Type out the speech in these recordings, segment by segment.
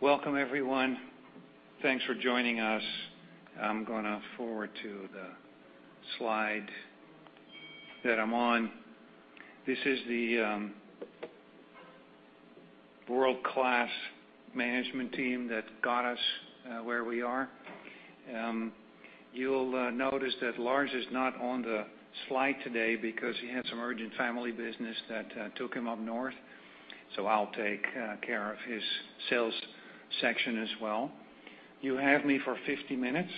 Welcome everyone. Thanks for joining us. I'm gonna forward to the slide that I'm on. This is the world-class management team that got us where we are. You'll notice that Lars is not on the slide today because he had some urgent family business that took him up north. I'll take care of his sales section as well. You have me for 50 minutes.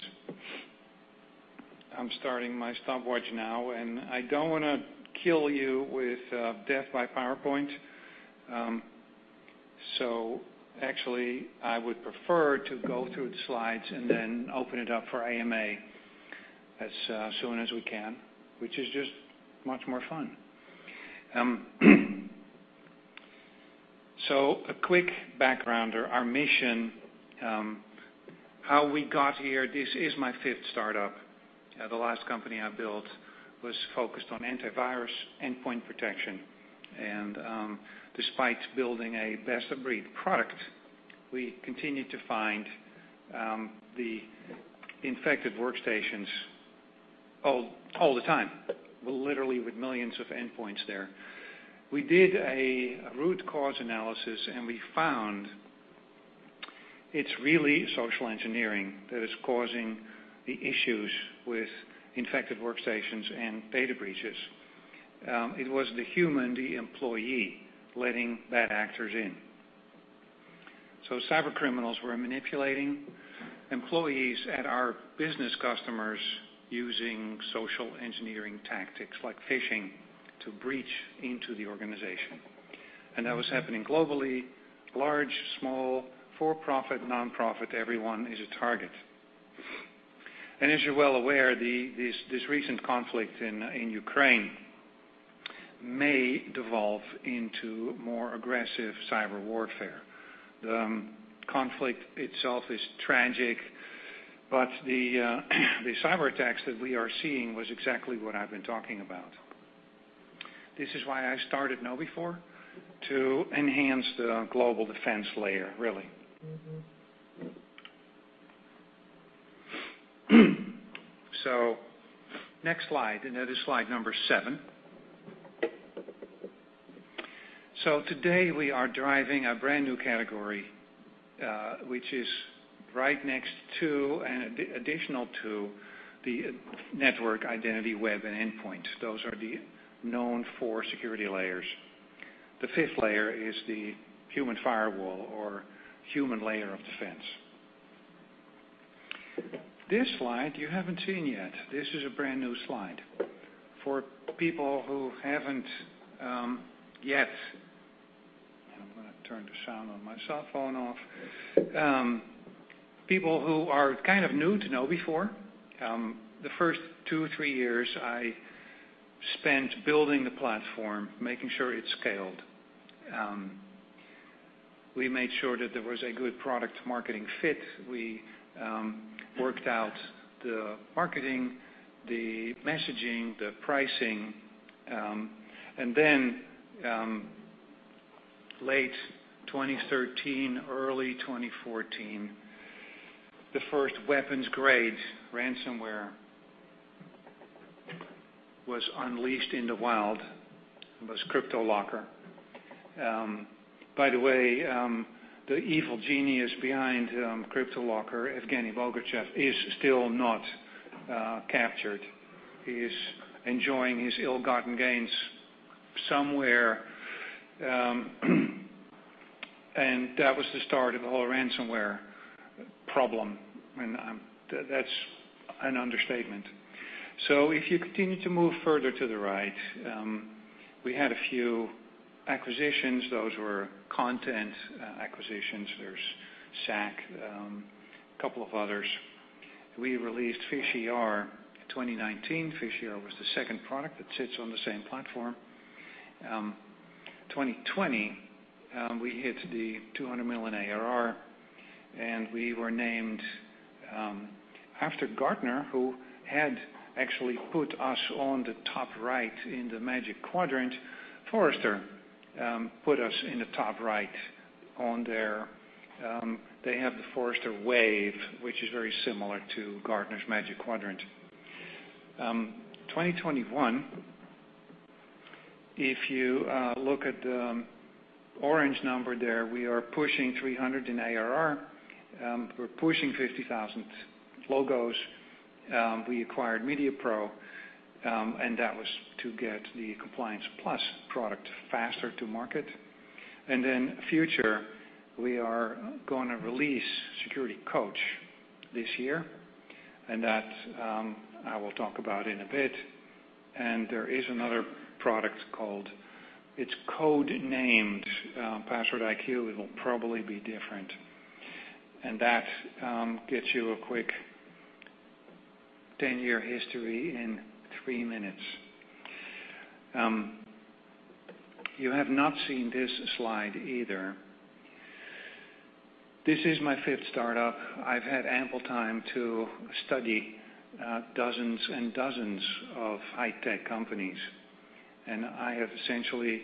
I'm starting my stopwatch now, and I don't wanna kill you with death by PowerPoint, so actually I would prefer to go through the slides and then open it up for AMA as soon as we can, which is just much more fun. A quick background on our mission, how we got here. This is my fifth startup. The last company I built was focused on antivirus endpoint protection. Despite building a best-of-breed product, we continued to find the infected workstations all the time, literally with millions of endpoints there. We did a root cause analysis, and we found it's really social engineering that is causing the issues with infected workstations and data breaches. It was the human, the employee, letting bad actors in. Cybercriminals were manipulating employees at our business customers using social engineering tactics like phishing to breach into the organization. That was happening globally, large, small, for-profit, nonprofit, everyone is a target. As you're well aware, this recent conflict in Ukraine may devolve into more aggressive cyber warfare. The conflict itself is tragic, but the cyberattacks that we are seeing was exactly what I've been talking about. This is why I started KnowBe4, to enhance the global defense layer, really. Next slide, and that is slide number seven. Today we are driving a brand-new category, which is right next to and additional to the network identity web and endpoint. Those are the known four security layers. The fifth layer is the human firewall or human layer of defense. This slide you haven't seen yet. This is a brand-new slide. For people who haven't yet, I'm gonna turn the sound on my cell phone off. People who are kind of new to KnowBe4, the first two, three years I spent building the platform, making sure it scaled. We made sure that there was a good product-market fit. We worked out the marketing, the messaging, the pricing. Late 2013, early 2014, the first weapons-grade ransomware was unleashed in the wild. It was CryptoLocker. By the way, the evil genius behind CryptoLocker, Evgeniy Bogachev, is still not captured. He is enjoying his ill-gotten gains somewhere. That was the start of the whole ransomware problem, and that's an understatement. If you continue to move further to the right, we had a few acquisitions. Those were content acquisitions. There's SAC, a couple of others. We released PhishER 2019. PhishER was the second product that sits on the same platform. 2020, we hit the $200 million ARR, and we were named after Gartner, who had actually put us on the top right in the Magic Quadrant. Forrester put us in the top right on their, they have the Forrester Wave, which is very similar to Gartner's Magic Quadrant. 2021, if you look at the orange number there, we are pushing $300 in ARR. We're pushing 50,000 logos. We acquired MediaPRO, and that was to get the Compliance Plus product faster to market. In the future, we are gonna release SecurityCoach this year, and that I will talk about in a bit. There is another product called. It's code-named PasswordIQ. It'll probably be different. And that gets you a quick 10-year history in three minutes. You have not seen this slide either. This is my fifth startup. I've had ample time to study dozens and dozens of high-tech companies, and I have essentially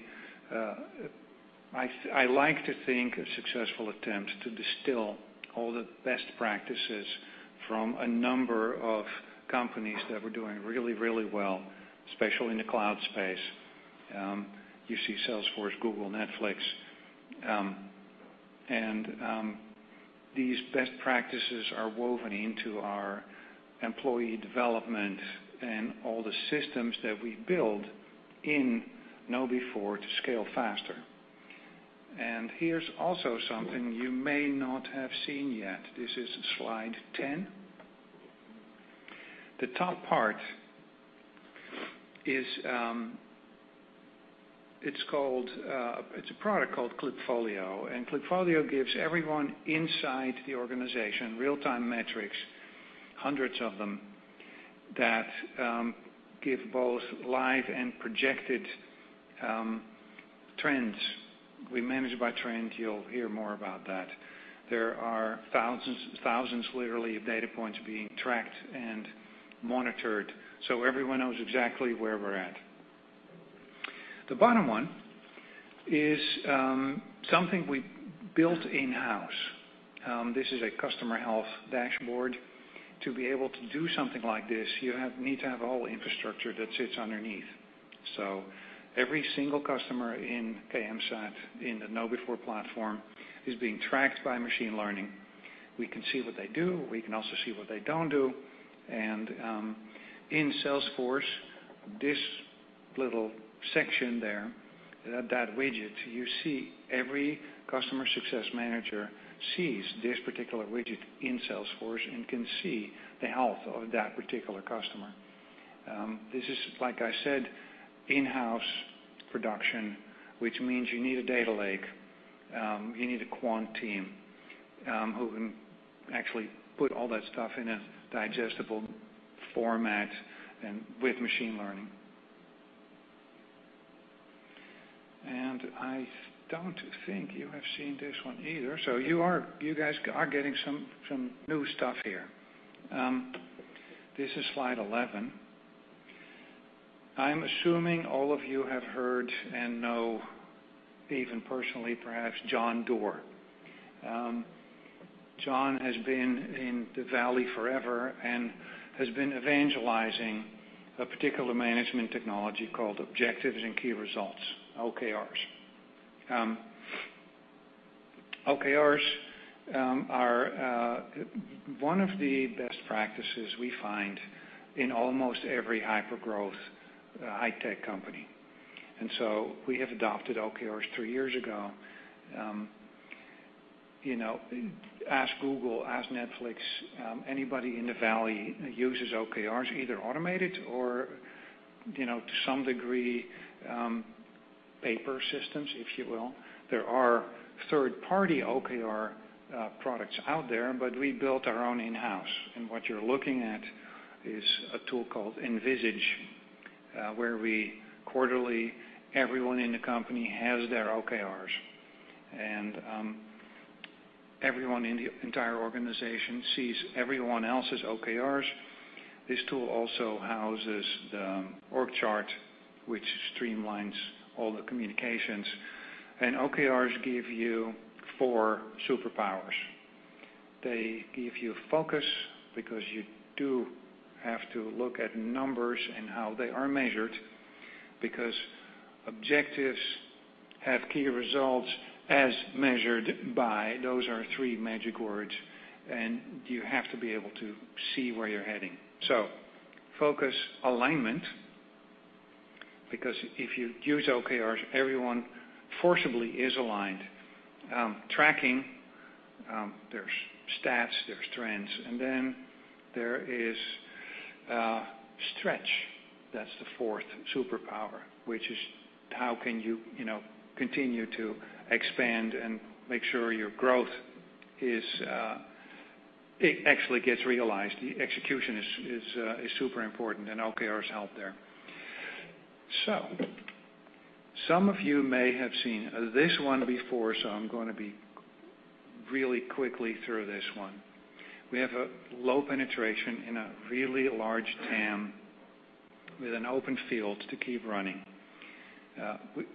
I like to think a successful attempt to distill all the best practices from a number of companies that were doing really, really well, especially in the cloud space. You see Salesforce, Google, Netflix. These best practices are woven into our employee development and all the systems that we build in KnowBe4 to scale faster. Here's also something you may not have seen yet. This is slide 10. The top part is it's called. It's a product called Klipfolio. Klipfolio gives everyone inside the organization real-time metrics, hundreds of them, that give both live and projected trends. We manage by trends. You'll hear more about that. There are thousands literally of data points being tracked and monitored, so everyone knows exactly where we're at. The bottom one is something we built in-house. This is a customer health dashboard. To be able to do something like this, you need to have all the infrastructure that sits underneath. Every single customer in KMSAT, in the KnowBe4 platform, is being tracked by machine learning. We can see what they do, we can also see what they don't do. In Salesforce, this little section there, that widget you see, every customer success manager sees this particular widget in Salesforce and can see the health of that particular customer. This is, like I said, in-house production, which means you need a data lake. You need a quant team who can actually put all that stuff in a digestible format and with machine learning. I don't think you have seen this one either. You guys are getting some new stuff here. This is slide 11. I'm assuming all of you have heard and know, even personally perhaps, John Doerr. John has been in the Valley forever and has been evangelizing a particular management technology called objectives and key results, OKRs. OKRs are one of the best practices we find in almost every hypergrowth high-tech company. We have adopted OKRs three years ago. You know, ask Google, ask Netflix, anybody in the Valley uses OKRs, either automated or, you know, to some degree, paper systems, if you will. There are third-party OKR products out there, but we built our own in-house, and what you're looking at is a tool called Envisage, where we quarterly, everyone in the company has their OKRs. Everyone in the entire organization sees everyone else's OKRs. This tool also houses the org chart, which streamlines all the communications. OKRs give you four superpowers. They give you focus, because you do have to look at numbers and how they are measured, because objectives have key results as measured by, those are three magic words, and you have to be able to see where you're heading. Focus, alignment, because if you use OKRs, everyone forcibly is aligned. Tracking, there's stats, there's trends, and then there is stretch. That's the fourth superpower, which is how can you know, continue to expand and make sure your growth is, it actually gets realized. Execution is super important, and OKRs help there. Some of you may have seen this one before, so I'm gonna be really quickly through this one. We have a low penetration in a really large TAM with an open field to keep running.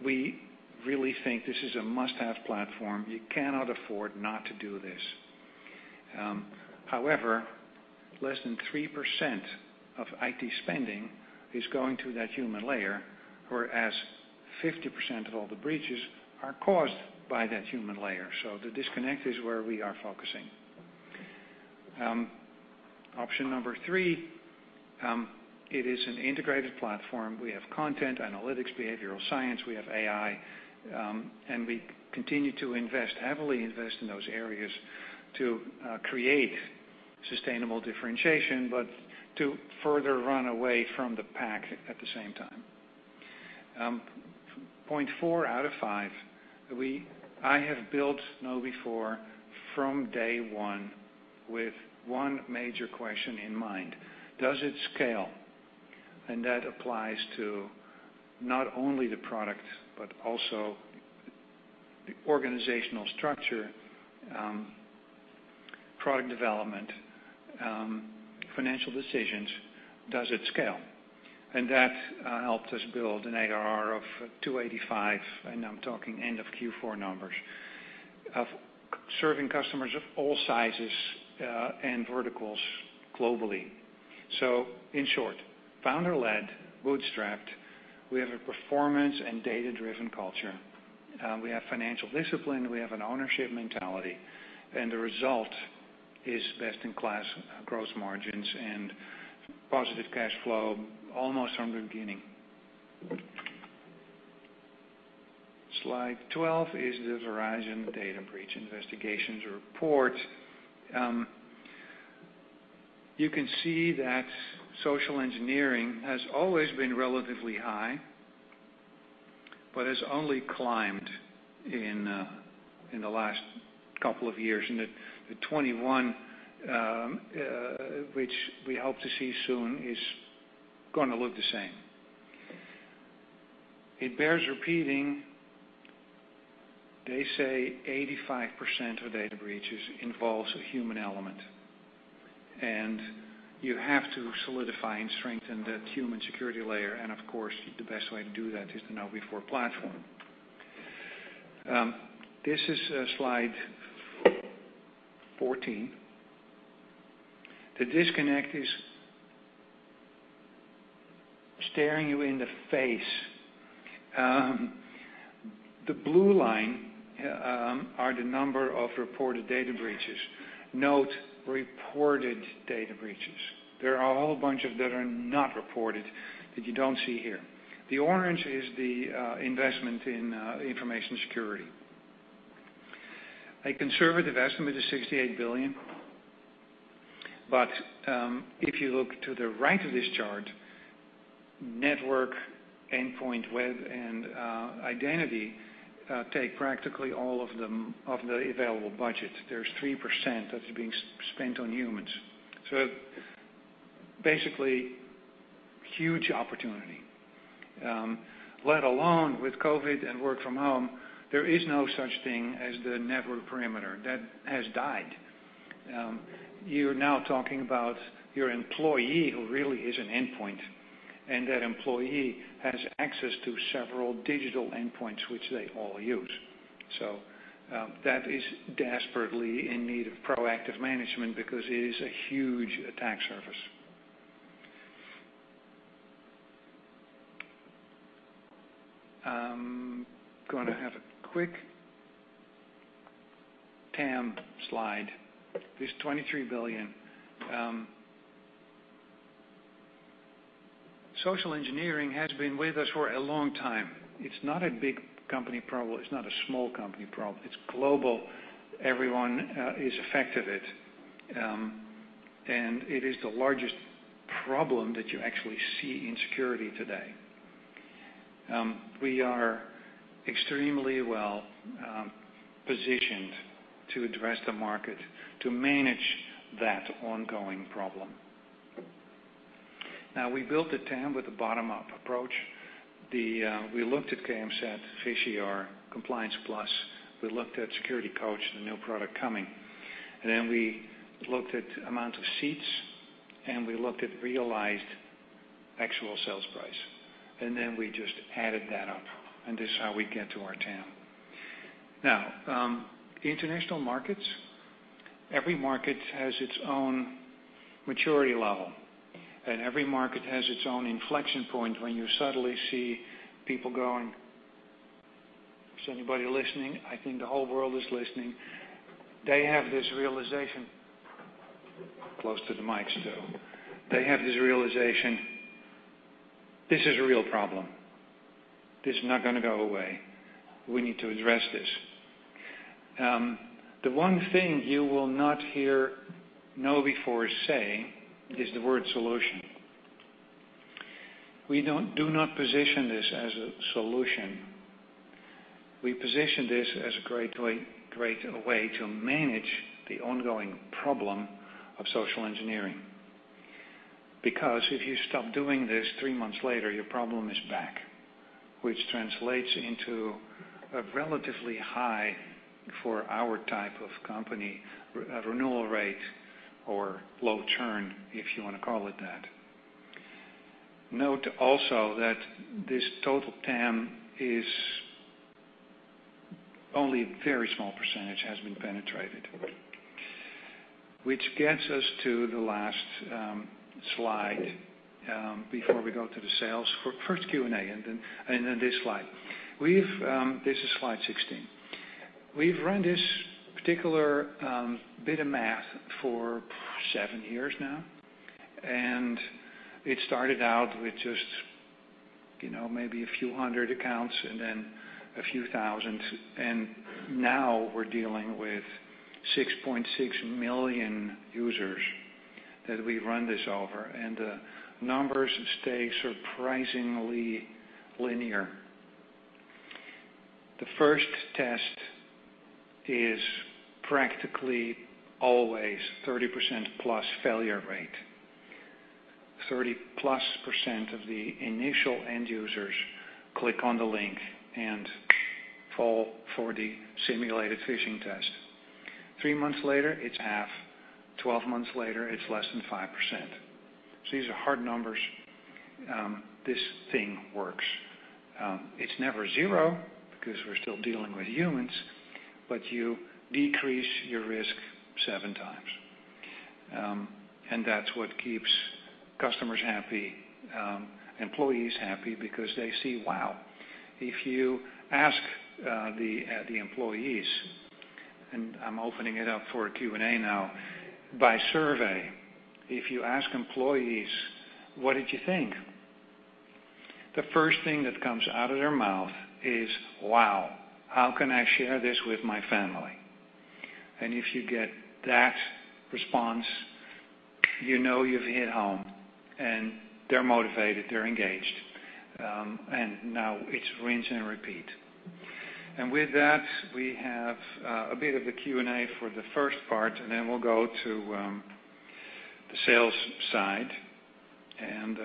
We really think this is a must-have platform. You cannot afford not to do this. However, less than 3% of IT spending is going to that human layer, whereas 50% of all the breaches are caused by that human layer. The disconnect is where we are focusing. Option number three, it is an integrated platform. We have content, analytics, behavioral science. We have AI, and we continue to invest, heavily invest in those areas to create sustainable differentiation, but to further run away from the pack at the same time. Point 4 out of 5, I have built KnowBe4 from day one with one major question in mind. Does it scale? That applies to not only the product, but also the organizational structure, product development, financial decisions. Does it scale? That helped us build an ARR of $285 million, and I'm talking end of Q4 numbers, serving customers of all sizes, and verticals globally. In short, founder-led, bootstrapped, we have a performance and data-driven culture. We have financial discipline, we have an ownership mentality, and the result is best-in-class gross margins and positive cash flow almost from the beginning. Slide 12 is the Verizon Data Breach Investigations Report. You can see that social engineering has always been relatively high, but has only climbed in the last couple of years. The 21, which we hope to see soon, is gonna look the same. It bears repeating, they say 85% of data breaches involves a human element. You have to solidify and strengthen that human security layer, and of course, the best way to do that is the KnowBe4 platform. This is slide 14. The disconnect is staring you in the face. The blue line are the number of reported data breaches. Note reported data breaches. There are a whole bunch of that are not reported, that you don't see here. The orange is the investment in information security. A conservative estimate is $68 billion, but if you look to the right of this chart, network, endpoint, web, and identity take practically all of them of the available budget. There's 3% that's being spent on humans. Basically, huge opportunity. Let alone with COVID and work from home, there is no such thing as the network perimeter. That has died. You're now talking about your employee who really is an endpoint, and that employee has access to several digital endpoints which they all use. That is desperately in need of proactive management because it is a huge attack surface. Gonna have a quick TAM slide. This $23 billion. Social engineering has been with us for a long time. It's not a big company problem, it's not a small company problem. It's global. Everyone is affected it. It is the largest problem that you actually see in security today. We are extremely well positioned to address the market to manage that ongoing problem. Now we built the TAM with a bottom-up approach. We looked at KMSAT, PhishER, Compliance Plus. We looked at SecurityCoach, the new product coming. We looked at amount of seats, and we looked at realized actual sales price. We just added that up, and this is how we get to our TAM. Now international markets, every market has its own maturity level, and every market has its own inflection point when you suddenly see people going, "Is anybody listening? I think the whole world is listening." They have this realization, "This is a real problem. This is not gonna go away. We need to address this. The one thing you will not hear KnowBe4 say is the word solution. We do not position this as a solution. We position this as a great way to manage the ongoing problem of social engineering. Because if you stop doing this, three months later, your problem is back. Which translates into a relatively high for our type of company renewal rate or low churn, if you wanna call it that. Note also that this total TAM is only a very small percentage has been penetrated. Which gets us to the last slide before we go to the sales for first Q&A and then this slide. This is slide 16. We've run this particular bit of math for seven years now, and it started out with just, you know, maybe a few hundred accounts and then a few thousand. Now we're dealing with 6.6 million users that we run this over, and the numbers stay surprisingly linear. The first test is practically always 30%+ failure rate. 30+% of the initial end users click on the link and fall for the simulated phishing test. Three months later, it's half. 12 months later, it's less than 5%. These are hard numbers. This thing works. It's never zero because we're still dealing with humans, but you decrease your risk 7 times. That's what keeps customers happy, employees happy because they see, wow. If you ask the employees, and I'm opening it up for a Q&A now, by survey, if you ask employees, "What did you think?" The first thing that comes out of their mouth is, "Wow, how can I share this with my family?" If you get that response, you know you've hit home, and they're motivated, they're engaged. Now it's rinse and repeat. With that, we have a bit of a Q&A for the first part, and then we'll go to the sales side and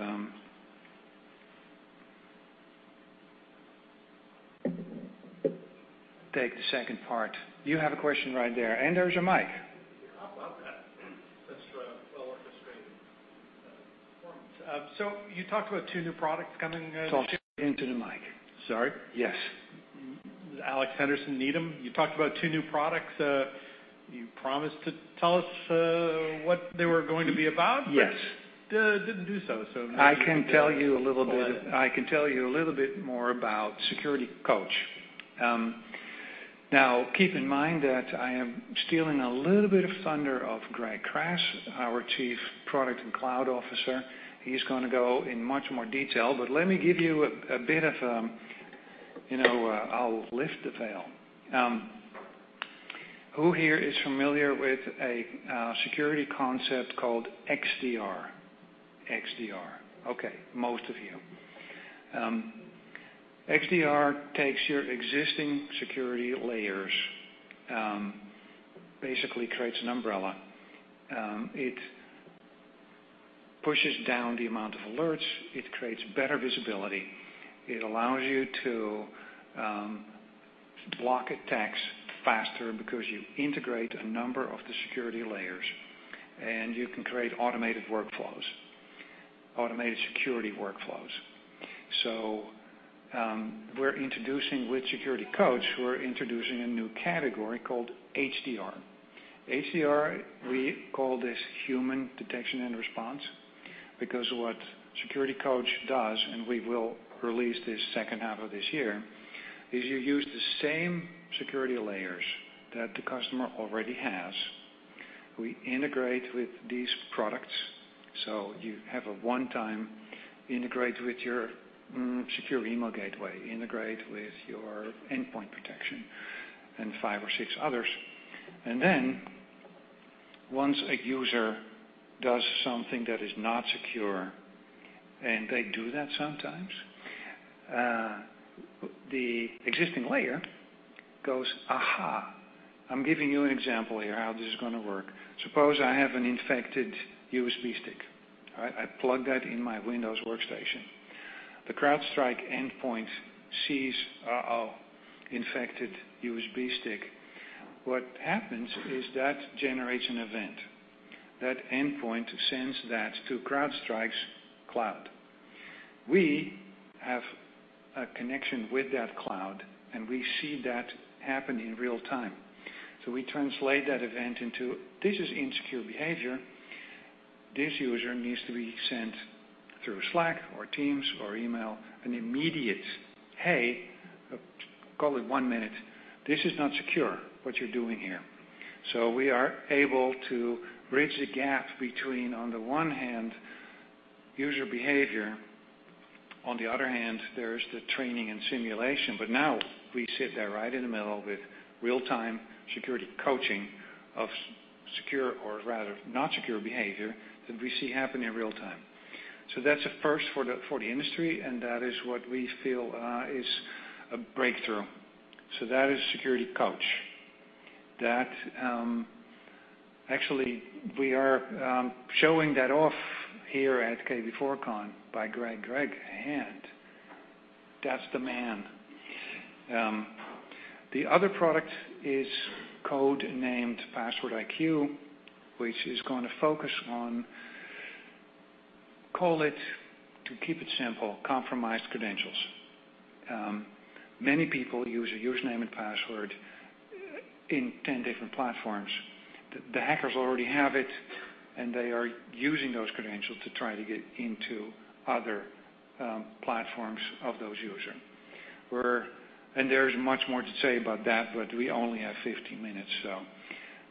take the second part. You have a question right there, and there's your mic. How about that? That's a well-orchestrated performance. You talked about two new products coming. Talk into the mic. Sorry. Yes. Alex Henderson, Needham. You talked about two new products. You promised to tell us what they were going to be about. Yes. Didn't do so. I can tell you a little bit more about SecurityCoach. Now, keep in mind that I am stealing a little bit of thunder off Greg Kras, our chief product and cloud officer. He's gonna go in much more detail, but let me give you a bit of a you know, I'll lift the veil. Who here is familiar with a security concept called XDR? XDR. Okay, most of you. XDR takes your existing security layers, basically creates an umbrella. It pushes down the amount of alerts. It creates better visibility. It allows you to block attacks faster because you integrate a number of the security layers, and you can create automated workflows, automated security workflows. We're introducing, with SecurityCoach, a new category called HDR. HDR, we call this Human Detection and Response because what SecurityCoach does, and we will release this second half of this year, is you use the same security layers that the customer already has. We integrate with these products. You have a one-time integrate with your secure email gateway, integrate with your endpoint protection and five or six others. Once a user does something that is not secure, and they do that sometimes, the existing layer goes, "Aha." I'm giving you an example here how this is gonna work. Suppose I have an infected USB stick. All right? I plug that in my Windows workstation. The CrowdStrike endpoint sees, infected USB stick. What happens is that generates an event. That endpoint sends that to CrowdStrike's cloud. We have a connection with that cloud, and we see that happen in real time. We translate that event into, this is insecure behavior. This user needs to be sent through Slack or Teams or email an immediate, "Hey," call it one minute. "This is not secure, what you're doing here." We are able to bridge the gap between, on the one hand, user behavior, on the other hand, there is the training and simulation. Now we sit there right in the middle with real-time security coaching of secure or rather not secure behavior that we see happen in real time. That's a first for the industry, and that is what we feel is a breakthrough. That actually, we are showing that off here at KB4-CON by Greg Kras. That's the man. The other product is code-named PasswordIQ, which is gonna focus on, call it, to keep it simple, compromised credentials. Many people use a username and password in 10 different platforms. The hackers already have it, and they are using those credentials to try to get into other platforms of those user. There's much more to say about that, but we only have 15 minutes, so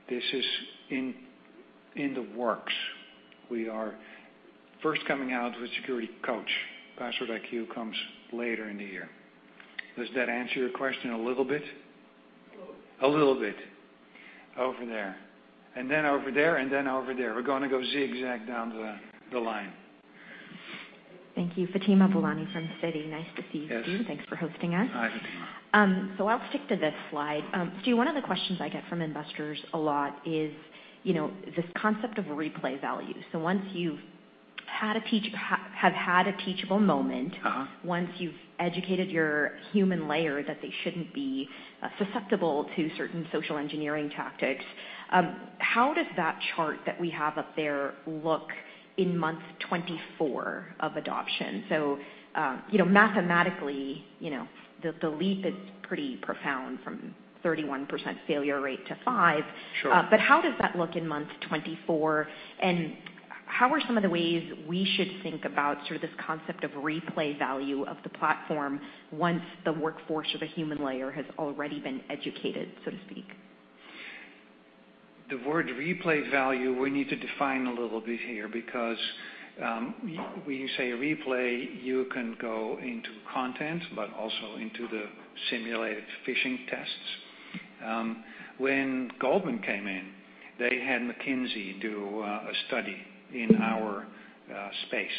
this is in the works. We are first coming out with SecurityCoach. PasswordIQ comes later in the year. Does that answer your question a little bit? A little. A little bit. Over there. Over there and then over there. We're gonna go zigzag down the line. Thank you. Fatima Boolani from Citi. Nice to see you, Stu. Yes. Thanks for hosting us. Hi, Fatima. I'll stick to this slide. Stu, one of the questions I get from investors a lot is, you know, this concept of replay value. Once you've have had a teachable moment- Uh-huh. Once you've educated your human layer that they shouldn't be susceptible to certain social engineering tactics, how does that chart that we have up there look in month 24 of adoption? You know, mathematically, you know, the leap is pretty profound from 31% failure rate to 5%. Sure. But how does that look in month 24? How are some of the ways we should think about sort of this concept of replay value of the platform once the workforce or the human layer has already been educated, so to speak? The word replay value, we need to define a little bit here because when you say replay, you can go into content, but also into the simulated phishing tests. When Goldman came in, they had McKinsey do a study in our space.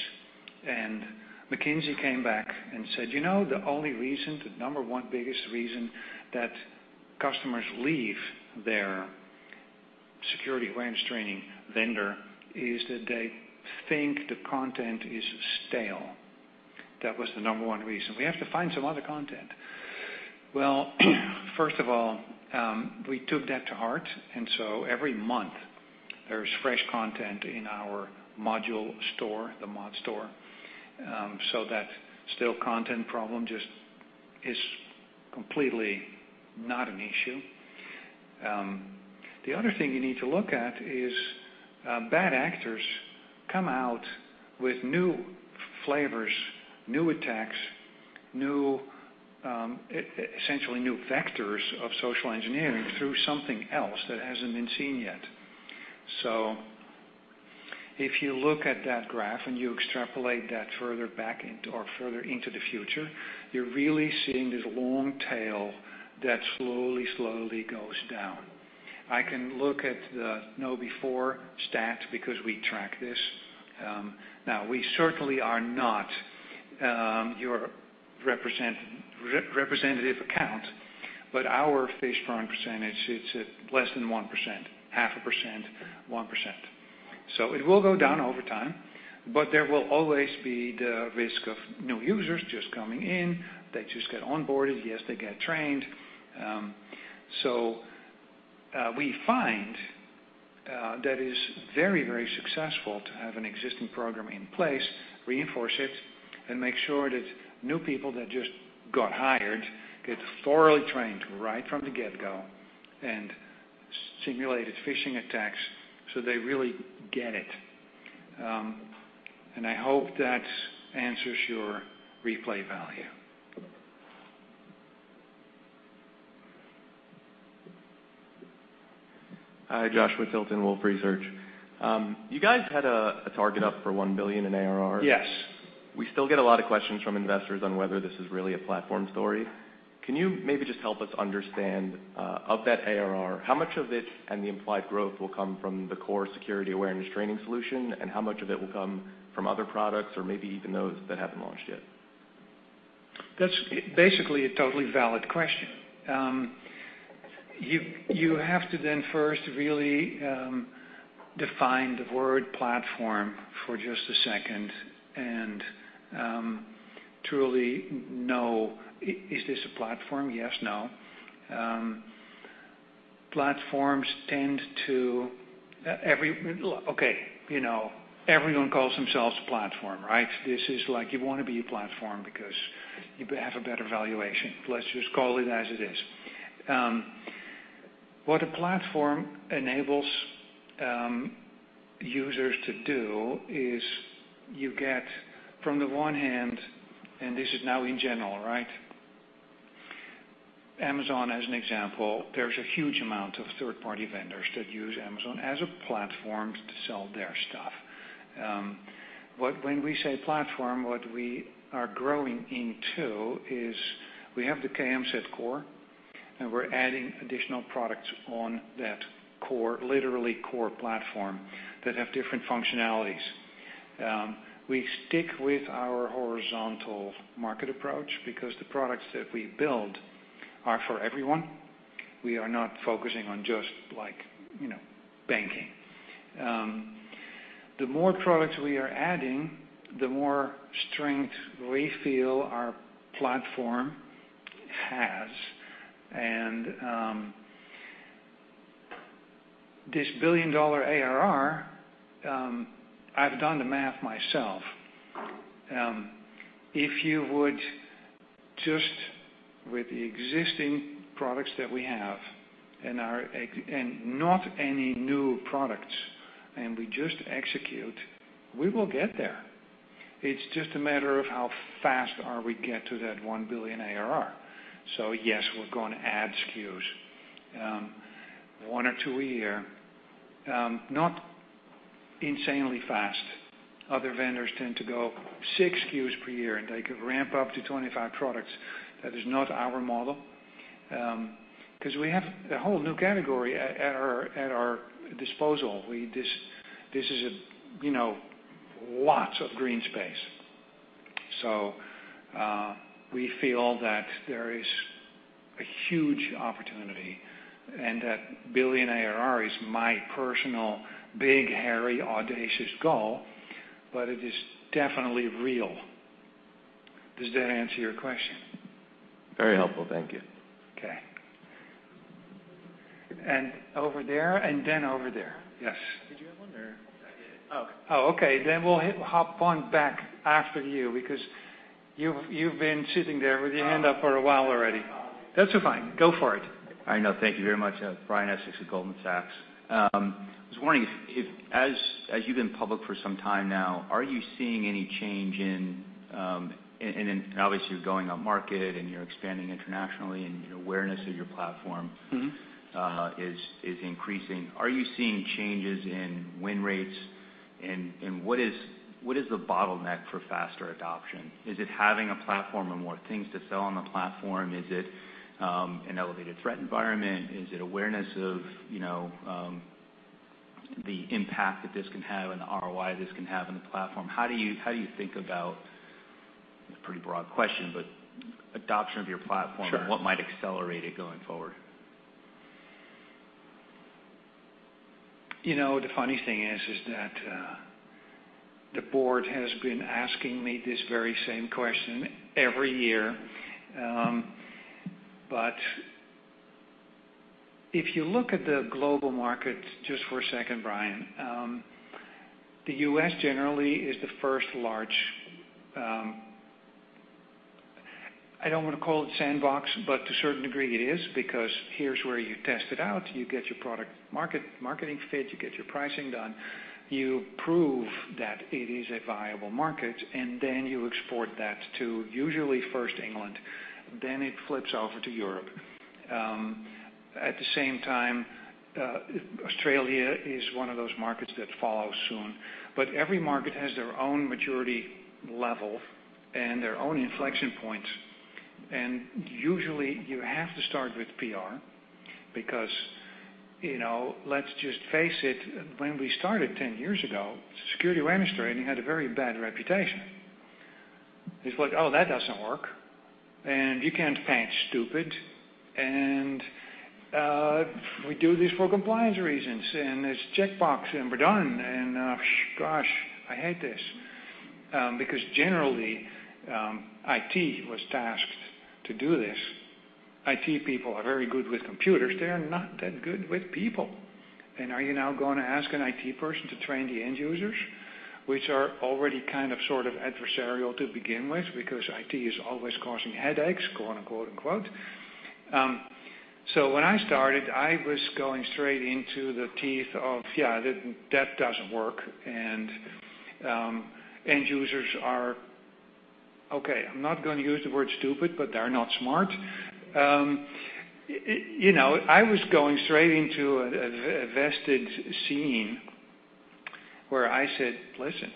McKinsey came back and said, "You know, the only reason, the number one biggest reason that customers leave their security awareness training vendor is that they think the content is stale." That was the number one reason. We have to find some other content. Well, first of all, we took that to heart, every month there's fresh content in our ModStore, so that stale content problem just is completely not an issue. The other thing you need to look at is, bad actors come out with new flavors, new attacks, new, essentially new vectors of social engineering through something else that hasn't been seen yet. If you look at that graph and you extrapolate that further back into or further into the future, you're really seeing this long tail that slowly goes down. I can look at the KnowBe4 stat because we track this. Now we certainly are not your representative account, but our phish prone percentage, it's at less than 1%, 0.5%, 1%. It will go down over time, but there will always be the risk of new users just coming in. They just get onboarded. Yes, they get trained. We find that is very, very successful to have an existing program in place, reinforce it, and make sure that new people that just got hired get thoroughly trained right from the get-go and simulated phishing attacks so they really get it. I hope that answers your replay value. Hi, Joshua Tilton, Wolfe Research. You guys had a target up for $1 billion in ARR. Yes. We still get a lot of questions from investors on whether this is really a platform story. Can you maybe just help us understand of that ARR, how much of it and the implied growth will come from the core security awareness training solution, and how much of it will come from other products or maybe even those that haven't launched yet? That's basically a totally valid question. You have to then first really define the word platform for just a second and truly know, is this a platform? Yes. No. Platforms tend to. Okay, you know, everyone calls themselves a platform, right? This is like you wanna be a platform because you have a better valuation. Let's just call it as it is. What a platform enables users to do is you get from the one hand, and this is now in general, right? Amazon as an example, there's a huge amount of third-party vendors that use Amazon as a platform to sell their stuff. When we say platform, what we are growing into is we have the KMSAT core, and we're adding additional products on that core, literally core platform that have different functionalities. We stick with our horizontal market approach because the products that we build are for everyone. We are not focusing on just like, you know, banking. The more products we are adding, the more strength we feel our platform has. This $1 billion ARR, I've done the math myself. If we'd just stick with the existing products that we have and not any new products, and we just execute, we will get there. It's just a matter of how fast we get to that $1 billion ARR. Yes, we're gonna add SKUs, one or two a year. Not insanely fast. Other vendors tend to go six SKUs per year, and they could ramp up to 25 products. That is not our model. Because we have a whole new category at our disposal. This is, you know, lots of green space. We feel that there is a huge opportunity, and that $1 billion ARR is my personal big, hairy, audacious goal, but it is definitely real. Does that answer your question? Very helpful. Thank you. Okay. Over there, and then over there. Yes. Did you have one or? I did. Okay. We'll hop on back after you because you've been sitting there with your hand up for a while already. That's fine. Go for it. I know. Thank you very much. Brian Essex with Goldman Sachs. I was wondering if, as you've been public for some time now, are you seeing any change in, obviously you're going on market, and you're expanding internationally, and awareness of your platform. Mm-hmm. Is increasing. Are you seeing changes in win rates? What is the bottleneck for faster adoption? Is it having a platform or more things to sell on the platform? Is it an elevated threat environment? Is it awareness of, you know, the impact that this can have and the ROI this can have on the platform? How do you think about, pretty broad question, but adoption of your platform. Sure. What might accelerate it going forward? You know, the funny thing is that the board has been asking me this very same question every year. If you look at the global market just for a second, Brian, the U.S. generally is the first large, I don't wanna call it sandbox, but to a certain degree it is because here's where you test it out. You get your product market, marketing fit, you get your pricing done, you prove that it is a viable market, and then you export that to usually first England, then it flips over to Europe. At the same time, Australia is one of those markets that follow soon. Every market has their own maturity level and their own inflection points. Usually, you have to start with PR because, you know, let's just face it, when we started 10 years ago, security awareness training had a very bad reputation. It's like, "Oh, that doesn't work," and, "You can't patch stupid," and, "We do this for compliance reasons," and, "It's checkbox and we're done," and, "Gosh, I hate this." Because generally, IT was tasked to do this. IT people are very good with computers, they're not that good with people. Are you now gonna ask an IT person to train the end users, which are already kind of, sort of adversarial to begin with because IT is always causing headaches, quote, unquote, quote, unquote. When I started, I was going straight into the teeth of, yeah, that doesn't work. End users are, okay, I'm not gonna use the word stupid, but they're not smart. You know, I was going straight into a vested scene where I said, "Listen,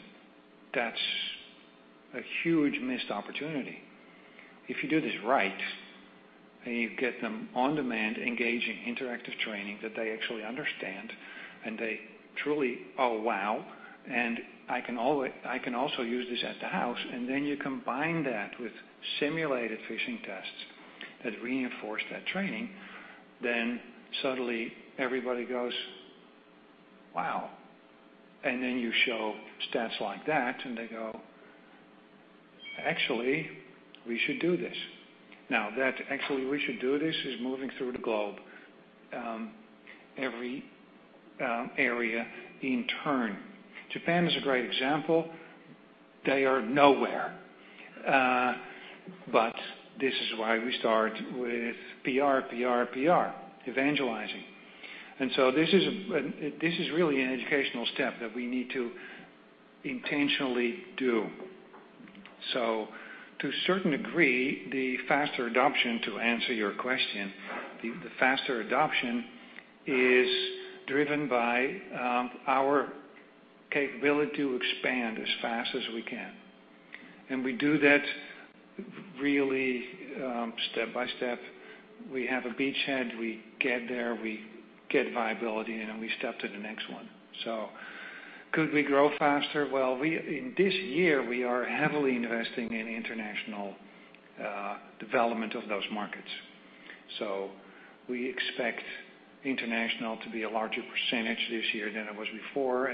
that's a huge missed opportunity." If you do this right, and you get them on-demand, engaging, interactive training that they actually understand and they truly, "Oh, wow," and I can also use this at the house, and then you combine that with simulated phishing tests that reinforce that training, then suddenly everybody goes, "Wow." Then you show stats like that, and they go, "Actually, we should do this." Now that actually we should do this is moving through the globe, every area in turn. Japan is a great example. They are nowhere. But this is why we start with PR, PR, PR. Evangelizing. This is really an educational step that we need to intentionally do. To a certain degree, to answer your question, the faster adoption is driven by our capability to expand as fast as we can. We do that really step by step. We have a beachhead, we get there, we get viability, and then we step to the next one. Could we grow faster? Well, in this year, we are heavily investing in international development of those markets. We expect international to be a larger percentage this year than it was before.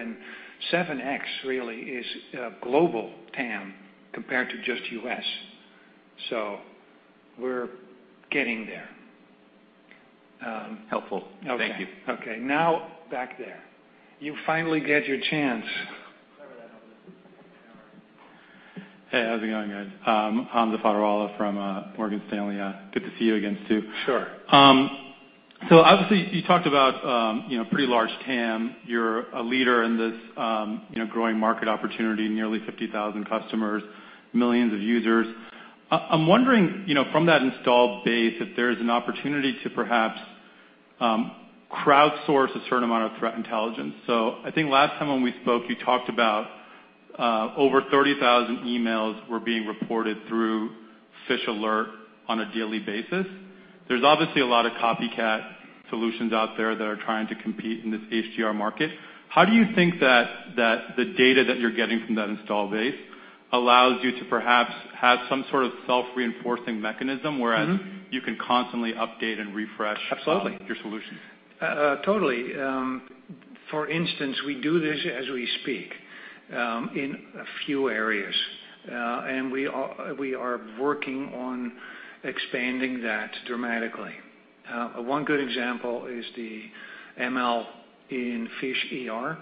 7x really is a global TAM compared to just U.S. We're getting there. Helpful. Okay. Thank you. Okay. Now back there. You finally get your chance. Sorry about that. Hey, how's it going, guys? Hamza Fodderwala from Morgan Stanley. Good to see you again, Stu. Sure. Obviously, you talked about, you know, pretty large TAM. You're a leader in this, you know, growing market opportunity, nearly 50,000 customers, millions of users. I'm wondering, you know, from that installed base, if there's an opportunity to perhaps crowdsource a certain amount of threat intelligence. I think last time when we spoke, you talked about over 30,000 emails were being reported through Phish Alert on a daily basis. There's obviously a lot of copycat solutions out there that are trying to compete in this HDR market. How do you think that the data that you're getting from that install base allows you to perhaps have some sort of self-reinforcing mechanism, whereas Mm-hmm. You can constantly update and refresh. Absolutely. Your solutions. Totally. For instance, we do this as we speak, in a few areas. We are working on expanding that dramatically. One good example is the ML in PhishER.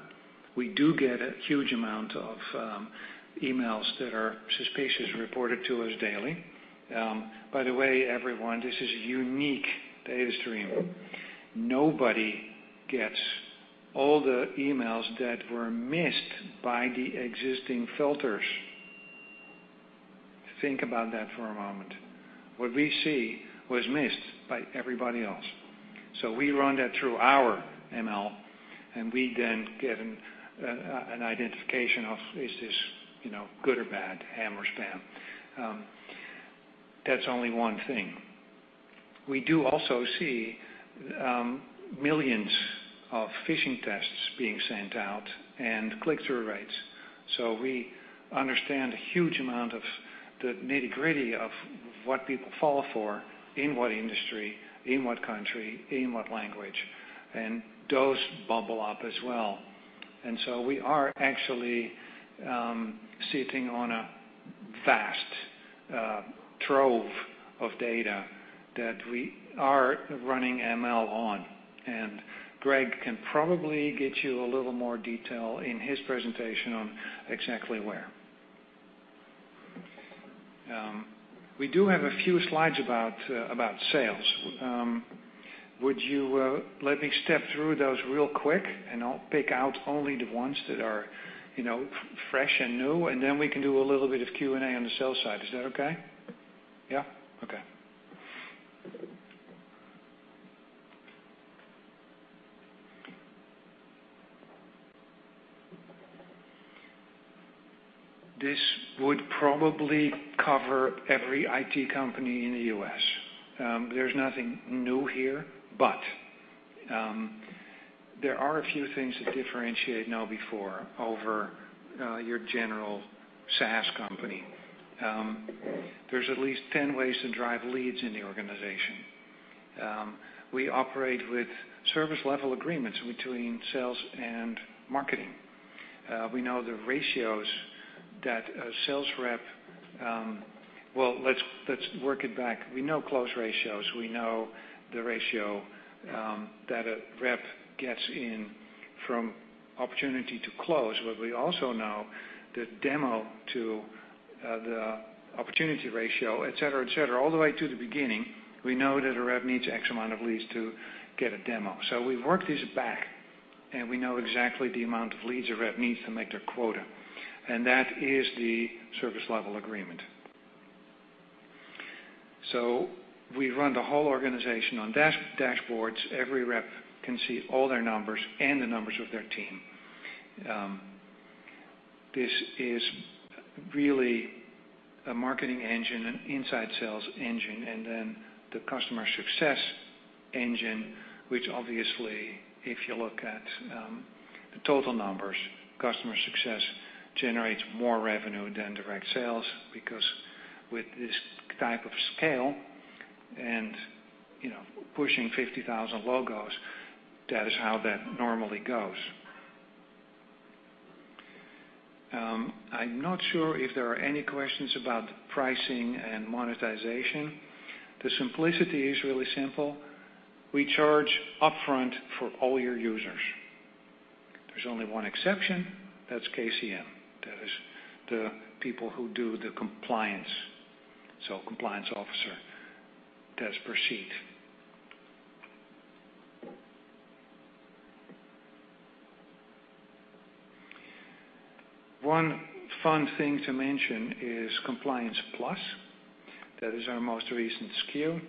We do get a huge amount of emails that are suspiciously reported to us daily. By the way, everyone, this is a unique data stream. Nobody gets all the emails that were missed by the existing filters. Think about that for a moment. What we see was missed by everybody else. We run that through our ML, and we then get an identification of, is this, you know, good or bad, ham or spam. That's only one thing. We do also see millions of phishing tests being sent out and click-through rates. We understand a huge amount of the nitty-gritty of what people fall for, in what industry, in what country, in what language. Those bubble up as well. We are actually sitting on a vast trove of data that we are running ML on. Greg can probably get you a little more detail in his presentation on exactly where. We do have a few slides about sales. Would you let me step through those real quick, and I'll pick out only the ones that are, you know, fresh and new, and then we can do a little bit of Q&A on the sales side. Is that okay? Yeah? Okay. This would probably cover every IT company in the U.S. There's nothing new here, but there are a few things that differentiate KnowBe4 over your general SaaS company. There's at least 10 ways to drive leads in the organization. We operate with service level agreements between sales and marketing. We know the ratios that a sales rep. Well, let's work it back. We know close ratios. We know the ratio that a rep gets in from opportunity to close. But we also know the demo to the opportunity ratio, et cetera, et cetera. All the way to the beginning, we know that a rep needs X amount of leads to get a demo. We've worked this back, and we know exactly the amount of leads a rep needs to make their quota. That is the service level agreement. We run the whole organization on dashboards. Every rep can see all their numbers and the numbers of their team. This is really a marketing engine, an inside sales engine, and then the customer success engine, which obviously, if you look at the total numbers, customer success generates more revenue than direct sales, because with this type of scale and, you know, pushing 50,000 logos, that is how that normally goes. I'm not sure if there are any questions about pricing and monetization. The simplicity is really simple. We charge upfront for all your users. There's only one exception. That's KCM. That is the people who do the compliance, so compliance officer. That's per seat. One fun thing to mention is Compliance Plus. That is our most recent SKU.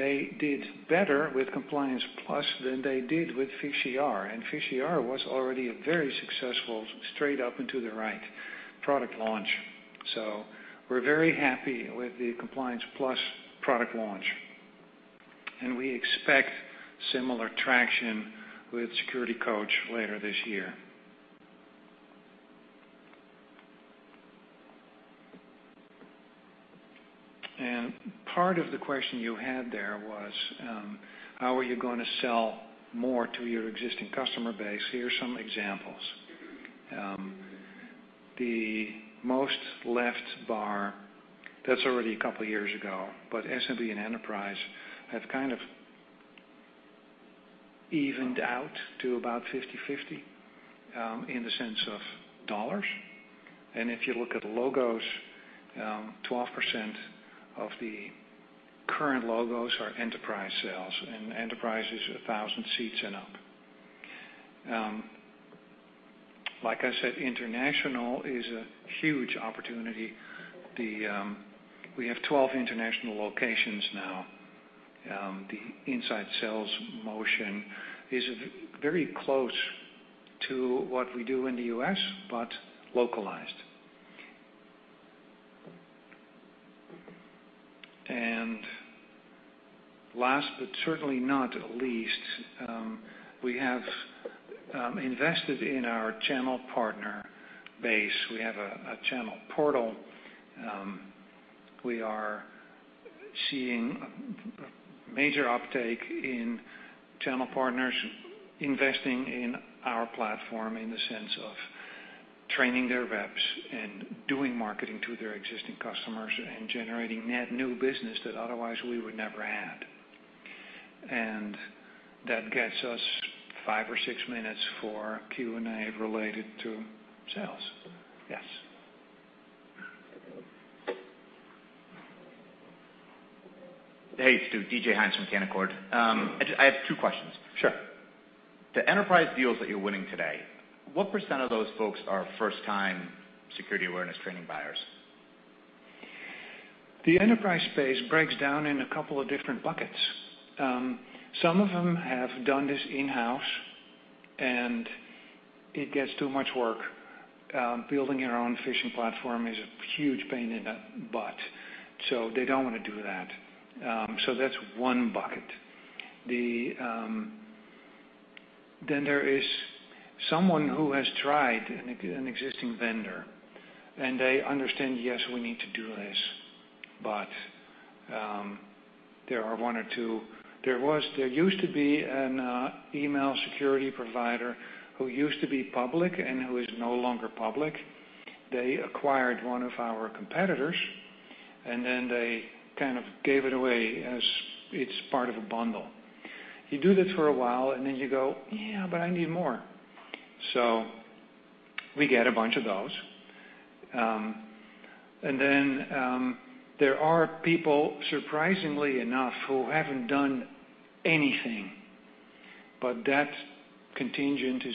They did better with Compliance Plus than they did with PhishER, and PhishER was already a very successful straight up into the right product launch. We're very happy with the Compliance Plus product launch, and we expect similar traction with SecurityCoach later this year. Part of the question you had there was, how are you gonna sell more to your existing customer base? Here's some examples. The most left bar, that's already a couple years ago, but SMB and Enterprise have kind of evened out to about 50/50 in the sense of dollars. If you look at logos, 12% of the current logos are enterprise sales, and enterprise is 1,000 seats and up. Like I said, international is a huge opportunity. We have 12 international locations now. The inside sales motion is very close to what we do in the U.S., but localized. Last, but certainly not least, we have invested in our channel partner base. We have a channel portal. We are seeing a major uptake in channel partners investing in our platform in the sense of training their reps and doing marketing to their existing customers and generating net new business that otherwise we would never had. That gets us five or six minutes for Q&A related to sales. Yes. Hey, Stu. David Hynes from Canaccord. I have two questions. Sure. The enterprise deals that you're winning today, what % of those folks are first time security awareness training buyers? The enterprise space breaks down in a couple of different buckets. Some of them have done this in-house, and it gets too much work. Building your own phishing platform is a huge pain in the butt, so they don't wanna do that. That's one bucket. There is someone who has tried an existing vendor, and they understand, yes, we need to do this. There are one or two. There used to be an email security provider who used to be public and who is no longer public. They acquired one of our competitors, and then they kind of gave it away as it's part of a bundle. You do that for a while, and then you go, "Yeah, but I need more." So we get a bunch of those. There are people, surprisingly enough, who haven't done anything, but that contingent is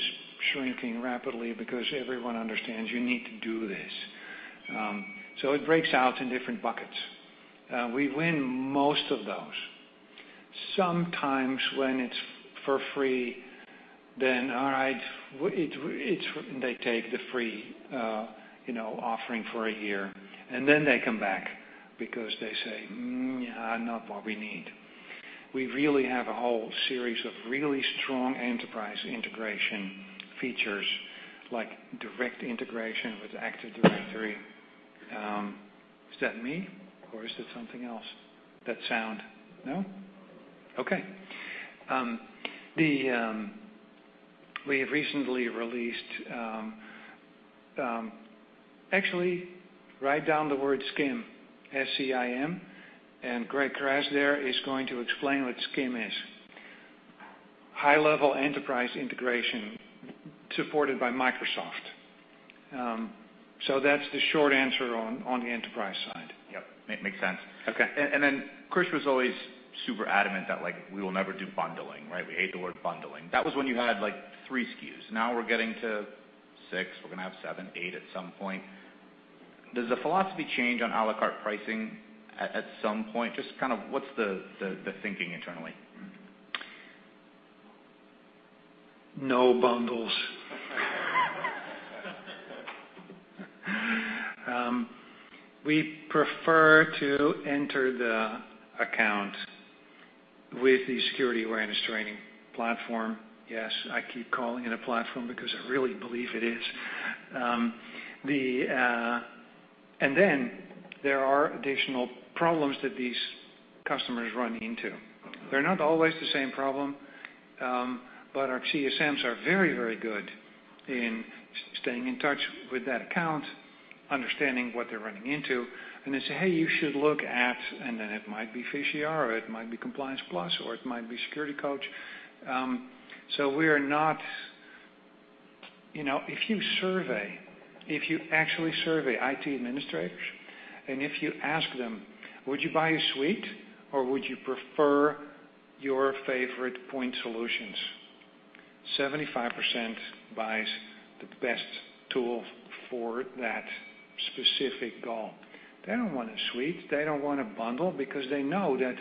shrinking rapidly because everyone understands you need to do this. It breaks out in different buckets. We win most of those. Sometimes when it's for free, then all right, they take the free, you know, offering for a year, and then they come back because they say, "Mm, yeah, not what we need." We really have a whole series of really strong enterprise integration features, like direct integration with Active Directory. Is that me, or is it something else, that sound? No? Okay. We have recently released. Actually, write down the word SCIM, S-C-I-M, and Greg Kras there is going to explain what SCIM is. High-level enterprise integration supported by Microsoft. That's the short answer on the enterprise side. Yep, makes sense. Okay. Krish was always super adamant that, like, we will never do bundling, right? We hate the word bundling. That was when you had, like, three SKUs. Now we're getting to six. We're gonna have seven, eight at some point. Does the philosophy change on à la carte pricing at some point? Just kind of what's the thinking internally? No bundles. We prefer to enter the account with the security awareness training platform. Yes, I keep calling it a platform because I really believe it is. There are additional problems that these customers run into. They're not always the same problem, but our CSMs are very, very good in staying in touch with that account, understanding what they're running into, and they say, "Hey, you should look at." Then it might be PhishER, or it might be Compliance Plus, or it might be SecurityCoach. We are not. You know, if you survey, if you actually survey IT administrators, and if you ask them, "Would you buy a suite, or would you prefer your favorite point solutions?" 75% buys the best tool for that specific goal. They don't want a suite. They don't want a bundle because they know that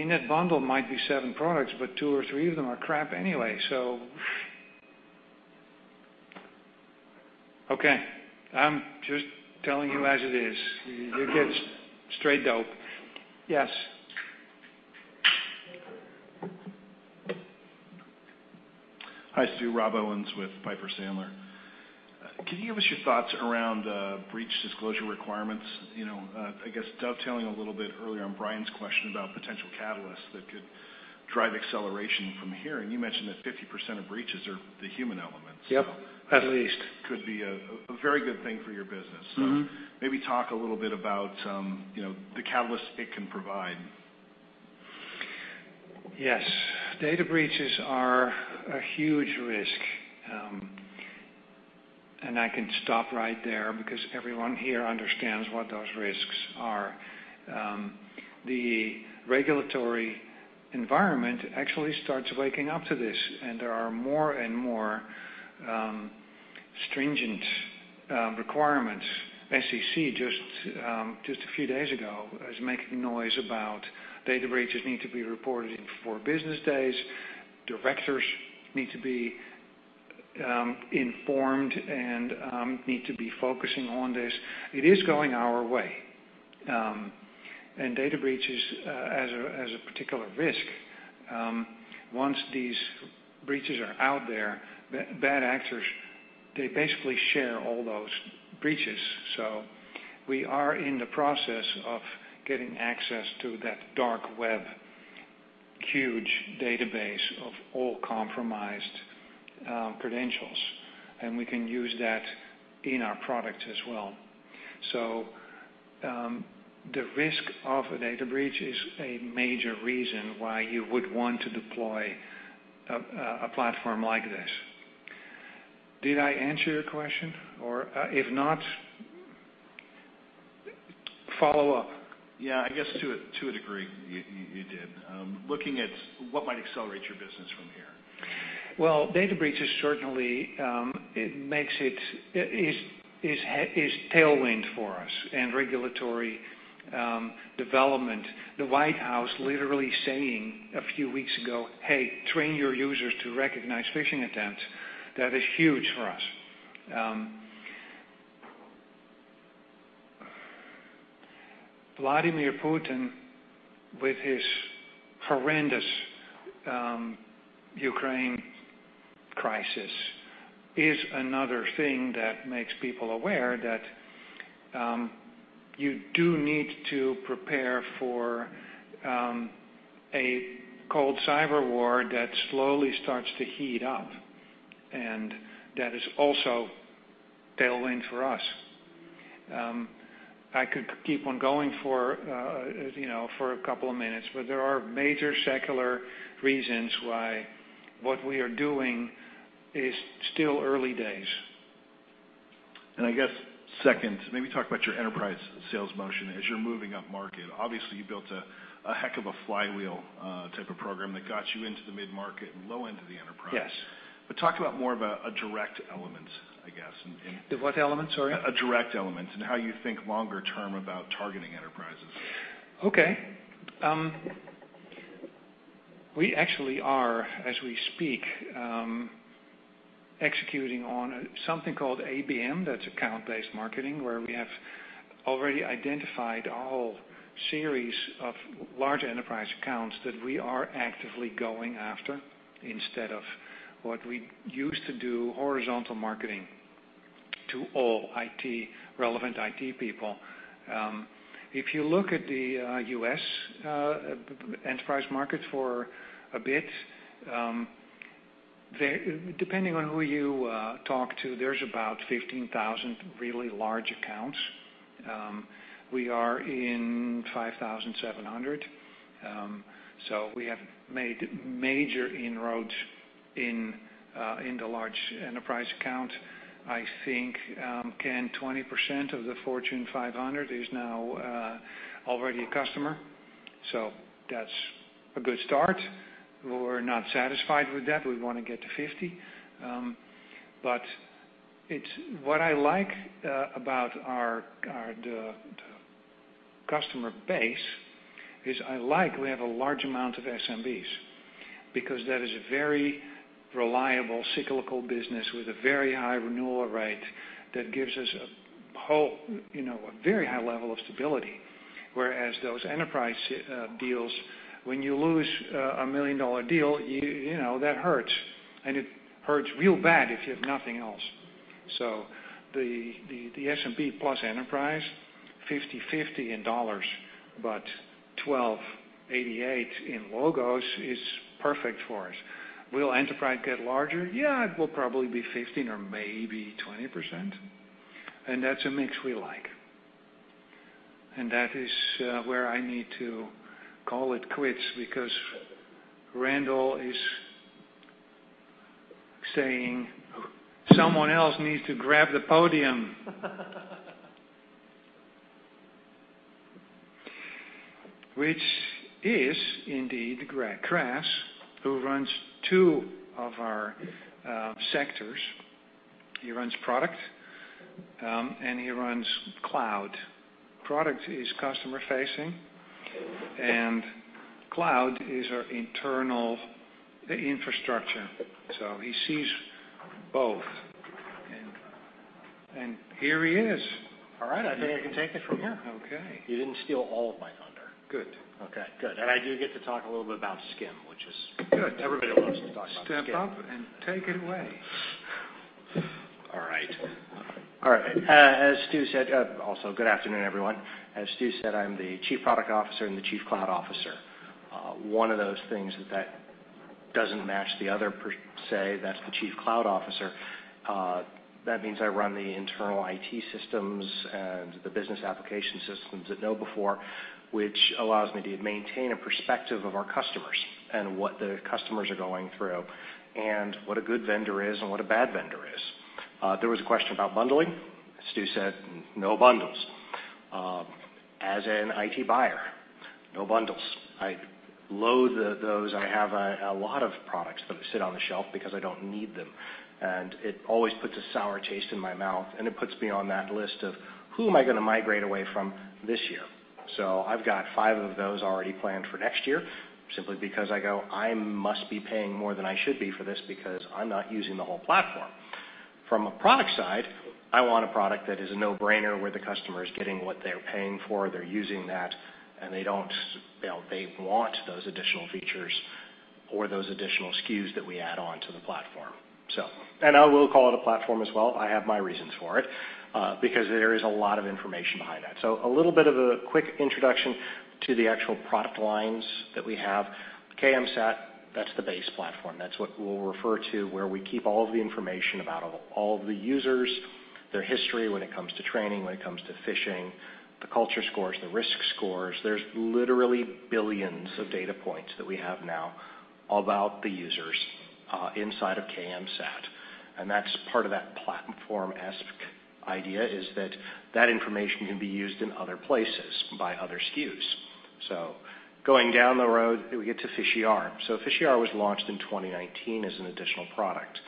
in that bundle might be seven products, but two or three of them are crap anyway, so. Okay, I'm just telling you as it is. You get straight dope. Yes. Hi, Stu. Rob Owens with Piper Sandler. Can you give us your thoughts around breach disclosure requirements? You know, I guess dovetailing a little bit earlier on Brian's question about potential catalysts that could drive acceleration from here. You mentioned that 50% of breaches are the human element, so Yep. At least Could be a very good thing for your business. Mm-hmm. Maybe talk a little bit about, you know, the catalyst it can provide. Yes. Data breaches are a huge risk. I can stop right there because everyone here understands what those risks are. The regulatory environment actually starts waking up to this, and there are more and more stringent requirements. SEC just a few days ago was making noise about data breaches need to be reported in four business days. Directors need to be informed and need to be focusing on this. It is going our way. Data breaches as a particular risk, once these breaches are out there, bad actors they basically share all those breaches. We are in the process of getting access to that dark web huge database of all compromised credentials, and we can use that in our product as well. The risk of a data breach is a major reason why you would want to deploy a platform like this. Did I answer your question? Or if not, follow up. Yeah. I guess to a degree, you did. Looking at what might accelerate your business from here. Well, data breach is certainly a tailwind for us and regulatory development. The White House literally saying a few weeks ago, "Hey, train your users to recognize phishing attempts," that is huge for us. Vladimir Putin with his horrendous Ukraine crisis is another thing that makes people aware that you do need to prepare for a cold cyber war that slowly starts to heat up, and that is also tailwind for us. I could keep on going for, you know, for a couple of minutes, but there are major secular reasons why what we are doing is still early days. I guess second, maybe talk about your enterprise sales motion as you're moving up market. Obviously, you built a heck of a flywheel type of program that got you into the mid-market and low end of the enterprise. Yes. Talk about more of a direct element, I guess, and. The what element, sorry? A direct element and how you think longer term about targeting enterprises. Okay. We actually are, as we speak, executing on something called ABM. That's account-based marketing, where we have already identified a whole series of large enterprise accounts that we are actively going after instead of what we used to do, horizontal marketing to all IT, relevant IT people. If you look at the U.S. enterprise market for a bit, depending on who you talk to, there's about 15,000 really large accounts. We are in 5,700. So we have made major inroads in the large enterprise account. I think, Ken, 20% of the Fortune 500 is now already a customer, so that's a good start. We're not satisfied with that. We wanna get to 50%. What I like about our customer base is I like we have a large amount of SMBs because that is a very reliable cyclical business with a very high renewal rate that gives us a whole, you know, a very high level of stability. Whereas those enterprise deals, when you lose a $1 million deal, you know, that hurts, and it hurts real bad if you have nothing else. The SMB plus enterprise, 50-50 in dollars, but 1,288 in logos is perfect for us. Will enterprise get larger? Yeah, it will probably be 15 or maybe 20%, and that's a mix we like. That is where I need to call it quits because Randall is saying someone else needs to grab the podium. Which is indeed Greg Kras, who runs two of our sectors. He runs product, and he runs cloud. Product is customer-facing, and cloud is our internal infrastructure, so he sees both. Here he is. All right. I think I can take it from here. Yeah. Okay. You didn't steal all of my thunder. Good. Okay, good. I do get to talk a little bit about SCIM, which is. Good Everybody loves to talk about SCIM. Step up and take it away. All right, as Stu said, also, good afternoon, everyone. As Stu said, I'm the Chief Product Officer and the Chief Cloud Officer. One of those things that doesn't match the other per se, that's the Chief Cloud Officer. That means I run the internal IT systems and the business application systems at KnowBe4, which allows me to maintain a perspective of our customers and what the customers are going through and what a good vendor is and what a bad vendor is. There was a question about bundling. As Stu said, no bundles. As an IT buyer, no bundles. I loathe those. I have a lot of products that sit on the shelf because I don't need them, and it always puts a sour taste in my mouth, and it puts me on that list of who am I gonna migrate away from this year. I've got five of those already planned for next year, simply because I go, "I must be paying more than I should be for this because I'm not using the whole platform." From a product side, I want a product that is a no-brainer where the customer is getting what they're paying for, they're using that, and they don't. You know, they want those additional features or those additional SKUs that we add on to the platform. I will call it a platform as well. I have my reasons for it, because there is a lot of information behind that. A little bit of a quick introduction to the actual product lines that we have. KMSAT, that's the base platform. That's what we'll refer to where we keep all of the information about all of the users, their history when it comes to training, when it comes to phishing, the culture scores, the risk scores. There's literally billions of data points that we have now about the users inside of KMSAT, and that's part of that platform-esque idea, is that that information can be used in other places by other SKUs. Going down the road, we get to PhishER. PhishER was launched in 2019 as an additional product.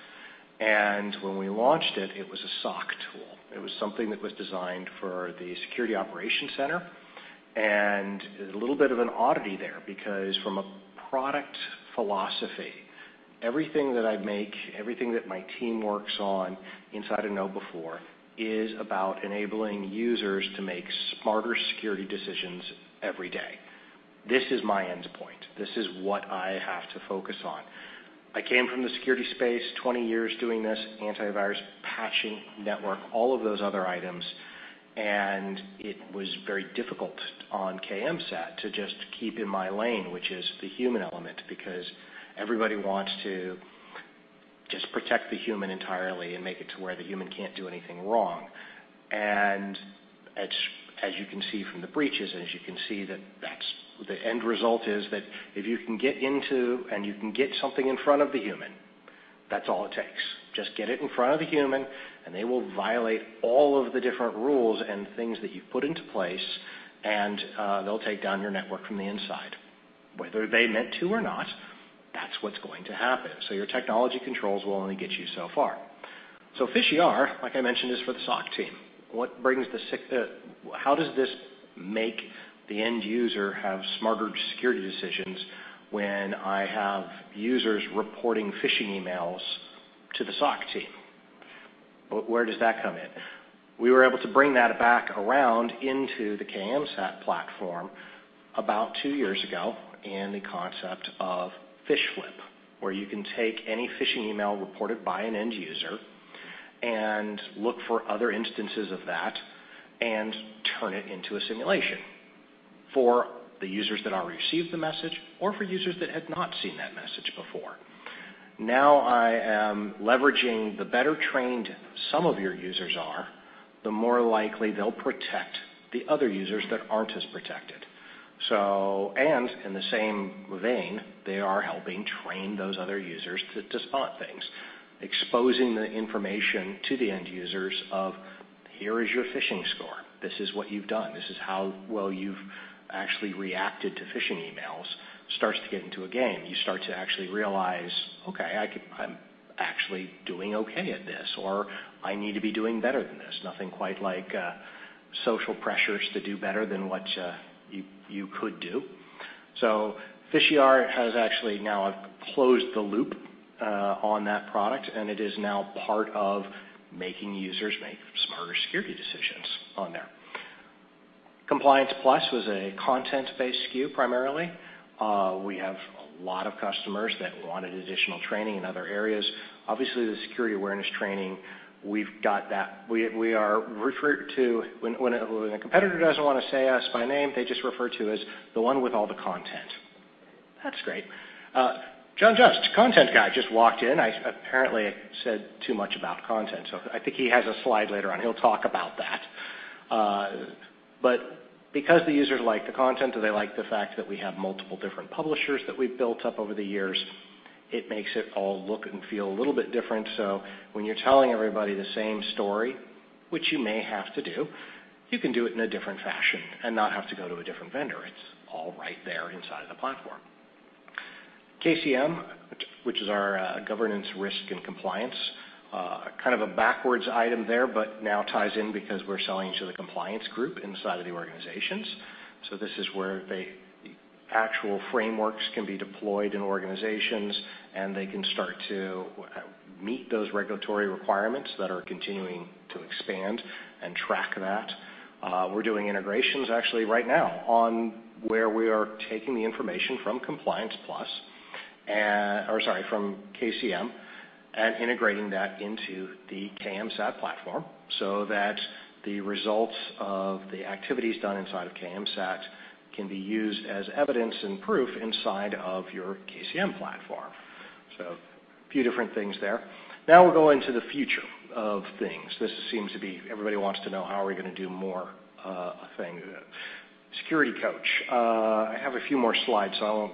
When we launched it was a SOC tool. It was something that was designed for the security operations center. A little bit of an oddity there, because from a product philosophy, everything that I make, everything that my team works on inside of KnowBe4 is about enabling users to make smarter security decisions every day. This is my end point. This is what I have to focus on. I came from the security space, 20 years doing this, antivirus, patching, network, all of those other items, and it was very difficult on KMSAT to just keep in my lane, which is the human element, because everybody wants to just protect the human entirely and make it to where the human can't do anything wrong. As you can see from the breaches, that's the end result is that if you can get into and you can get something in front of the human, that's all it takes. Just get it in front of the human, and they will violate all of the different rules and things that you've put into place, and they'll take down your network from the inside. Whether they meant to or not, that's what's going to happen. Your technology controls will only get you so far. PhishER, like I mentioned, is for the SOC team. What brings the SEC? How does this make the end user have smarter security decisions when I have users reporting phishing emails to the SOC team? Where does that come in? We were able to bring that back around into the KMSAT platform about two years ago in the concept of PhishFlip, where you can take any phishing email reported by an end user and look for other instances of that and turn it into a simulation for the users that already received the message or for users that had not seen that message before. Now I am leveraging. The better trained some of your users are, the more likely they'll protect the other users that aren't as protected. In the same vein, they are helping train those other users to spot things, exposing the information to the end users of, "Here is your phishing score. This is what you've done. This is how well you've actually reacted to phishing emails," starts to get into a game. You start to actually realize, "Okay, I'm actually doing okay at this," or, "I need to be doing better than this." Nothing quite like social pressures to do better than what you could do. PhishER has actually now closed the loop on that product, and it is now part of making users make smarter security decisions on there. Compliance Plus was a content-based SKU primarily. We have a lot of customers that wanted additional training in other areas. Obviously, the security awareness training, we've got that. We are referred to. When a competitor doesn't wanna say us by name, they just refer to us, "The one with all the content." That's great. John Just, content guy, just walked in. I apparently said too much about content, so I think he has a slide later on. He'll talk about that. Because the users like the content and they like the fact that we have multiple different publishers that we've built up over the years, it makes it all look and feel a little bit different. When you're telling everybody the same story, which you may have to do, you can do it in a different fashion and not have to go to a different vendor. It's all right there inside of the platform. KCM, which is our governance, risk, and compliance kind of a backwards item there, but now ties in because we're selling to the compliance group inside of the organizations. This is where the actual frameworks can be deployed in organizations, and they can start to meet those regulatory requirements that are continuing to expand and track that. We're doing integrations actually right now on where we are taking the information from Compliance Plus, or sorry, from KCM, and integrating that into the KMSAT platform, so that the results of the activities done inside of KMSAT can be used as evidence and proof inside of your KCM platform. A few different things there. Now we'll go into the future of things. This seems to be everybody wants to know how are we gonna do more things. SecurityCoach. I have a few more slides, so I'll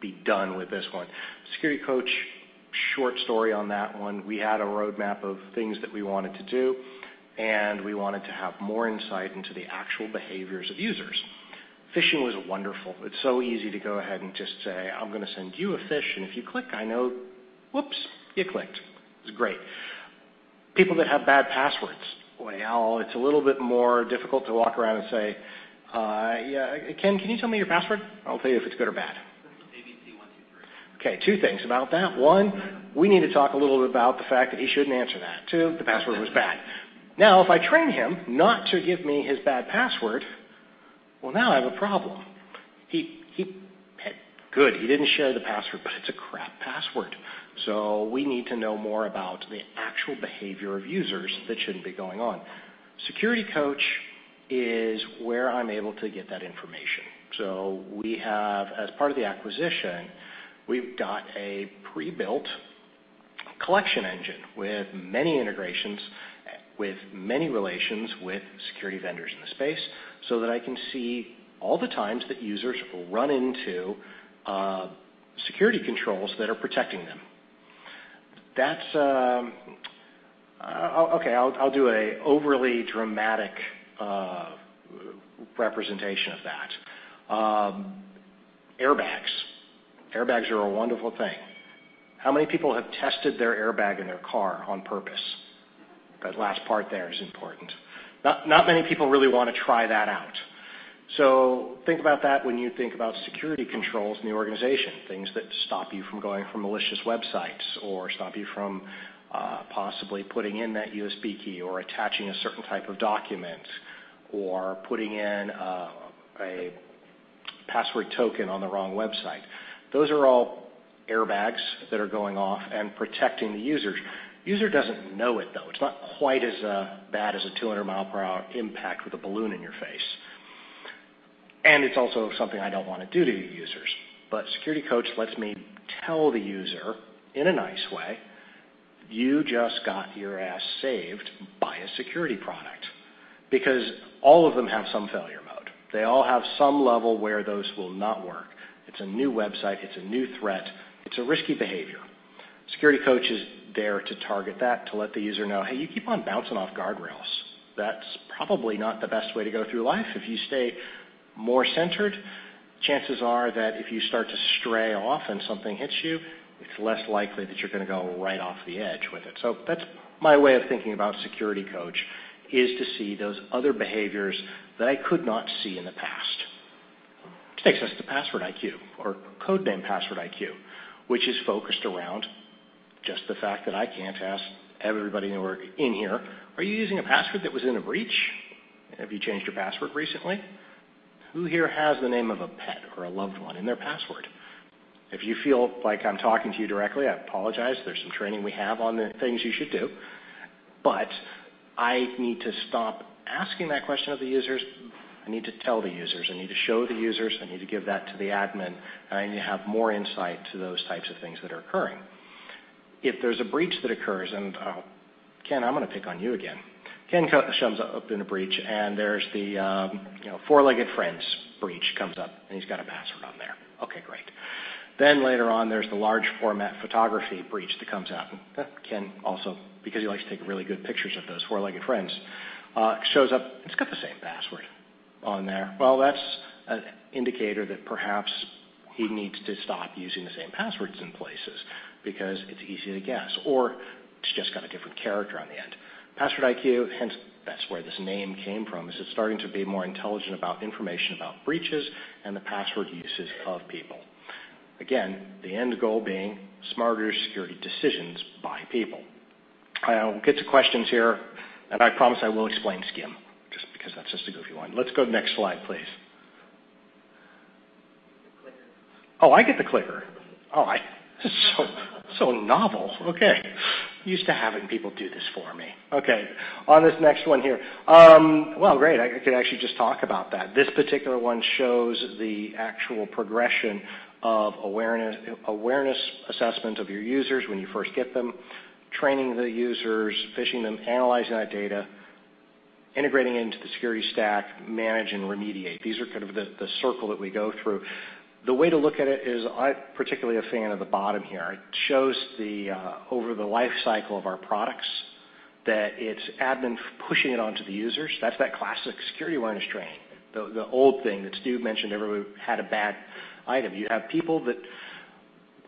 be done with this one. SecurityCoach, short story on that one. We had a roadmap of things that we wanted to do, and we wanted to have more insight into the actual behaviors of users. Phishing was wonderful. It's so easy to go ahead and just say, "I'm gonna send you a phish, and if you click, I know. Whoops, you clicked." It's great. People that have bad passwords. Well, it's a little bit more difficult to walk around and say, "Yeah, Ken, can you tell me your password? I'll tell you if it's good or bad. ABC 1 2 3. Okay, two things about that. One, we need to talk a little bit about the fact that he shouldn't answer that. Two, the password was bad. Now, if I train him not to give me his bad password, well, now I have a problem. Good, he didn't share the password, but it's a crap password. So we need to know more about the actual behavior of users that shouldn't be going on. SecurityCoach is where I'm able to get that information. So we have, as part of the acquisition, we've got a pre-built collection engine with many integrations, with many relations with security vendors in the space, so that I can see all the times that users run into security controls that are protecting them. That's okay, I'll do an overly dramatic representation of that. Airbags. Airbags are a wonderful thing. How many people have tested their airbag in their car on purpose? That last part there is important. Not many people really wanna try that out. Think about that when you think about security controls in the organization, things that stop you from going to malicious websites or stop you from possibly putting in that USB key or attaching a certain type of document or putting in a password token on the wrong website. Those are all airbags that are going off and protecting the users. The user doesn't know it, though. It's not quite as bad as a 200-mile-per-hour impact with a balloon in your face. It's also something I don't wanna do to your users. SecurityCoach lets me tell the user, in a nice way, "You just got your ass saved by a security product." Because all of them have some failure mode. They all have some level where those will not work. It's a new website, it's a new threat. It's a risky behavior. SecurityCoach is there to target that, to let the user know, "Hey, you keep on bouncing off guardrails. That's probably not the best way to go through life. If you stay more centered, chances are that if you start to stray off and something hits you, it's less likely that you're gonna go right off the edge with it." That's my way of thinking about SecurityCoach, is to see those other behaviors that I could not see in the past. Which takes us to PasswordIQ or code name PasswordIQ, which is focused around just the fact that I can't ask everybody that work in here, "Are you using a password that was in a breach? Have you changed your password recently? Who here has the name of a pet or a loved one in their password?" If you feel like I'm talking to you directly, I apologize. There's some training we have on the things you should do. But I need to stop asking that question of the users. I need to tell the users. I need to show the users. I need to give that to the admin, and I need to have more insight to those types of things that are occurring. If there's a breach that occurs and, Ken, I'm gonna pick on you again. Ken shows up in a breach, and there's the, you know, four-legged friends breach comes up, and he's got a password on there. Okay, great. Later on, there's the large format photography breach that comes out. Ken also, because he likes to take really good pictures of those four-legged friends, shows up. He's got the same password on there. Well, that's an indicator that perhaps he needs to stop using the same passwords in places because it's easy to guess, or it's just got a different character on the end. PasswordIQ, hence that's where this name came from, is it's starting to be more intelligent about information about breaches and the password uses of people. Again, the end goal being smarter security decisions by people. I'll get to questions here, and I promise I will explain SCIM, just because that's just a goofy one. Let's go next slide, please. The clicker. Oh, I get the clicker. Oh, this is so novel. Okay. Used to having people do this for me. Okay. On this next one here. Well, great. I could actually just talk about that. This particular one shows the actual progression of awareness assessment of your users when you first get them, training the users, phishing them, analyzing that data, integrating into the security stack, manage and remediate. These are kind of the circle that we go through. The way to look at it is I'm particularly a fan of the bottom here. It shows over the life cycle of our products that it's admin pushing it on to the users. That's classic security awareness training. The old thing that Stu mentioned, everyone had a bad attitude. You have people that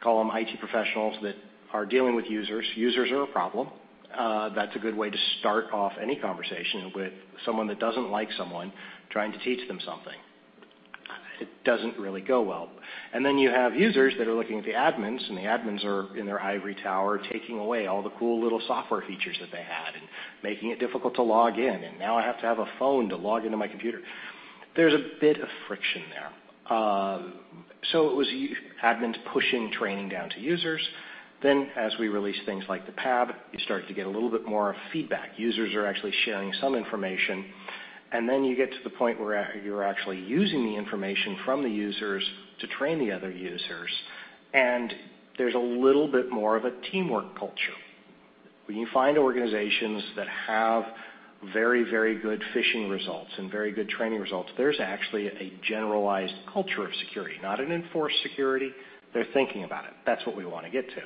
call them IT professionals that are dealing with users. Users are a problem. That's a good way to start off any conversation with someone that doesn't like someone trying to teach them something. It doesn't really go well. You have users that are looking at the admins, and the admins are in their ivory tower, taking away all the cool little software features that they had and making it difficult to log in, and now I have to have a phone to log into my computer. There's a bit of friction there. It was admins pushing training down to users. As we release things like the PAB, you start to get a little bit more feedback. Users are actually sharing some information. You get to the point where you're actually using the information from the users to train the other users. There's a little bit more of a teamwork culture. When you find organizations that have very, very good phishing results and very good training results, there's actually a generalized culture of security, not an enforced security. They're thinking about it. That's what we wanna get to.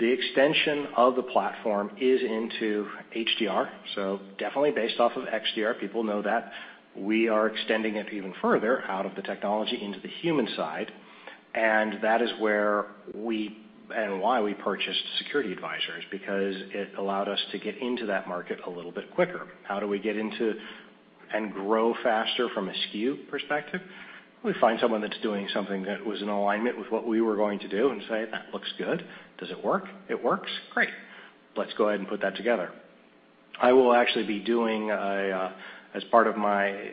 The extension of the platform is into HDR, so definitely based off of XDR, people know that. We are extending it even further out of the technology into the human side, and that is where we, and why we purchased SecurityAdvisor, because it allowed us to get into that market a little bit quicker. How do we get into and grow faster from a SKU perspective? We find someone that's doing something that was in alignment with what we were going to do and say, "That looks good. Does it work? It works? Great. Let's go ahead and put that together. As part of my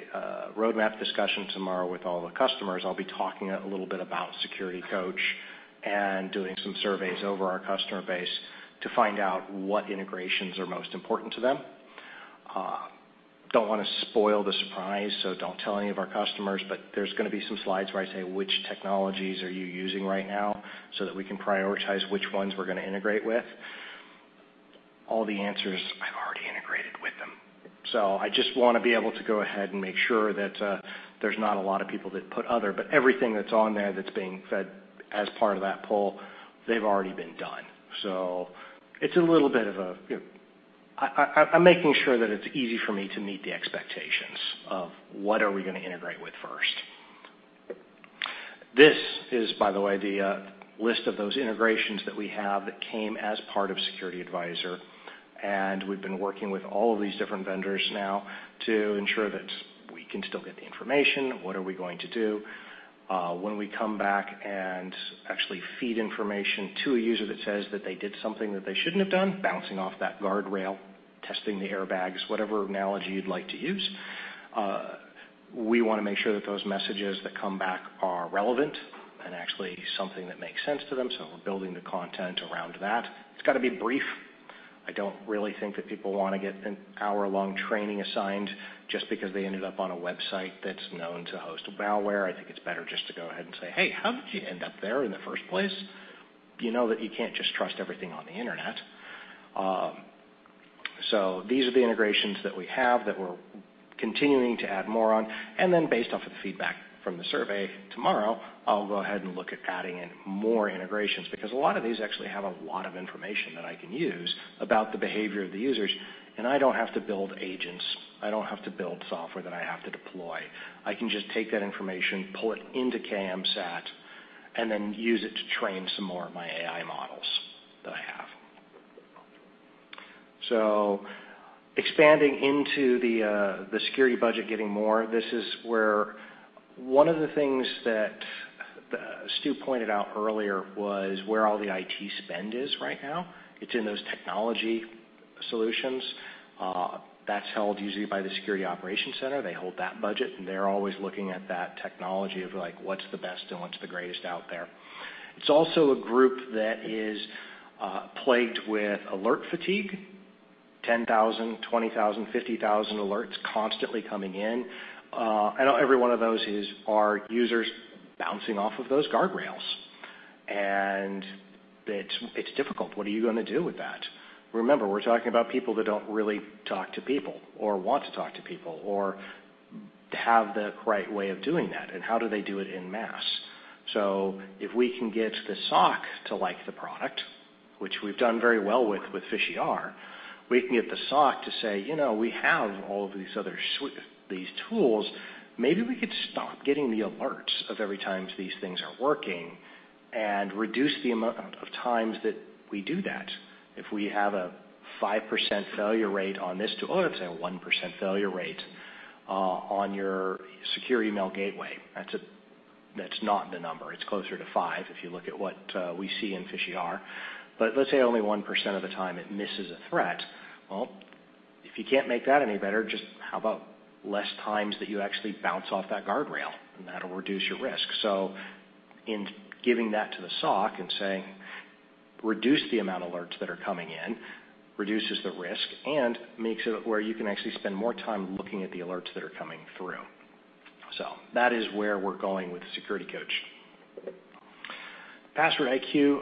roadmap discussion tomorrow with all the customers, I'll be talking a little bit about SecurityCoach and doing some surveys over our customer base to find out what integrations are most important to them. Don't wanna spoil the surprise, so don't tell any of our customers, but there's gonna be some slides where I say, "Which technologies are you using right now so that we can prioritize which ones we're gonna integrate with?" All the answers, I've already integrated with them. So I just wanna be able to go ahead and make sure that there's not a lot of people that put other, but everything that's on there that's being fed as part of that poll, they've already been done. So it's a little bit of a, you know. I'm making sure that it's easy for me to meet the expectations of what are we gonna integrate with first. This is, by the way, the list of those integrations that we have that came as part of SecurityAdvisor, and we've been working with all of these different vendors now to ensure that we can still get the information. What are we going to do? When we come back and actually feed information to a user that says that they did something that they shouldn't have done, bouncing off that guardrail, testing the airbags, whatever analogy you'd like to use, we wanna make sure that those messages that come back are relevant and actually something that makes sense to them, so we're building the content around that. It's gotta be brief. I don't really think that people wanna get an hour-long training assigned just because they ended up on a website that's known to host malware. I think it's better just to go ahead and say, "Hey, how did you end up there in the first place? You know that you can't just trust everything on the internet." These are the integrations that we have that we're continuing to add more on. Based off of the feedback from the survey tomorrow, I'll go ahead and look at adding in more integrations because a lot of these actually have a lot of information that I can use about the behavior of the users, and I don't have to build agents. I don't have to build software that I have to deploy. I can just take that information, pull it into KMSAT, and then use it to train some more of my AI models that I have. Expanding into the security budget getting more, this is where one of the things that Stu pointed out earlier was where all the IT spend is right now. It's in those technology solutions. That's held usually by the security operations center. They hold that budget, and they're always looking at that technology of like, what's the best and what's the greatest out there. It's also a group that is plagued with alert fatigue, 10,000, 20,000, 50,000 alerts constantly coming in. Every one of those is our users bouncing off of those guardrails. It's difficult. What are you gonna do with that? Remember, we're talking about people that don't really talk to people or want to talk to people or have the right way of doing that, and how do they do it en masse? If we can get the SOC to like the product, which we've done very well with PhishER, we can get the SOC to say, "You know, we have all of these other these tools. Maybe we could stop getting the alerts of every time these things are working and reduce the amount of times that we do that." If we have a 5% failure rate on this too, let's say a 1% failure rate on your secure email gateway. That's not the number. It's closer to 5% if you look at what we see in PhishER. Let's say only 1% of the time it misses a threat. Well, if you can't make that any better, just how about less times that you actually bounce off that guardrail? And that'll reduce your risk. In giving that to the SOC and saying, "Reduce the amount of alerts that are coming in," reduces the risk and makes it where you can actually spend more time looking at the alerts that are coming through. That is where we're going with SecurityCoach. PasswordIQ.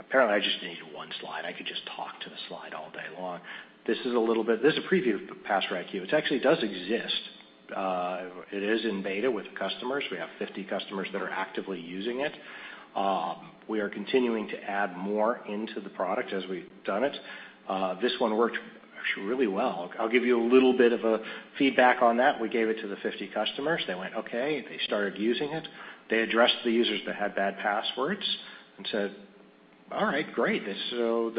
Apparently, I just need one slide. I could just talk to the slide all day long. This is a little bit. This is a preview of PasswordIQ, which actually does exist. It is in beta with customers. We have 50 customers that are actively using it. We are continuing to add more into the product as we've done it. This one worked actually really well. I'll give you a little bit of a feedback on that. We gave it to the 50 customers. They went, "Okay." They started using it. They addressed the users that had bad passwords and said, "All right. Great. So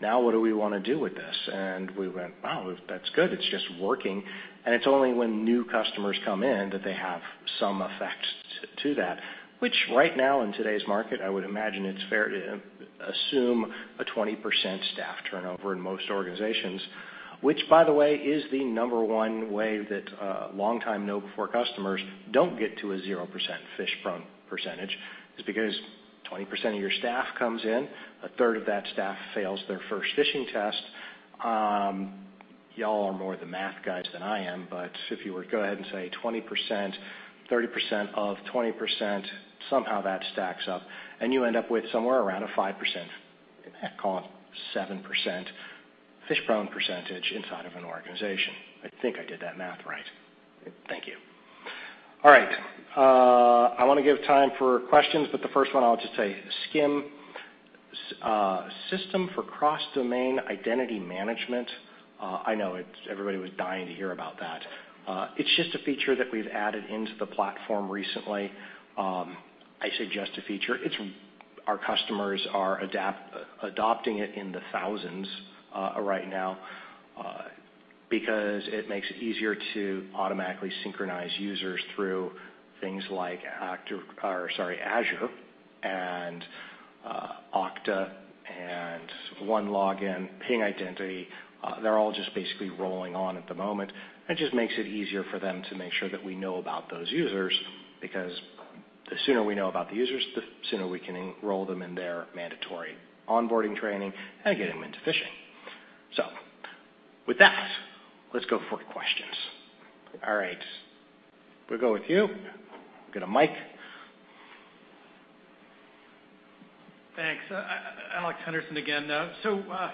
now what do we wanna do with this?" We went, "Wow, that's good. It's just working." It's only when new customers come in that they have some effect to that, which right now in today's market, I would imagine it's fair to assume a 20% staff turnover in most organizations, which, by the way, is the number one way that longtime KnowBe4 customers don't get to a 0% phish-prone percentage is because 20% of your staff comes in, a third of that staff fails their first phishing test. Y'all are more the math guys than I am, but if you were to go ahead and say 20%, 30% of 20%, somehow that stacks up and you end up with somewhere around a 5%, call it 7% phish-prone percentage inside of an organization. I think I did that math right. Thank you. All right. I wanna give time for questions, but the first one I'll just say SCIM, System for Cross-domain Identity Management. I know it's. Everybody was dying to hear about that. It's just a feature that we've added into the platform recently. I say just a feature. Our customers are adopting it in the thousands, right now, because it makes it easier to automatically synchronize users through things like Azure and Okta and OneLogin, Ping Identity. They're all just basically rolling on at the moment. It just makes it easier for them to make sure that we know about those users, because the sooner we know about the users, the sooner we can enroll them in their mandatory onboarding training and get them into phishing. With that, let's go for questions. All right, we'll go with you. Get a mic. Thanks. Alex Henderson again. I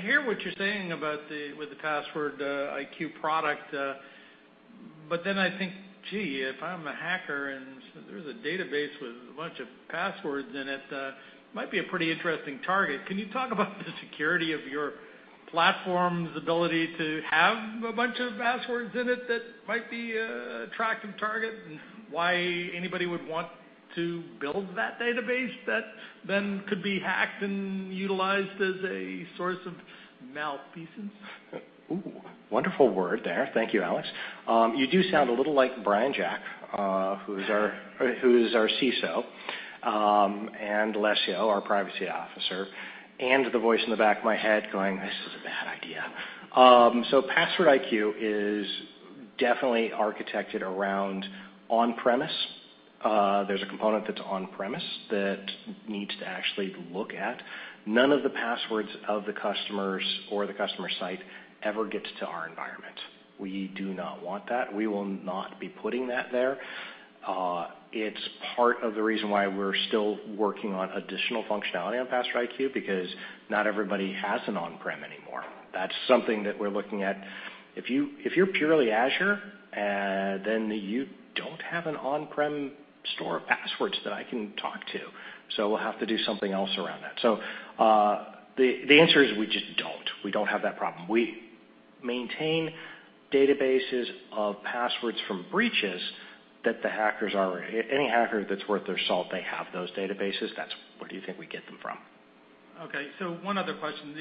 hear what you're saying about the PasswordIQ product, but then I think, gee, if I'm a hacker and there's a database with a bunch of passwords in it might be a pretty interesting target. Can you talk about the security of your platform's ability to have a bunch of passwords in it that might be an attractive target, and why anybody would want to build that database that then could be hacked and utilized as a source of malfeasance? Ooh, wonderful word there. Thank you, Alex. You do sound a little like Brian Jack, who's our CISO, and Alessio, our privacy officer, and the voice in the back of my head going, "This is a bad idea." PasswordIQ is definitely architected around on-premise. There's a component that's on-premise that needs to actually look at none of the passwords of the customers or the customer site ever gets to our environment. We do not want that. We will not be putting that there. It's part of the reason why we're still working on additional functionality on PasswordIQ, because not everybody has an on-prem anymore. That's something that we're looking at. If you're purely Azure, then you don't have an on-prem store of passwords that I can talk to, so we'll have to do something else around that. The answer is we just don't have that problem. We maintain databases of passwords from breaches. Any hacker that's worth their salt, they have those databases. That's where do you think we get them from? One other question,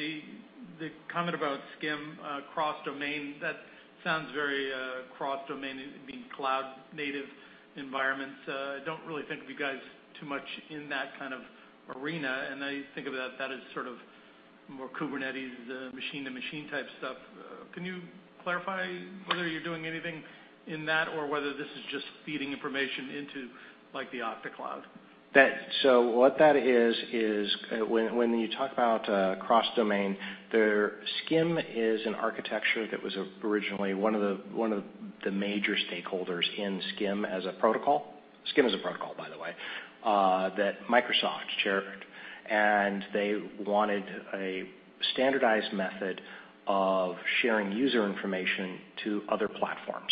the comment about SCIM cross-domain that sounds very cross-domain in cloud-native environments. I don't really think of you guys too much in that kind of arena. I think of that as sort of more Kubernetes machine-to-machine type stuff. Can you clarify whether you're doing anything in that or whether this is just feeding information into like the Okta cloud? What that is when you talk about cross-domain, their SCIM is an architecture that was originally one of the major stakeholders in SCIM as a protocol, SCIM as a protocol by the way, that Microsoft chaired, and they wanted a standardized method of sharing user information to other platforms.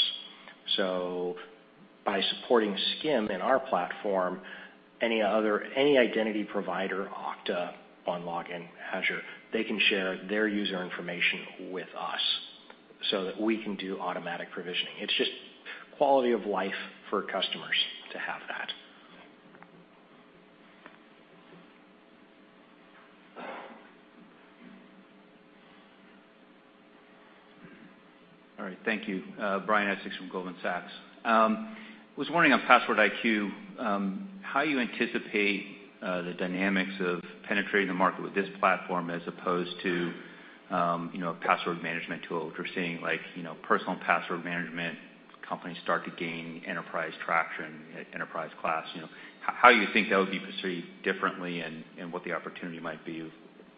By supporting SCIM in our platform, any identity provider, Okta, OneLogin, Azure, they can share their user information with us so that we can do automatic provisioning. It's just quality of life for customers to have that. All right. Thank you. Brian Essex from Goldman Sachs was wondering on PasswordIQ, how you anticipate the dynamics of penetrating the market with this platform as opposed to, you know, password management tool. We're seeing like, you know, personal password management companies start to gain enterprise traction, enterprise class, you know. How you think that would be perceived differently and what the opportunity might be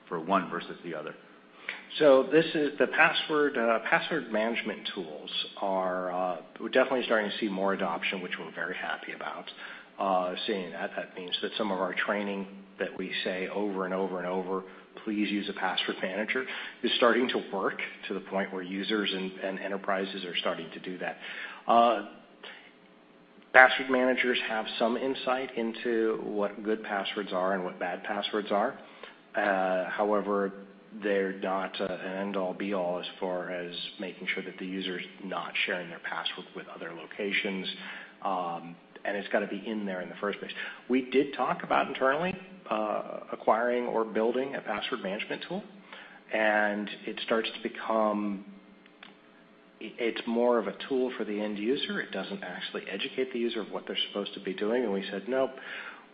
for one versus the other? Password management tools are we're definitely starting to see more adoption, which we're very happy about seeing that. That means that some of our training that we say over and over and over, "Please use a password manager," is starting to work to the point where users and enterprises are starting to do that. Password managers have some insight into what good passwords are and what bad passwords are. However, they're not an end all be all as far as making sure that the user's not sharing their password with other locations, and it's gotta be in there in the first place. We did talk about internally acquiring or building a password management tool, and it starts to become. It's more of a tool for the end user. It doesn't actually educate the user of what they're supposed to be doing. We said, "Nope,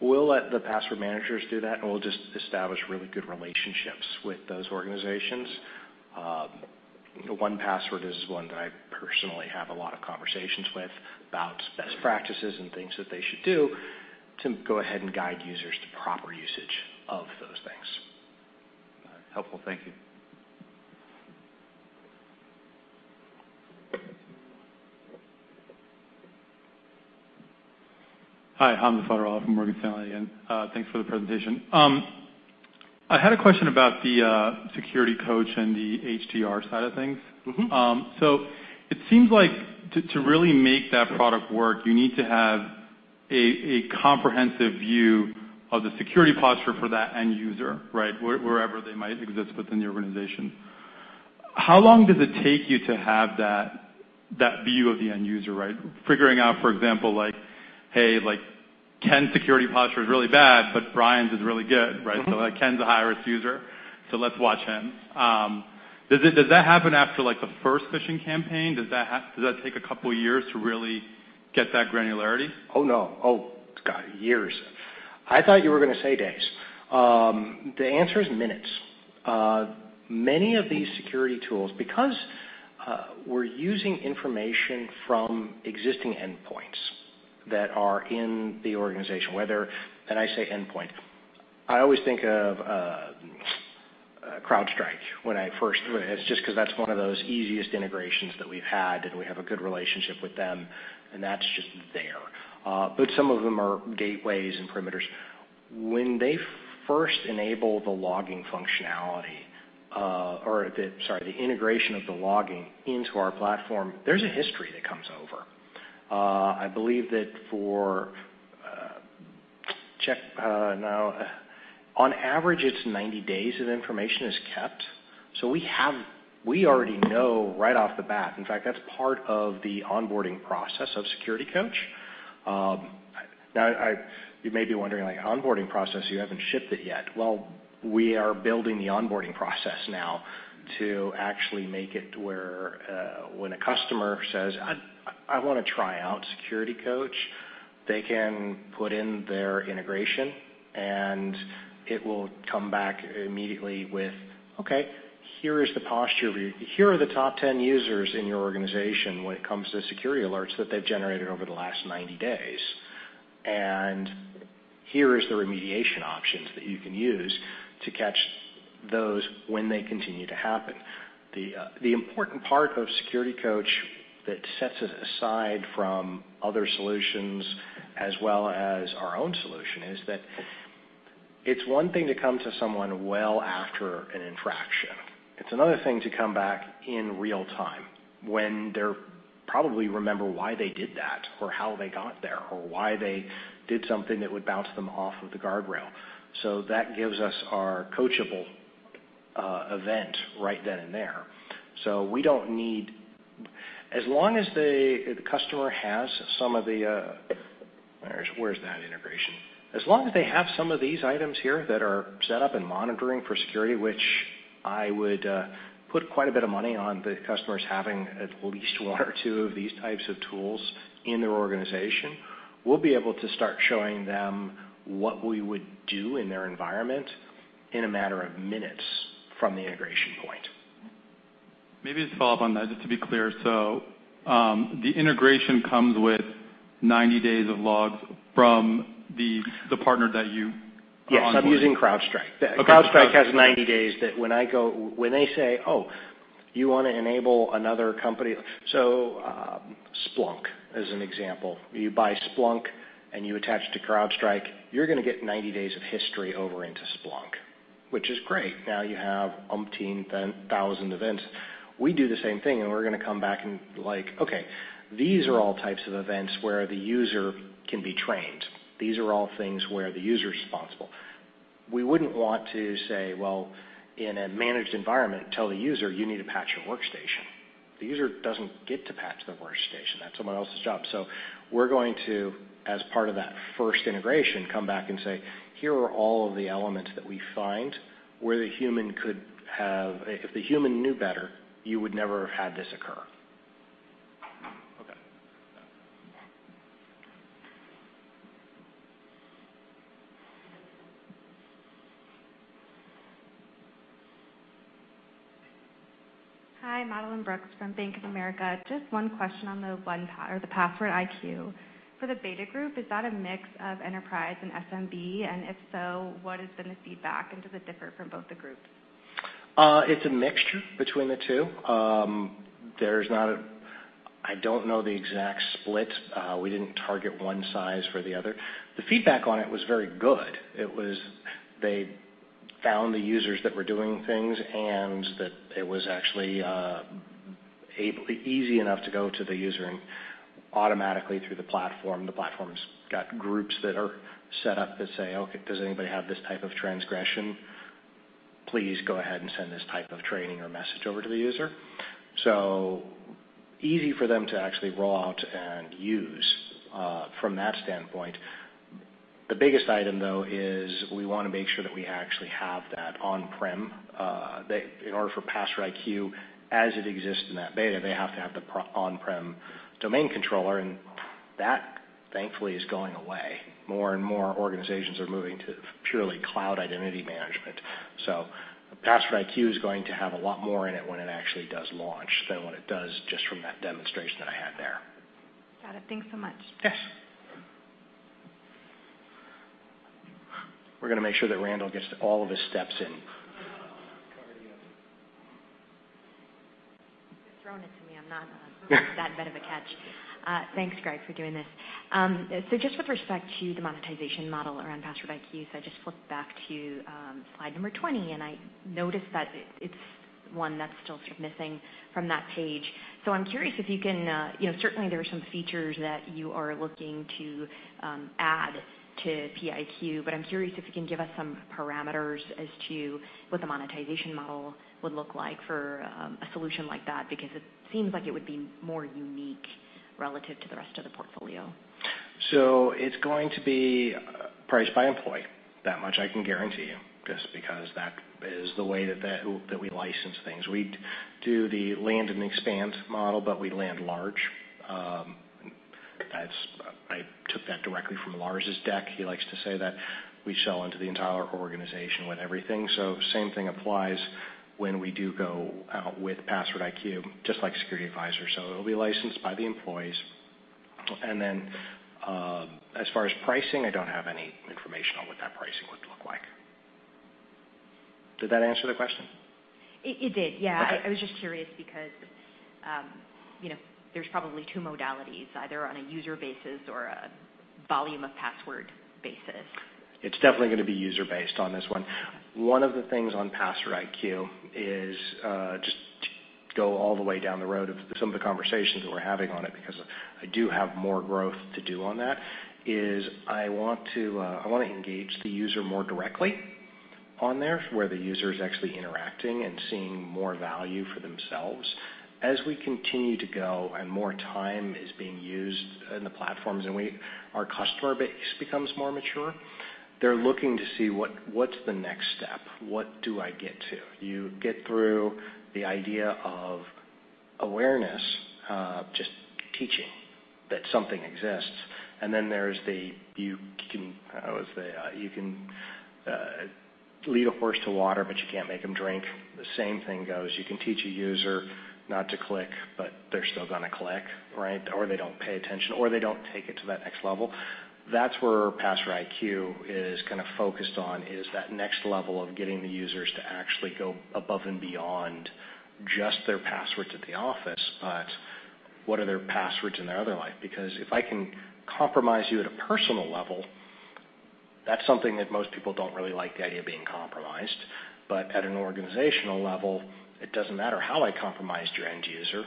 we'll let the password managers do that, and we'll just establish really good relationships with those organizations." 1Password is one that I personally have a lot of conversations with about best practices and things that they should do. To go ahead and guide users to proper usage of those things. Helpful. Thank you. Hi, I'm Hamza Fodderwala, and thanks for the presentation. I had a question about the SecurityCoach and the other side of things. Mm-hmm. It seems like to really make that product work, you need to have a comprehensive view of the security posture for that end user, right? Wherever they might exist within the organization. How long does it take you to have that view of the end user, right? Figuring out, for example, like, hey, like Ken's security posture is really bad, but Brian's is really good, right? Mm-hmm. Like, Ken's a high-risk user, so let's watch him. Does that happen after, like, the first phishing campaign? Does that take a couple of years to really get that granularity? Oh, no. Oh, God, years. I thought you were gonna say days. The answer is minutes. Many of these security tools, because we're using information from existing endpoints that are in the organization. I say endpoint, I always think of CrowdStrike. It's just because that's one of those easiest integrations that we've had, and we have a good relationship with them, and that's just there. Some of them are gateways and perimeters. When they first enable the integration of the logging into our platform, there's a history that comes over. I believe that for Check Point now, on average, it's 90 days that information is kept, so we already know right off the bat. In fact, that's part of the onboarding process of SecurityCoach. You may be wondering, like, onboarding process, you haven't shipped it yet. Well, we are building the onboarding process now to actually make it to where when a customer says, "I wanna try out SecurityCoach," they can put in their integration, and it will come back immediately with, "Okay, here are the top 10 users in your organization when it comes to security alerts that they've generated over the last 90 days. And here is the remediation options that you can use to catch those when they continue to happen." The important part of SecurityCoach that sets it aside from other solutions as well as our own solution is that it's one thing to come to someone well after an infraction. It's another thing to come back in real time when they're probably remember why they did that or how they got there or why they did something that would bounce them off of the guardrail. That gives us our coachable event right then and there. As long as the customer has some of the, Where's that integration? As long as they have some of these items here that are set up and monitoring for security, which I would put quite a bit of money on the customers having at least one or two of these types of tools in their organization, we'll be able to start showing them what we would do in their environment in a matter of minutes from the integration point. Maybe to follow up on that, just to be clear. The integration comes with 90 days of logs from the partner that you are onboarding. Yes, I'm using CrowdStrike. Okay. CrowdStrike has 90 days that when they say, "Oh, you wanna enable another company?" Splunk, as an example, you buy Splunk, and you attach to CrowdStrike, you're gonna get 90 days of history over into Splunk, which is great. Now you have umpteen thousand events. We do the same thing, and we're gonna come back and like, "Okay, these are all types of events where the user can be trained. These are all things where the user is responsible." We wouldn't want to say, well, in a managed environment, tell the user you need to patch your workstation. The user doesn't get to patch the workstation. That's someone else's job. We're going to, as part of that first integration, come back and say, "Here are all of the elements that we find where the human could have... If the human knew better, you would never have had this occur. Okay. Hi, Madeline Brooks from Bank of America. Just one question on the PasswordIQ. For the beta group, is that a mix of enterprise and SMB? If so, what has been the feedback, and does it differ from both the groups? It's a mixture between the two. I don't know the exact split. We didn't target one size for the other. The feedback on it was very good. It was, they found the users that were doing things, and that it was actually easy enough to go to the user and automatically through the platform, the platform's got groups that are set up that say, "Okay, does anybody have this type of transgression? Please go ahead and send this type of training or message over to the user." Easy for them to actually roll out and use, from that standpoint. The biggest item, though, is we wanna make sure that we actually have that on-prem, in order for PasswordIQ, as it exists in that beta, they have to have the on-prem domain controller, and that, thankfully, is going away. More and more organizations are moving to purely cloud identity management. PasswordIQ is going to have a lot more in it when it actually does launch than what it does just from that demonstration that I had there. Got it. Thanks so much. Yes. We're gonna make sure that Randall gets all of his steps in. You're throwing it to me. I'm not that big of a catch. Thanks, Greg, for doing this. Just with respect to the monetization model around PasswordIQ, I just flipped back to slide number 20, and I noticed that it's one that's still sort of missing from that page. I'm curious if you can, you know, certainly there are some features that you are looking to add to PIQ, but I'm curious if you can give us some parameters as to what the monetization model would look like for a solution like that because it seems like it would be more unique relative to the rest of the portfolio. It's going to be priced by employee. That much I can guarantee you, just because that is the way that we license things. We do the land and expand model, but we land large. That's. I took that directly from Lars' deck. He likes to say that we sell into the entire organization with everything. Same thing applies when we do go out with PasswordIQ, just like SecurityAdvisor. It'll be licensed by the employees. As far as pricing, I don't have any information on what that pricing would look like. Did that answer the question? It did. Yeah. Okay. I was just curious because, you know, there's probably two modalities, either on a user basis or a volume of password basis. It's definitely gonna be user-based on this one. One of the things on PasswordIQ is just to go all the way down the road of some of the conversations that we're having on it because I do have more growth to do on that. I wanna engage the user more directly on there, where the user is actually interacting and seeing more value for themselves. As we continue to go and more time is being used in the platforms and our customer base becomes more mature, they're looking to see what's the next step? What do I get to? You get through the idea of awareness, just teaching that something exists. Then there's you can lead a horse to water, but you can't make him drink. The same thing goes, you can teach a user not to click, but they're still gonna click, right? Or they don't pay attention, or they don't take it to that next level. That's where PasswordIQ is kind of focused on, is that next level of getting the users to actually go above and beyond just their passwords at the office, but what are their passwords in their other life? Because if I can compromise you at a personal level, that's something that most people don't really like the idea of being compromised. But at an organizational level, it doesn't matter how I compromised your end user.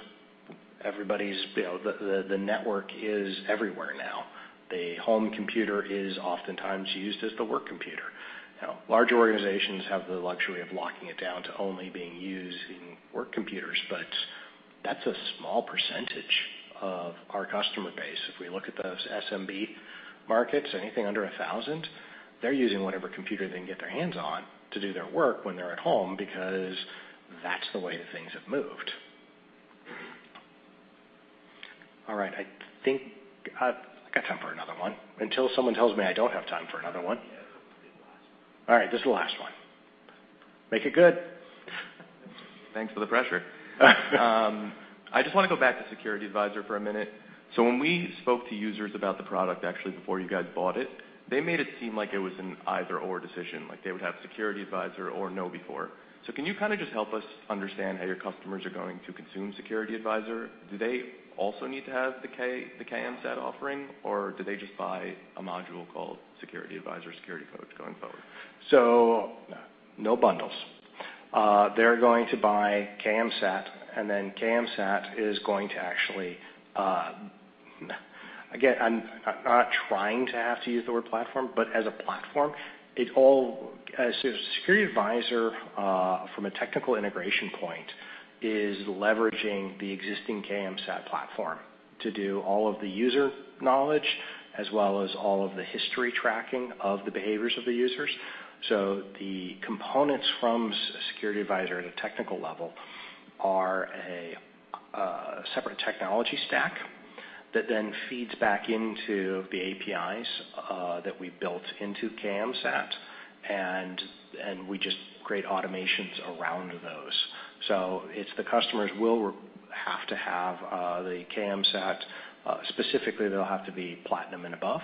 Everybody's, you know, the network is everywhere now. The home computer is oftentimes used as the work computer. Now, large organizations have the luxury of locking it down to only being used in work computers, but that's a small percentage of our customer base. If we look at those SMB markets, anything under 1,000, they're using whatever computer they can get their hands on to do their work when they're at home because that's the way things have moved. All right. I think I've got time for another one until someone tells me I don't have time for another one. Yeah. It's the last one. All right. This is the last one. Make it good. Thanks for the question. I just wanna go back to SecurityAdvisor for a minute. When we spoke to users about the product actually before you guys bought it, they made it seem like it was an either/or decision, like they would have SecurityAdvisor or KnowBe4. Can you kinda just help us understand how your customers are going to consume SecurityAdvisor? Do they also need to have the KMSAT offering, or do they just buy a module called SecurityAdvisor, SecurityCoach going forward? No bundles. They're going to buy KMSAT, and then KMSAT is going to actually. Again, I'm not trying to have to use the word platform, but as a platform, SecurityAdvisor from a technical integration point is leveraging the existing KMSAT platform to do all of the user knowledge as well as all of the history tracking of the behaviors of the users. The components from SecurityAdvisor at a technical level are a separate technology stack that then feeds back into the APIs that we built into KMSAT, and we just create automations around those. It's the customers will have to have the KMSAT. Specifically, they'll have to be platinum and above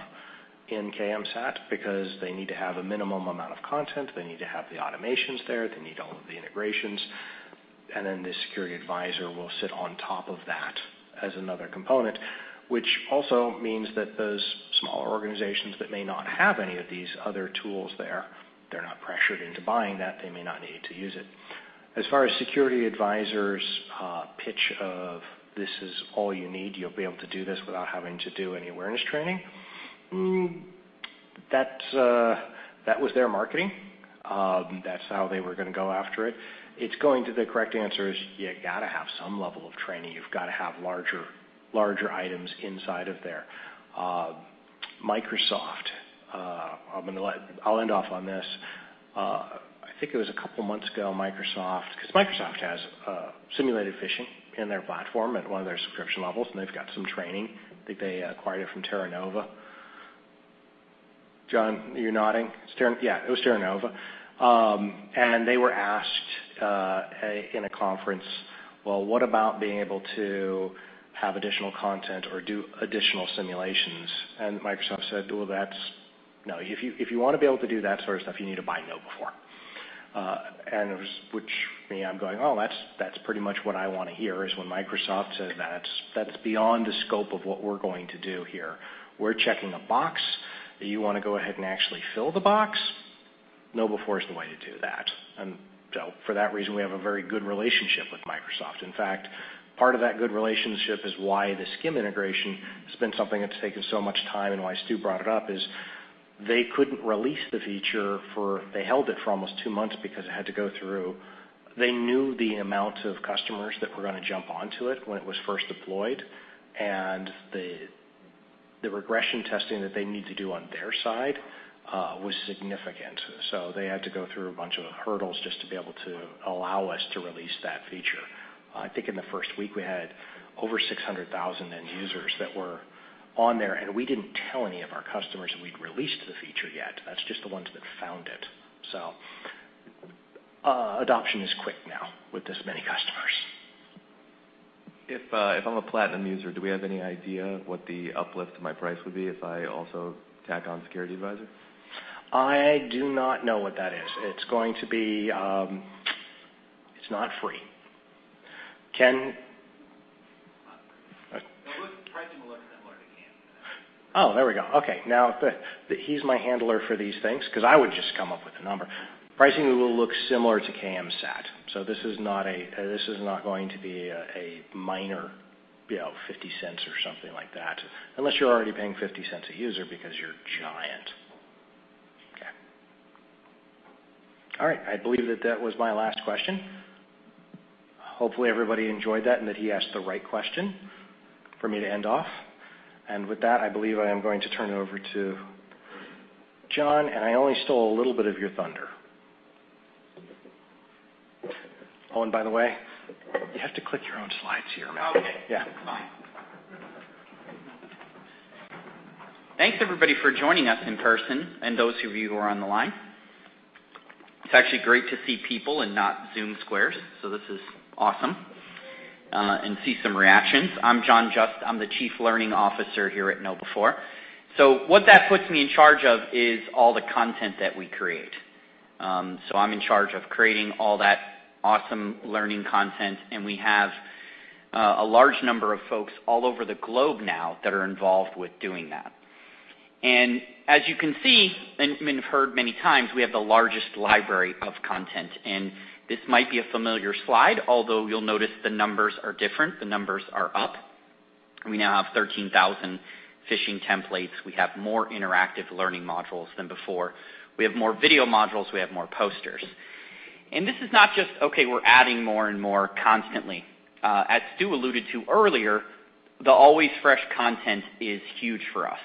in KMSAT because they need to have a minimum amount of content. They need to have the automations there. They need all of the integrations. The SecurityAdvisor will sit on top of that as another component, which also means that those smaller organizations that may not have any of these other tools there, they're not pressured into buying that. They may not need to use it. As far as SecurityAdvisor's pitch of, "This is all you need. You'll be able to do this without having to do any awareness training," that's that was their marketing. That's how they were gonna go after it. The correct answer is you gotta have some level of training. You've gotta have larger items inside of there. Microsoft, I'll end off on this. I think it was a couple months ago. Microsoft has simulated phishing in their platform at one of their subscription levels, and they've got some training that they acquired from Terranova. John, you're nodding. Yeah, it was Terranova. They were asked in a conference, well, what about being able to have additional content or do additional simulations? Microsoft said, no. If you want to be able to do that sort of stuff, you need to buy KnowBe4. To me, I'm going, oh, that's pretty much what I want to hear, is when Microsoft says that's beyond the scope of what we're going to do here. We're checking a box. You want to go ahead and actually fill the box, KnowBe4 is the way to do that. For that reason, we have a very good relationship with Microsoft. In fact, part of that good relationship is why the SCIM integration has been something that's taken so much time, and why Stu brought it up is they couldn't release the feature. They held it for almost two months because it had to go through. They knew the amount of customers that were going to jump onto it when it was first deployed. The regression testing that they need to do on their side was significant. So they had to go through a bunch of hurdles just to be able to allow us to release that feature. I think in the first week we had over 600,000 end users that were on there, and we didn't tell any of our customers that we'd released the feature yet. That's just the ones that found it. Adoption is quick now with this many customers. If I'm a platinum user, do we have any idea what the uplift my price would be if I also tack on SecurityAdvisor? I do not know what that is. It's going to be. It's not free. Ken. Pricing will look similar to KMSAT. Oh, there we go. Okay. Now he's my handler for these things because I would just come up with a number. Pricing will look similar to KMSAT. This is not going to be a minor, you know, $0.50 or something like that, unless you're already paying $0.50 a user because you're giant. Okay. All right. I believe that was my last question. Hopefully, everybody enjoyed that and that he asked the right question for me to end off. With that, I believe I am going to turn it over to John, and I only stole a little bit of your thunder. Oh, and by the way, you have to click your own slides here. Okay. Yeah. Fine. Thanks everybody for joining us in person and those of you who are on the line. It's actually great to see people and not Zoom squares, so this is awesome, and see some reactions. I'm John Just. I'm the Chief Learning Officer here at KnowBe4. What that puts me in charge of is all the content that we create. I'm in charge of creating all that awesome learning content. We have a large number of folks all over the globe now that are involved with doing that. As you can see, and may have heard many times, we have the largest library of content, and this might be a familiar slide, although you'll notice the numbers are different. The numbers are up. We now have 13,000 phishing templates. We have more interactive learning modules than before. We have more video modules. We have more posters. This is not just, okay, we're adding more and more constantly. As Stu alluded to earlier, the always fresh content is huge for us.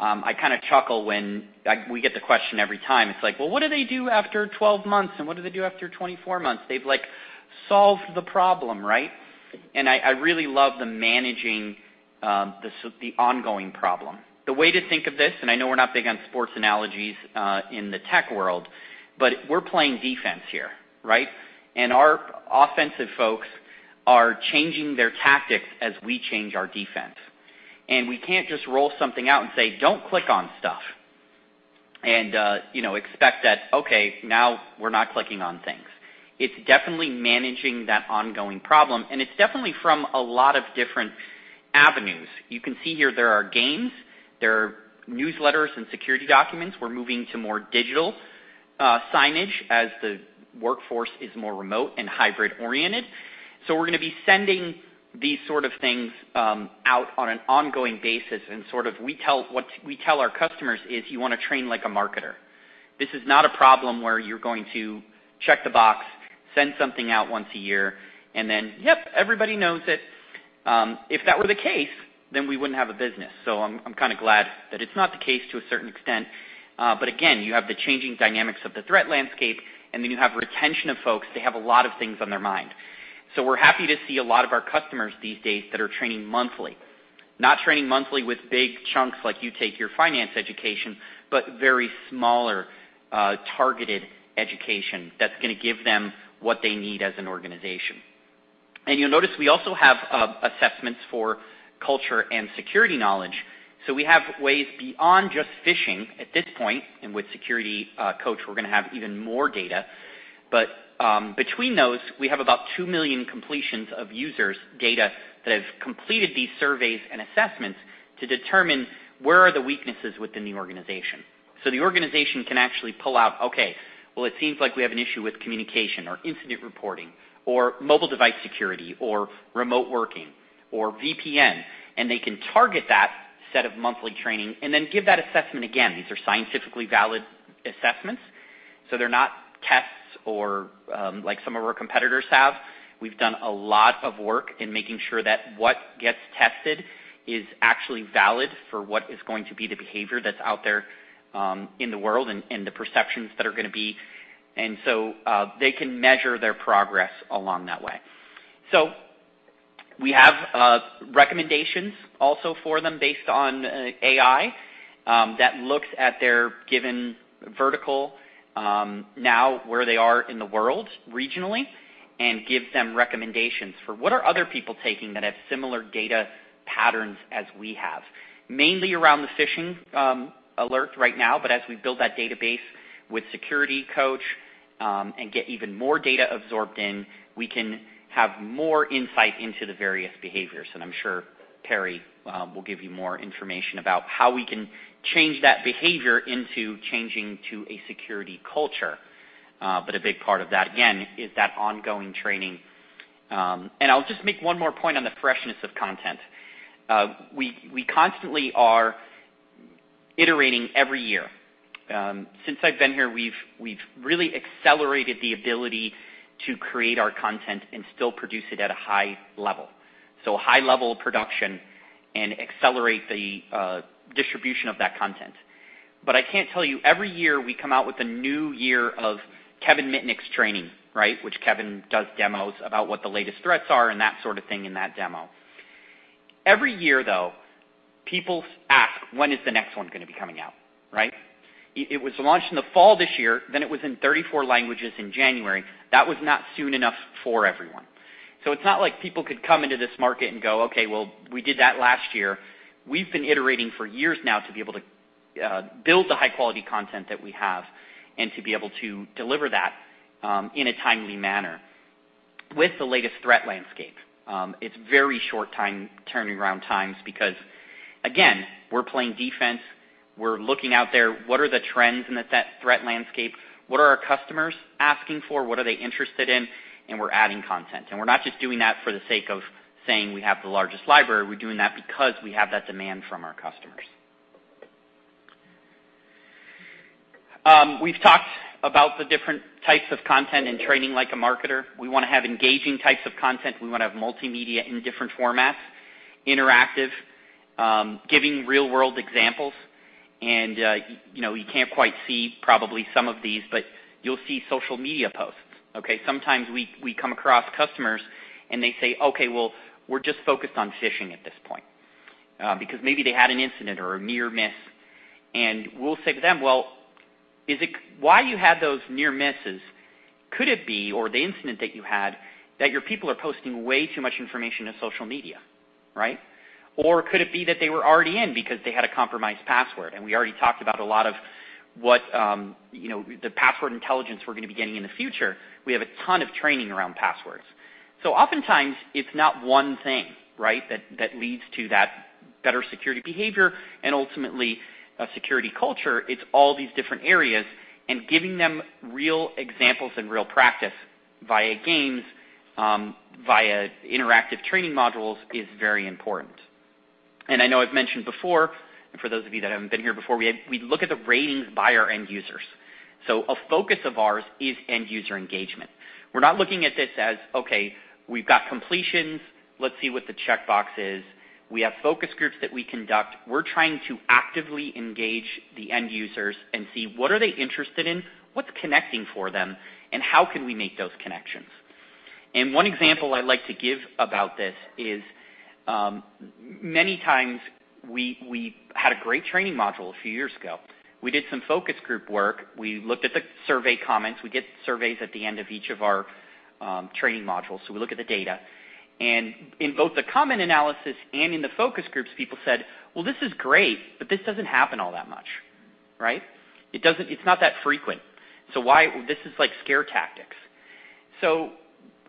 I kind of chuckle when we get the question every time. It's like, "Well, what do they do after 12 months? And what do they do after 24 months?" They've, like, solved the problem, right? I really love the managing, the ongoing problem. The way to think of this, and I know we're not big on sports analogies in the tech world, but we're playing defense here, right? We can't just roll something out and say, "Don't click on stuff," and, you know, expect that, okay, now we're not clicking on things. It's definitely managing that ongoing problem, and it's definitely from a lot of different avenues. You can see here, there are games, there are newsletters and security documents. We're moving to more digital signage as the workforce is more remote and hybrid-oriented. We're going to be sending these sort of things out on an ongoing basis. What we tell our customers is, you want to train like a marketer. This is not a problem where you're going to check the box, send something out once a year, and then, yep, everybody knows it. If that were the case, then we wouldn't have a business. I'm kind of glad that it's not the case to a certain extent. But again, you have the changing dynamics of the threat landscape, and then you have retention of folks. They have a lot of things on their mind. We're happy to see a lot of our customers these days that are training monthly. Not training monthly with big chunks like you take your finance education, but very smaller targeted education that's going to give them what they need as an organization. You'll notice we also have assessments for culture and security knowledge. We have ways beyond just phishing at this point. With SecurityCoach, we're going to have even more data. Between those, we have about 2 million completions of users' data that have completed these surveys and assessments to determine where are the weaknesses within the organization. The organization can actually pull out. Well, it seems like we have an issue with communication or incident reporting or mobile device security or remote working or VPN, and they can target that set of monthly training and then give that assessment again. These are scientifically valid assessments, so they're not tests or like some of our competitors have. We've done a lot of work in making sure that what gets tested is actually valid for what is going to be the behavior that's out there in the world and the perceptions that are going to be. They can measure their progress along that way. We have recommendations also for them based on AI that looks at their given vertical now where they are in the world regionally and gives them recommendations for what are other people taking that have similar data patterns as we have. Mainly around the phishing alert right now, but as we build that database with SecurityCoach and get even more data absorbed in, we can have more insight into the various behaviors. I'm sure Perry will give you more information about how we can change that behavior into changing to a security culture. But a big part of that, again, is that ongoing training. I'll just make one more point on the freshness of content. We constantly are iterating every year. Since I've been here, we've really accelerated the ability to create our content and still produce it at a high level. A high level of production and accelerate the distribution of that content. I can tell you, every year, we come out with a new year of Kevin Mitnick's training, right? Which Kevin does demos about what the latest threats are and that sort of thing in that demo. Every year, though, people ask, "When is the next one gonna be coming out?" Right? It was launched in the fall this year, then it was in 34 languages in January. That was not soon enough for everyone. It's not like people could come into this market and go, "Okay, well, we did that last year." We've been iterating for years now to be able to build the high-quality content that we have and to be able to deliver that in a timely manner with the latest threat landscape. It's very short turnaround times because, again, we're playing defense, we're looking out there, what are the trends in the threat landscape? What are our customers asking for? What are they interested in? We're adding content. We're not just doing that for the sake of saying we have the largest library. We're doing that because we have that demand from our customers. We've talked about the different types of content and training like a marketer. We wanna have engaging types of content. We wanna have multimedia in different formats, interactive, giving real-world examples. You know, you can't quite see probably some of these, but you'll see social media posts, okay? Sometimes we come across customers, and they say, "Okay, well, we're just focused on phishing at this point," because maybe they had an incident or a near miss. We'll say to them, "Well, is it why you had those near misses, could it be, or the incident that you had, that your people are posting way too much information on social media, right? Or could it be that they were already in because they had a compromised password?" We already talked about a lot of what, you know, the PasswordIQ we're gonna be getting in the future. We have a ton of training around passwords. Oftentimes it's not one thing, right? That leads to that better security behavior and ultimately a security culture. It's all these different areas, and giving them real examples and real practice via games, via interactive training modules is very important. I know I've mentioned before, and for those of you that haven't been here before, we look at the ratings by our end users. A focus of ours is end user engagement. We're not looking at this as, okay, we've got completions. Let's see what the checkbox is. We have focus groups that we conduct. We're trying to actively engage the end users and see what are they interested in, what's connecting for them, and how can we make those connections. One example I like to give about this is, many times we had a great training module a few years ago. We did some focus group work. We looked at the survey comments. We get surveys at the end of each of our training modules, so we look at the data. In both the comment analysis and in the focus groups, people said, "Well, this is great, but this doesn't happen all that much." Right? "It's not that frequent. This is like scare tactics."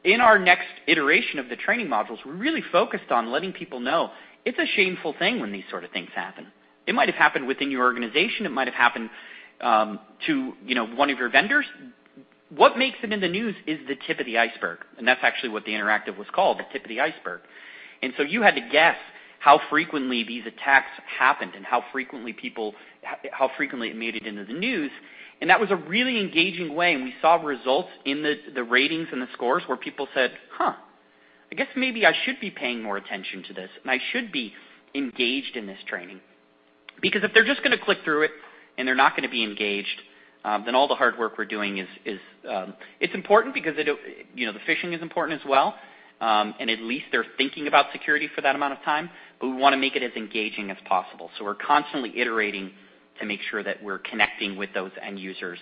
In our next iteration of the training modules, we're really focused on letting people know it's a shameful thing when these sort of things happen. It might have happened within your organization. It might have happened to, you know, one of your vendors. What makes it in the news is the tip of the iceberg, and that's actually what the interactive was called, The Tip of the Iceberg. You had to guess how frequently these attacks happened and how frequently it made it into the news. That was a really engaging way, and we saw results in the ratings and the scores where people said, "Huh, I guess maybe I should be paying more attention to this, and I should be engaged in this training." Because if they're just gonna click through it and they're not gonna be engaged, then all the hard work we're doing is important because it'll you know, the phishing is important as well, and at least they're thinking about security for that amount of time, but we wanna make it as engaging as possible. We're constantly iterating to make sure that we're connecting with those end users.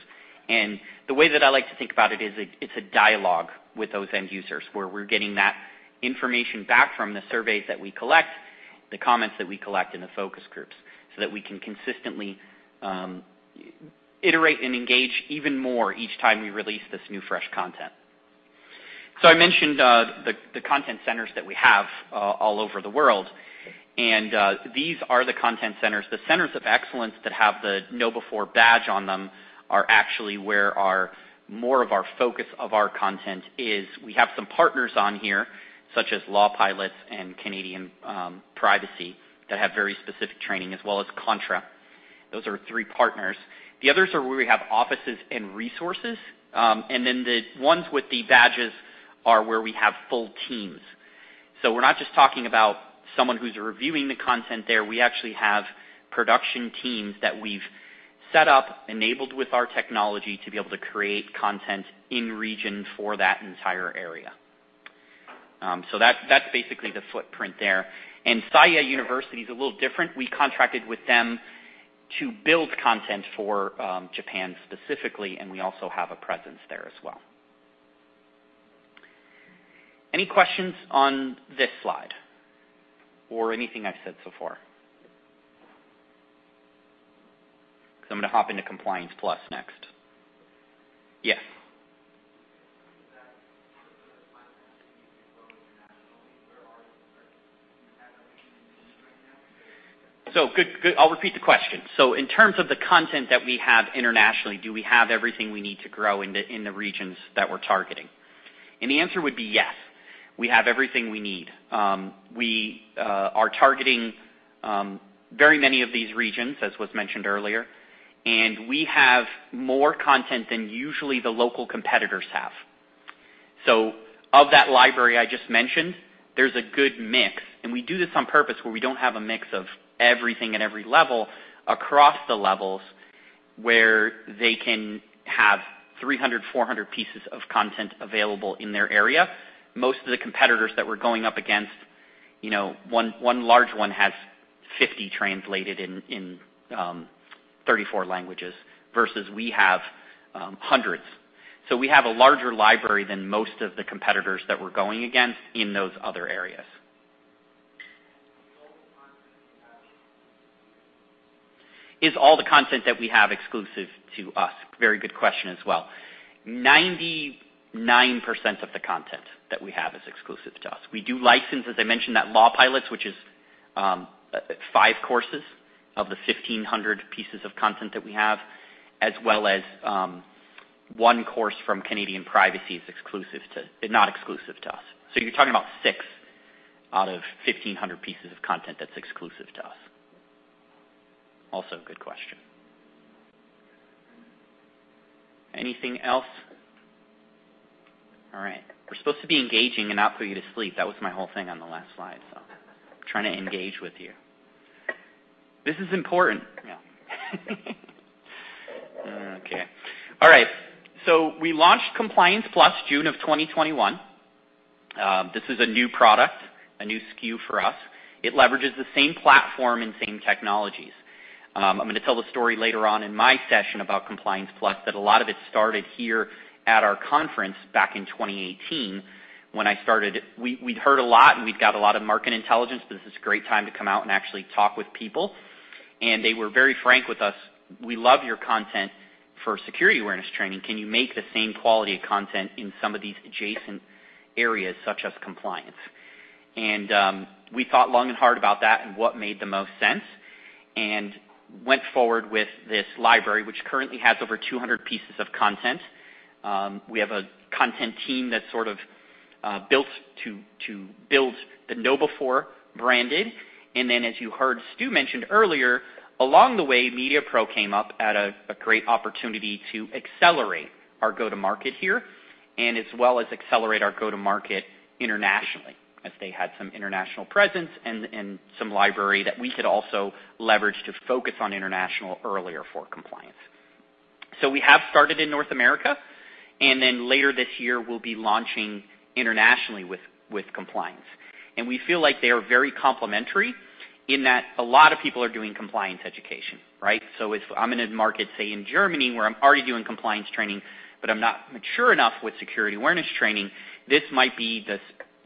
The way that I like to think about it is it's a dialogue with those end users, where we're getting that information back from the surveys that we collect, the comments that we collect in the focus groups, so that we can consistently iterate and engage even more each time we release this new, fresh content. I mentioned the content centers that we have all over the world, and these are the content centers. The centers of excellence that have the KnowBe4 badge on them are actually where our more of our focus of our content is. We have some partners on here, such as lawpilots and Canadian Privacy, that have very specific training, as well as Kontra. Those are our three partners. The others are where we have offices and resources. The ones with the badges are where we have full teams. We're not just talking about someone who's reviewing the content there. We actually have production teams that we've set up, enabled with our technology to be able to create content in region for that entire area. That's basically the footprint there. SAYA University is a little different. We contracted with them to build content for Japan specifically, and we also have a presence there as well. Any questions on this slide or anything I've said so far? Because I'm gonna hop into Compliance Plus next. Yes. Good, good. I'll repeat the question. In terms of the content that we have internationally, do we have everything we need to grow in the regions that we're targeting? The answer would be yes. We have everything we need. We are targeting very many of these regions, as was mentioned earlier, and we have more content than usually the local competitors have. Of that library I just mentioned, there's a good mix, and we do this on purpose, where we don't have a mix of everything at every level across the levels, where they can have 300, 400 pieces of content available in their area. Most of the competitors that we're going up against, you know, one large one has 50 translated in 34 languages versus we have hundreds. We have a larger library than most of the competitors that we're going against in those other areas. Is all the content that we have exclusive to us? Very good question as well. 99% of the content that we have is exclusive to us. We do license, as I mentioned, that lawpilots, which is five courses of the 1,500 pieces of content that we have, as well as one course from Canadian Privacy is not exclusive to us. You're talking about six out of 1,500 pieces of content that's exclusive to us. Also good question. Anything else? All right. We're supposed to be engaging and not put you to sleep. That was my whole thing on the last slide, so I'm trying to engage with you. This is important. Yeah. Okay. All right. We launched Compliance Plus June 2021. This is a new product, a new SKU for us. It leverages the same platform and same technologies. I'm gonna tell the story later on in my session about Compliance Plus that a lot of it started here at our conference back in 2018 when I started. We'd heard a lot, and we'd got a lot of market intelligence, but this is a great time to come out and actually talk with people. They were very frank with us. "We love your content for security awareness training. Can you make the same quality of content in some of these adjacent areas, such as compliance?" We thought long and hard about that and what made the most sense, and went forward with this library, which currently has over 200 pieces of content. We have a content team that sort of built to build the KnowBe4 branded. As you heard Stu mention earlier, along the way, MediaPRO came up at a great opportunity to accelerate our go-to-market here and as well as accelerate our go-to-market internationally, as they had some international presence and some library that we could also leverage to focus on international earlier for compliance. We have started in North America, and then later this year we'll be launching internationally with compliance. We feel like they are very complementary in that a lot of people are doing compliance education, right? If I'm in a market, say in Germany, where I'm already doing compliance training, but I'm not mature enough with security awareness training, this might be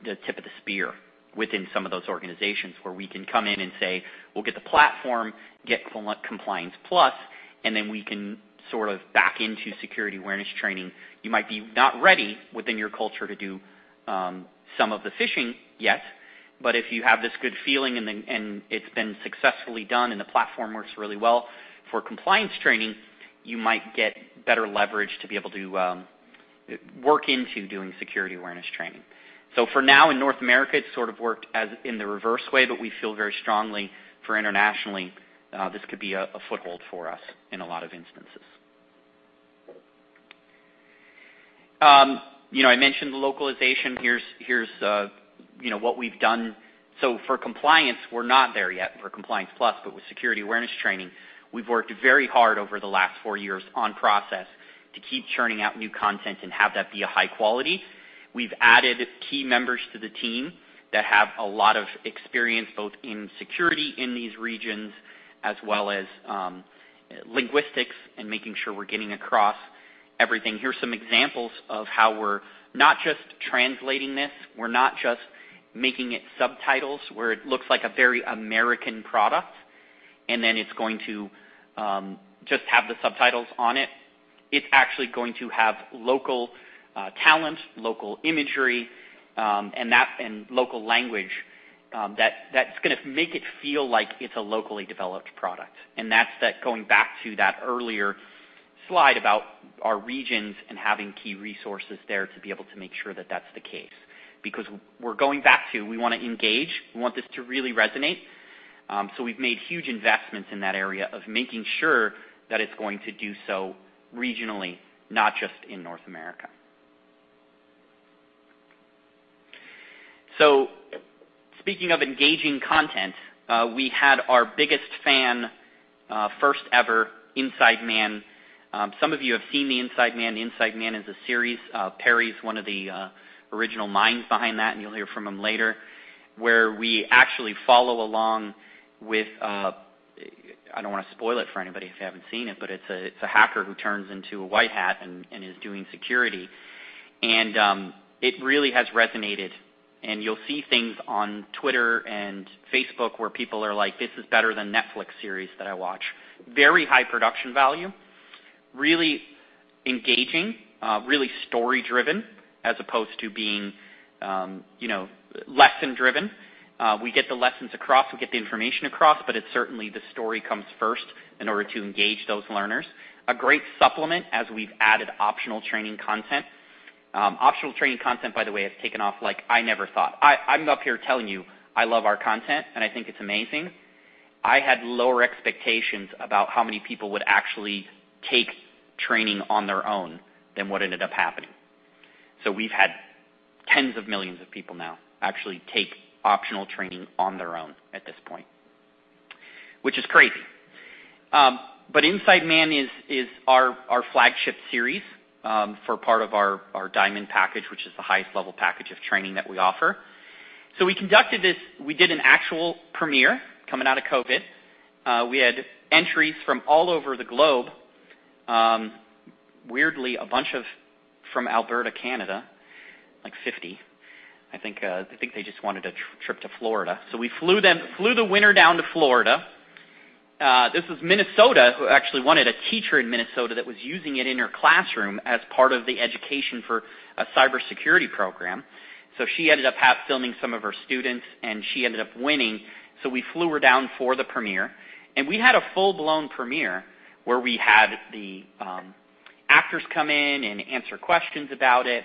the tip of the spear within some of those organizations where we can come in and say, "We'll get the platform, get Compliance Plus, and then we can sort of back into security awareness training." You might be not ready within your culture to do some of the phishing yet, but if you have this good feeling and it's been successfully done and the platform works really well for compliance training, you might get better leverage to be able to work into doing security awareness training. For now in North America, it's sort of worked as in the reverse way, but we feel very strongly for internationally, this could be a foothold for us in a lot of instances. You know, I mentioned the localization. Here's you know, what we've done. For compliance, we're not there yet for Compliance Plus. But with security awareness training, we've worked very hard over the last four years on process to keep churning out new content and have that be a high quality. We've added key members to the team that have a lot of experience, both in security in these regions as well as linguistics and making sure we're getting across everything. Here's some examples of how we're not just translating this. We're not just making it subtitles, where it looks like a very American product, and then it's going to just have the subtitles on it. It's actually going to have local talent, local imagery, and local language that that's gonna make it feel like it's a locally developed product. That's going back to that earlier slide about our regions and having key resources there to be able to make sure that that's the case. Because we're going back to we wanna engage, we want this to really resonate. We've made huge investments in that area of making sure that it's going to do so regionally, not just in North America. Speaking of engaging content, we had our biggest fan first ever Inside Man. Some of you have seen the Inside Man. Inside Man is a series. Perry's one of the original minds behind that, and you'll hear from him later, where we actually follow along with, I don't wanna spoil it for anybody if you haven't seen it, but it's a hacker who turns into a white hat and is doing security. It really has resonated. You'll see things on Twitter and Facebook where people are like, "This is better than Netflix series that I watch." Very high production value, really engaging, really story driven as opposed to being, you know, lesson driven. We get the lessons across, we get the information across, but it's certainly the story comes first in order to engage those learners. A great supplement as we've added optional training content. Optional training content, by the way, has taken off like I never thought. I'm up here telling you I love our content, and I think it's amazing. I had lower expectations about how many people would actually take training on their own than what ended up happening. We've had tens of millions of people now actually take optional training on their own at this point, which is crazy. Inside Man is our flagship series for part of our Diamond package, which is the highest level package of training that we offer. We did an actual premiere coming out of COVID. We had entries from all over the globe. Weirdly from Alberta, Canada, like 50. I think they just wanted a trip to Florida, so we flew the winner down to Florida. This was Minnesota, who actually wanted a teacher in Minnesota that was using it in her classroom as part of the education for a cybersecurity program. She ended up half filming some of her students, and she ended up winning, so we flew her down for the premiere. We had a full-blown premiere where we had the actors come in and answer questions about it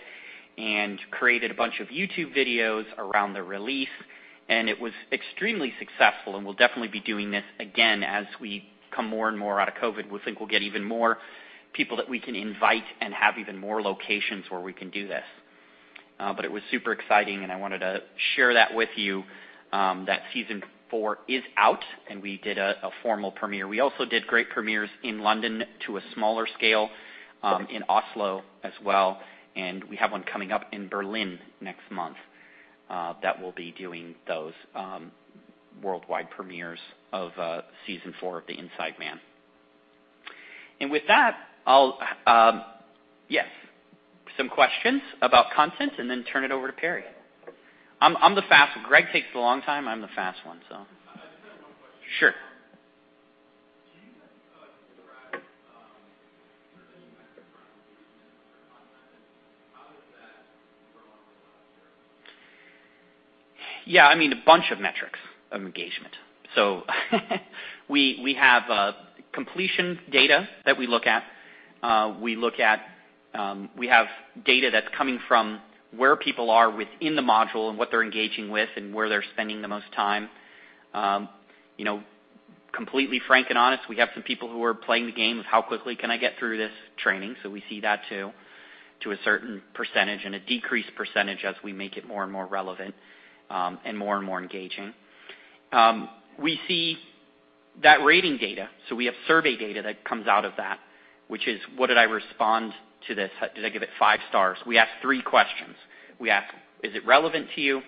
and created a bunch of YouTube videos around the release. It was extremely successful, and we'll definitely be doing this again as we come more and more out of COVID. We think we'll get even more people that we can invite and have even more locations where we can do this. It was super exciting, and I wanted to share that with you, that season four is out, and we did a formal premiere. We also did great premieres in London on a smaller scale, in Oslo as well, and we have one coming up in Berlin next month, that will be doing those worldwide premieres of season four of The Inside Man. With that, I'll take some questions about content and then turn it over to Perry. Greg takes a long time. I'm the fast one, so. I just had one question. Sure. Can you guys describe engagement metrics around the use of this third content and how does that correlate with last year? Yeah, I mean, a bunch of metrics of engagement. We have completion data that we look at. We have data that's coming from where people are within the module and what they're engaging with and where they're spending the most time. You know, completely frank and honest, we have some people who are playing the game of how quickly can I get through this training, so we see that too to a certain percentage and a decreased percentage as we make it more and more relevant, and more and more engaging. We see that rating data, so we have survey data that comes out of that, which is what did I respond to this? Did I give it five stars? We ask three questions. We ask, is it relevant to you?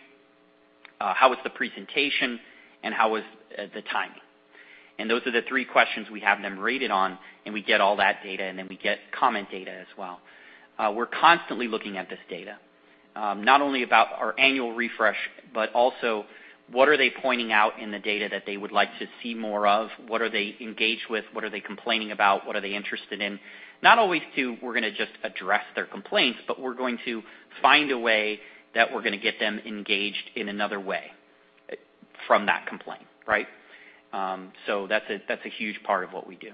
How was the presentation? How was the timing? Those are the three questions we have them rated on, and we get all that data, and then we get comment data as well. We're constantly looking at this data, not only about our annual refresh, but also what are they pointing out in the data that they would like to see more of? What are they engaged with? What are they complaining about? What are they interested in? Not always are we gonna just address their complaints, but we're going to find a way that we're gonna get them engaged in another way from that complaint, right? That's a huge part of what we do.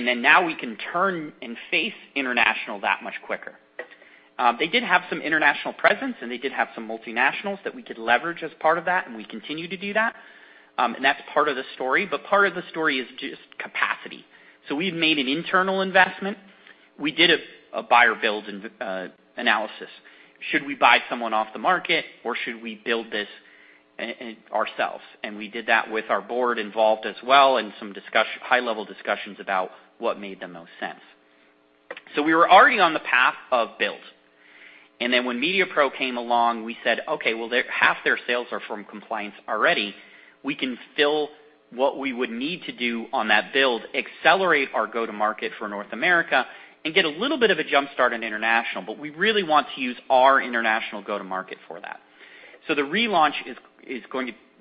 Now we can turn and face international that much quicker. They did have some international presence, and they did have some multinationals that we could leverage as part of that, and we continue to do that. That's part of the story. Part of the story is just capacity. We've made an internal investment. We did a buy or build analysis. Should we buy someone off the market, or should we build this and ourselves? We did that with our board involved as well and some high-level discussions about what made the most sense. We were already on the path of build. Then when MediaPRO came along, we said, "Okay, well, half their sales are from compliance already. We can fill what we would need to do on that build, accelerate our go-to-market for North America, and get a little bit of a jump-start in international, but we really want to use our international go-to-market for that." The relaunch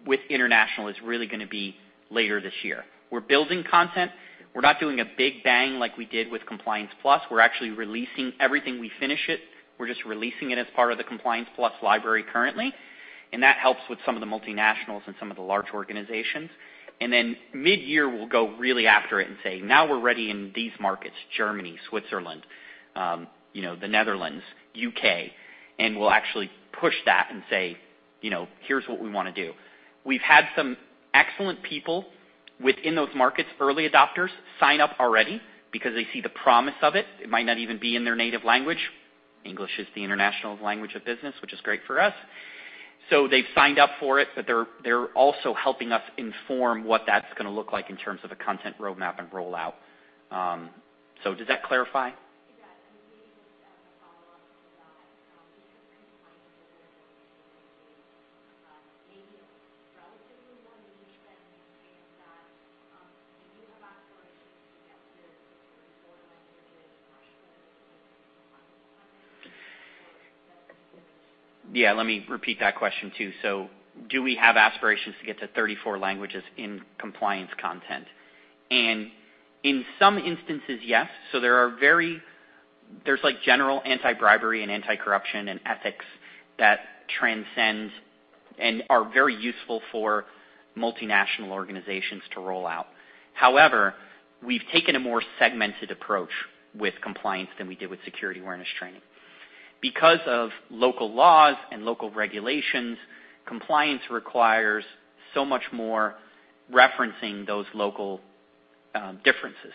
with international is really going to be later this year. We're building content. We're not doing a big bang like we did with Compliance Plus. We're actually releasing everything we finish it. We're just releasing it as part of the Compliance Plus library currently, and that helps with some of the multinationals and some of the large organizations. Then midyear, we'll go really after it and say, "Now we're ready in these markets, Germany, Switzerland, you know, the Netherlands, U.K.," and we'll actually push that and say, you know, "Here's what we wanna do." We've had some excellent people within those markets, early adopters, sign up already because they see the promise of it. It might not even be in their native language. English is the international language of business, which is great for us. They've signed up for it, but they're also helping us inform what that's gonna look like in terms of the content roadmap and rollout. Does that clarify? Yeah. I mean, maybe just as a follow-up to that, because compliance is a very big space, maybe relatively more niche than saying that, do you have aspirations to get to 34 languages or should it be final time or is that? Yeah, let me repeat that question, too. Do we have aspirations to get to 34 languages in compliance content? In some instances, yes. There's like general anti-bribery and anti-corruption and ethics that transcend and are very useful for multinational organizations to roll out. However, we've taken a more segmented approach with compliance than we did with security awareness training. Because of local laws and local regulations, compliance requires so much more referencing those local differences.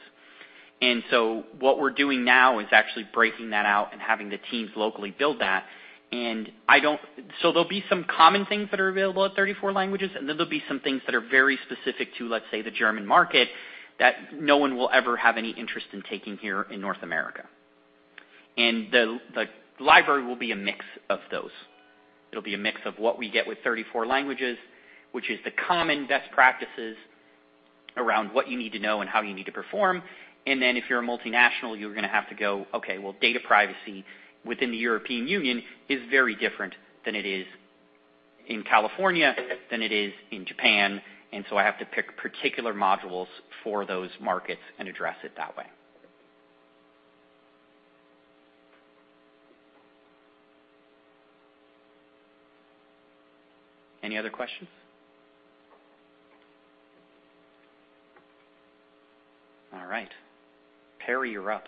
What we're doing now is actually breaking that out and having the teams locally build that. There'll be some common things that are available at 34 languages, and then there'll be some things that are very specific to, let's say, the German market that no one will ever have any interest in taking here in North America. The library will be a mix of those. It'll be a mix of what we get with 34 languages, which is the common best practices around what you need to know and how you need to perform. If you're a multinational, you're gonna have to go, okay, well, data privacy within the European Union is very different than it is in California, than it is in Japan. I have to pick particular modules for those markets and address it that way. Any other questions? All right. Perry, you're up.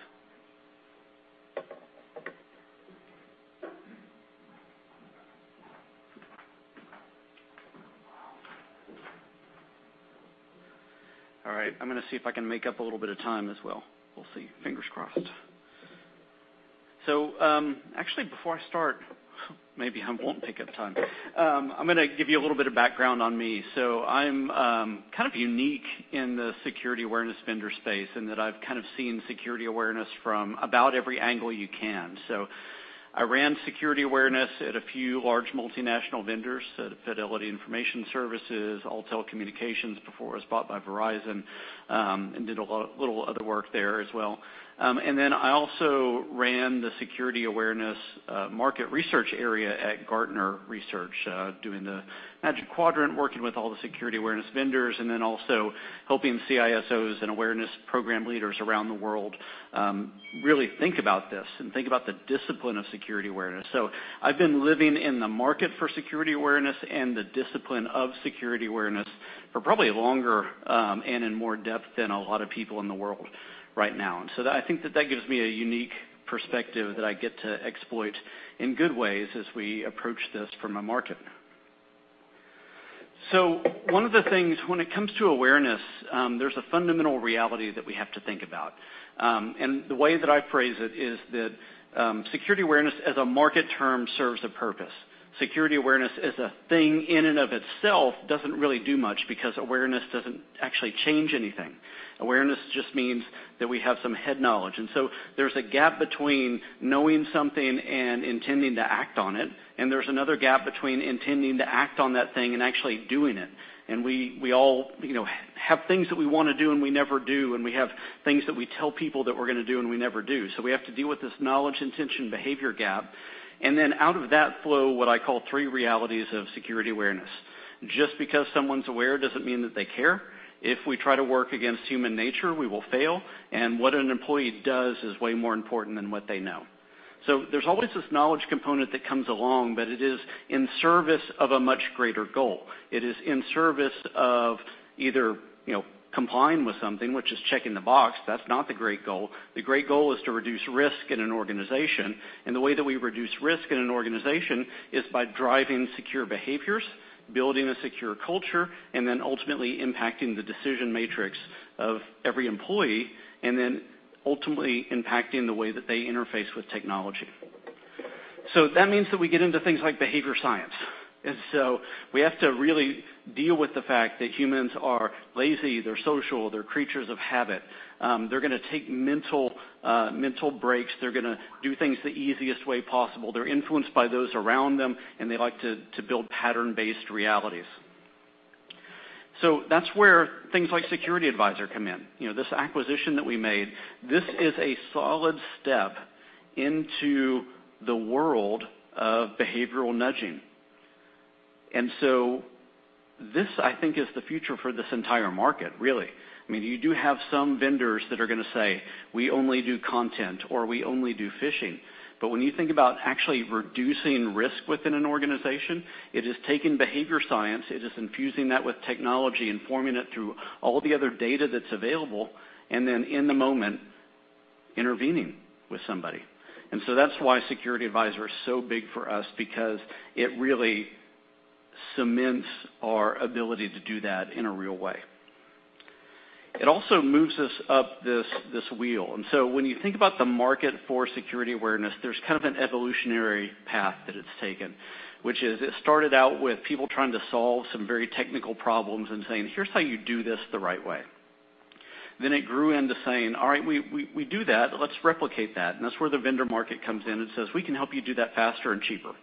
All right, I'm gonna see if I can make up a little bit of time as well. We'll see. Fingers crossed. Actually, before I start, maybe I won't make up time. I'm gonna give you a little bit of background on me. I'm kind of unique in the security awareness vendor space, in that I've kind of seen security awareness from about every angle you can. I ran security awareness at a few large multinational vendors, so the Fidelity National Information Services, Alltel Communications before it was bought by Verizon, and did a little other work there as well. I also ran the security awareness market research area at Gartner, doing the Magic Quadrant, working with all the security awareness vendors, and then also helping CISOs and awareness program leaders around the world, really think about this and think about the discipline of security awareness. I've been living in the market for security awareness and the discipline of security awareness for probably longer, and in more depth than a lot of people in the world right now. I think that gives me a unique perspective that I get to exploit in good ways as we approach this from a market. One of the things when it comes to awareness, there's a fundamental reality that we have to think about. The way that I phrase it is that security awareness as a market term serves a purpose. Security awareness as a thing in and of itself doesn't really do much because awareness doesn't actually change anything. Awareness just means that we have some head knowledge. There's a gap between knowing something and intending to act on it, and there's another gap between intending to act on that thing and actually doing it. We all, you know, have things that we wanna do and we never do, and we have things that we tell people that we're gonna do and we never do. We have to deal with this knowledge-intention-behavior gap. Then out of that flow, what I call three realities of security awareness. Just because someone's aware doesn't mean that they care. If we try to work against human nature, we will fail. What an employee does is way more important than what they know. There's always this knowledge component that comes along, but it is in service of a much greater goal. It is in service of either, you know, complying with something, which is checking the box. That's not the great goal. The great goal is to reduce risk in an organization. The way that we reduce risk in an organization is by driving secure behaviors, building a secure culture, and then ultimately impacting the decision matrix of every employee, and then ultimately impacting the way that they interface with technology. That means that we get into things like behavior science. We have to really deal with the fact that humans are lazy, they're social, they're creatures of habit. They're gonna take mental breaks. They're gonna do things the easiest way possible. They're influenced by those around them, and they like to build pattern-based realities. That's where things like SecurityAdvisor come in. You know, this acquisition that we made, this is a solid step into the world of behavioral nudging. This, I think, is the future for this entire market, really. I mean, you do have some vendors that are gonna say, "We only do content," or, "We only do phishing." When you think about actually reducing risk within an organization, it is taking behavior science, it is infusing that with technology and forming it through all the other data that's available, and then in the moment, intervening with somebody. That's why SecurityAdvisor is so big for us because it really cements our ability to do that in a real way. It also moves us up this wheel. When you think about the market for security awareness, there's kind of an evolutionary path that it's taken, which is it started out with people trying to solve some very technical problems and saying, "Here's how you do this the right way." It grew into saying, "All right, we do that. Let's replicate that." That's where the vendor market comes in and says, "We can help you do that faster and cheaper,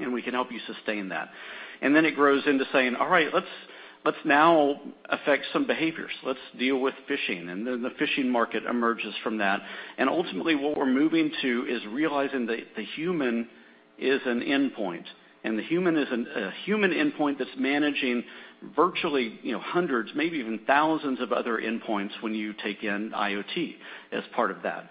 and we can help you sustain that." It grows into saying, "All right, let's now affect some behaviors. Let's deal with phishing." The phishing market emerges from that. Ultimately, what we're moving to is realizing that the human is an endpoint, and the human is a human endpoint that's managing virtually, you know, hundreds, maybe even thousands of other endpoints when you take in IoT as part of that.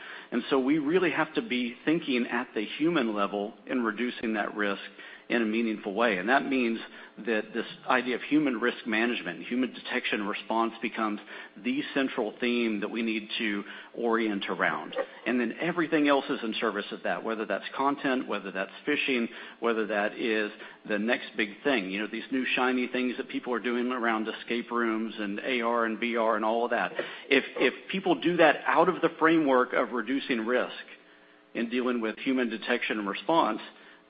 We really have to be thinking at the human level in reducing that risk in a meaningful way. That means that this idea of human risk management, human detection response becomes the central theme that we need to orient around. Then everything else is in service of that, whether that's content, whether that's phishing, whether that is the next big thing, you know, these new shiny things that people are doing around escape rooms and AR and VR and all of that. If people do that out of the framework of reducing risk and dealing with human detection and response,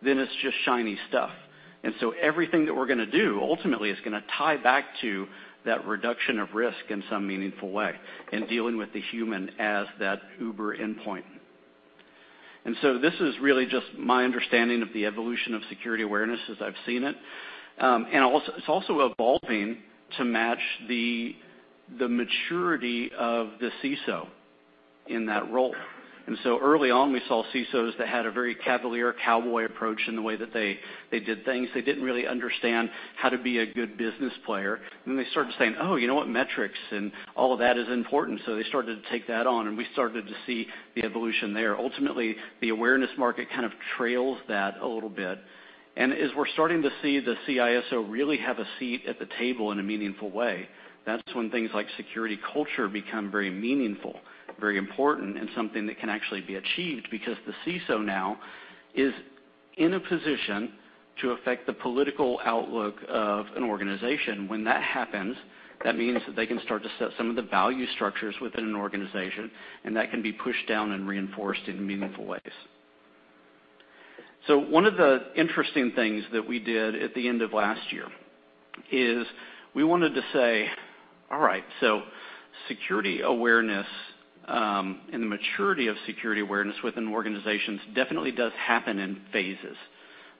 then it's just shiny stuff. Everything that we're gonna do ultimately is gonna tie back to that reduction of risk in some meaningful way in dealing with the human as that uber endpoint. This is really just my understanding of the evolution of security awareness as I've seen it. It's also evolving to match the maturity of the CISO in that role. Early on, we saw CISOs that had a very cavalier cowboy approach in the way that they did things. They didn't really understand how to be a good business player. They started saying, "Oh, you know what? Metrics and all of that is important." They started to take that on, and we started to see the evolution there. Ultimately, the awareness market kind of trails that a little bit. As we're starting to see the CISO really have a seat at the table in a meaningful way, that's when things like security culture become very meaningful, very important, and something that can actually be achieved because the CISO now is in a position to affect the political outlook of an organization. When that happens, that means that they can start to set some of the value structures within an organization, and that can be pushed down and reinforced in meaningful ways. One of the interesting things that we did at the end of last year is we wanted to say, all right, so security awareness and the maturity of security awareness within organizations definitely does happen in phases.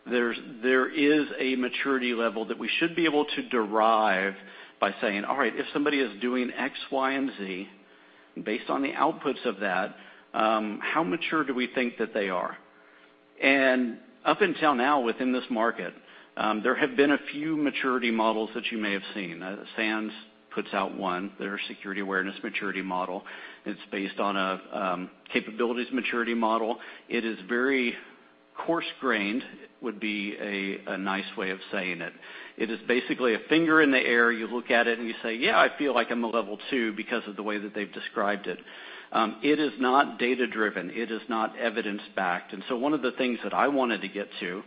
There is a maturity level that we should be able to derive by saying, all right, if somebody is doing X, Y, and Z, based on the outputs of that, how mature do we think that they are? Up until now, within this market, there have been a few maturity models that you may have seen. SANS puts out one, their security awareness maturity model. It's based on a capabilities maturity model. It is very coarse-grained, would be a nice way of saying it. It is basically a finger in the air. You look at it and you say, "Yeah, I feel like I'm a level two because of the way that they've described it." It is not data-driven. It is not evidence-backed. One of the things that I wanted to get to,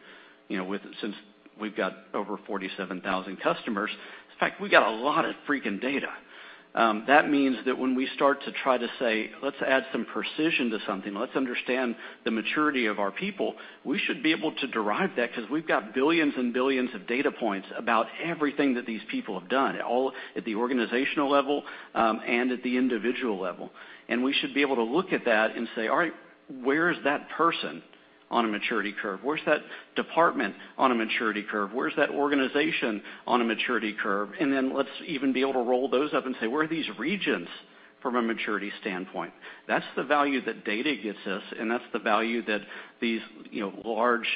you know, since we've got over 47,000 customers, in fact, we got a lot of freaking data. That means that when we start to try to say, "Let's add some precision to something. Let's understand the maturity of our people," we should be able to derive that 'cause we've got billions and billions of data points about everything that these people have done, all at the organizational level, and at the individual level. We should be able to look at that and say, all right, where is that person on a maturity curve? Where's that department on a maturity curve? Where's that organization on a maturity curve? Let's even be able to roll those up and say, where are these regions from a maturity standpoint? That's the value that data gets us, and that's the value that these, you know, large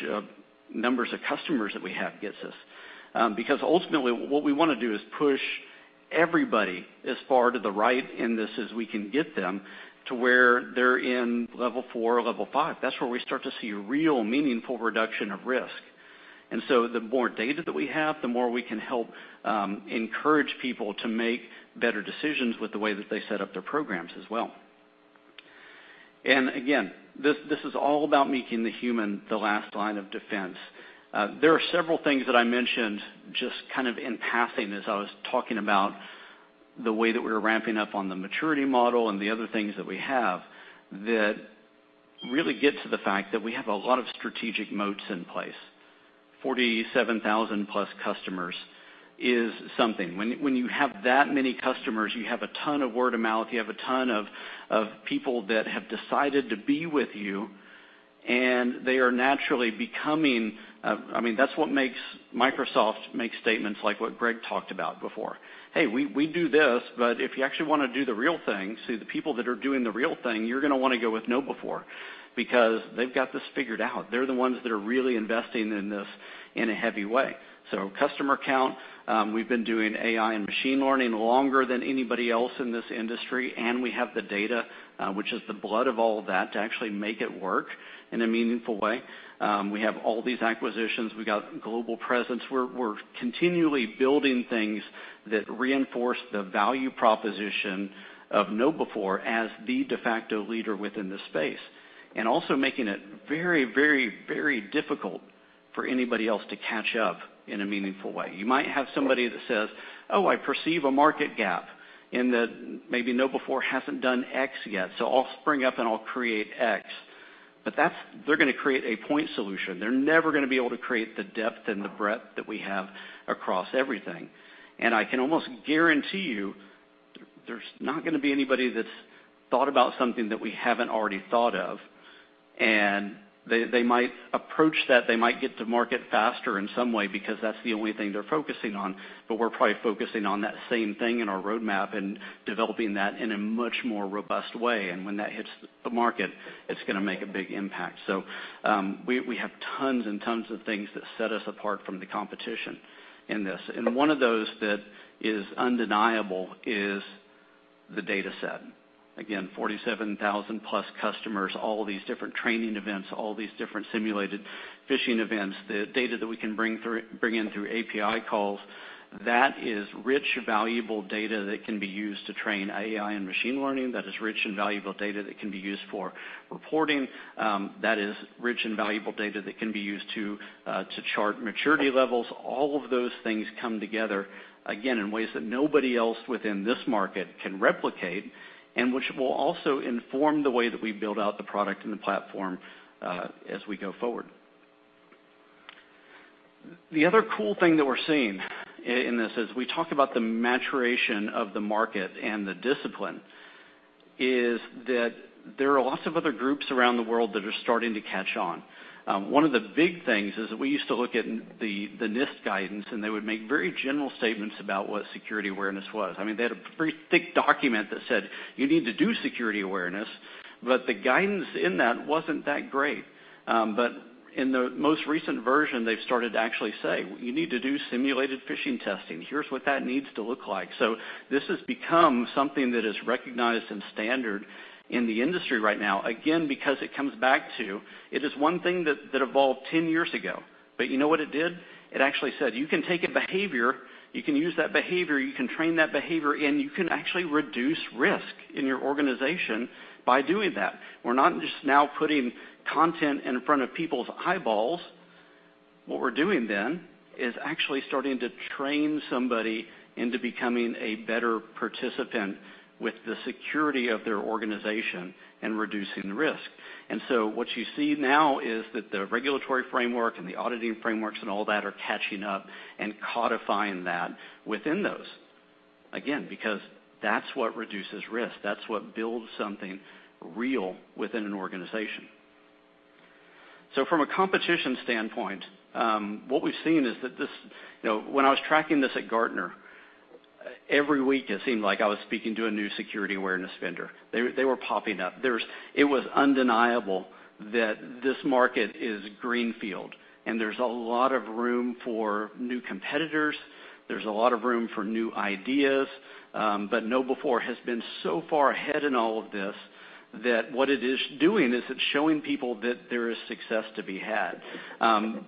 numbers of customers that we have gets us. Because ultimately, what we wanna do is push everybody as far to the right in this as we can get them to where they're in level four or level five. That's where we start to see real meaningful reduction of risk. The more data that we have, the more we can help encourage people to make better decisions with the way that they set up their programs as well. This is all about making the human the last line of defense. There are several things that I mentioned just kind of in passing as I was talking about the way that we're ramping up on the maturity model and the other things that we have that really get to the fact that we have a lot of strategic moats in place. 47,000+ customers is something. When you have that many customers, you have a ton of word-of-mouth, you have a ton of people that have decided to be with you, and they are naturally becoming, I mean, that's what makes Microsoft make statements like what Greg talked about before. "Hey, we do this, but if you actually wanna do the real thing, see the people that are doing the real thing, you're gonna wanna go with KnowBe4 because they've got this figured out. They're the ones that are really investing in this in a heavy way. Customer count, we've been doing AI and machine learning longer than anybody else in this industry, and we have the data, which is the blood of all of that, to actually make it work in a meaningful way. We have all these acquisitions. We got global presence. We're continually building things that reinforce the value proposition of KnowBe4 as the de facto leader within this space, and also making it very, very, very difficult for anybody else to catch up in a meaningful way. You might have somebody that says, "Oh, I perceive a market gap in that maybe KnowBe4 hasn't done X yet, so I'll spring up and I'll create X." But that's. They're gonna create a point solution. They're never gonna be able to create the depth and the breadth that we have across everything. I can almost guarantee you there's not gonna be anybody that's thought about something that we haven't already thought of. They might approach that, they might get to market faster in some way because that's the only thing they're focusing on, but we're probably focusing on that same thing in our roadmap and developing that in a much more robust way. When that hits the market, it's gonna make a big impact. We have tons and tons of things that set us apart from the competition in this. One of those that is undeniable is the dataset. Again, 47,000+ customers, all these different training events, all these different simulated phishing events, the data that we can bring in through API calls, that is rich, valuable data that can be used to train AI and machine learning. That is rich and valuable data that can be used for reporting. That is rich and valuable data that can be used to chart maturity levels. All of those things come together, again, in ways that nobody else within this market can replicate, and which will also inform the way that we build out the product and the platform, as we go forward. The other cool thing that we're seeing in this is we talk about the maturation of the market and the discipline, is that there are lots of other groups around the world that are starting to catch on. One of the big things is that we used to look at the NIST guidance, and they would make very general statements about what security awareness was. I mean, they had a pretty thick document that said, "You need to do security awareness," but the guidance in that wasn't that great. In the most recent version, they've started to actually say, "You need to do simulated phishing testing. Here's what that needs to look like." This has become something that is recognized and standard in the industry right now, again, because it comes back to it is one thing that evolved ten years ago. You know what it did? It actually said, "You can take a behavior, you can use that behavior, you can train that behavior, and you can actually reduce risk in your organization by doing that." We're not just now putting content in front of people's eyeballs. What we're doing then is actually starting to train somebody into becoming a better participant with the security of their organization and reducing the risk. What you see now is that the regulatory framework and the auditing frameworks and all that are catching up and codifying that within those, again, because that's what reduces risk. That's what builds something real within an organization. From a competition standpoint, what we've seen is that this. You know, when I was tracking this at Gartner, every week it seemed like I was speaking to a new security awareness vendor. They were popping up. It was undeniable that this market is greenfield, and there's a lot of room for new competitors. There's a lot of room for new ideas. But KnowBe4 has been so far ahead in all of this that what it is doing is it's showing people that there is success to be had.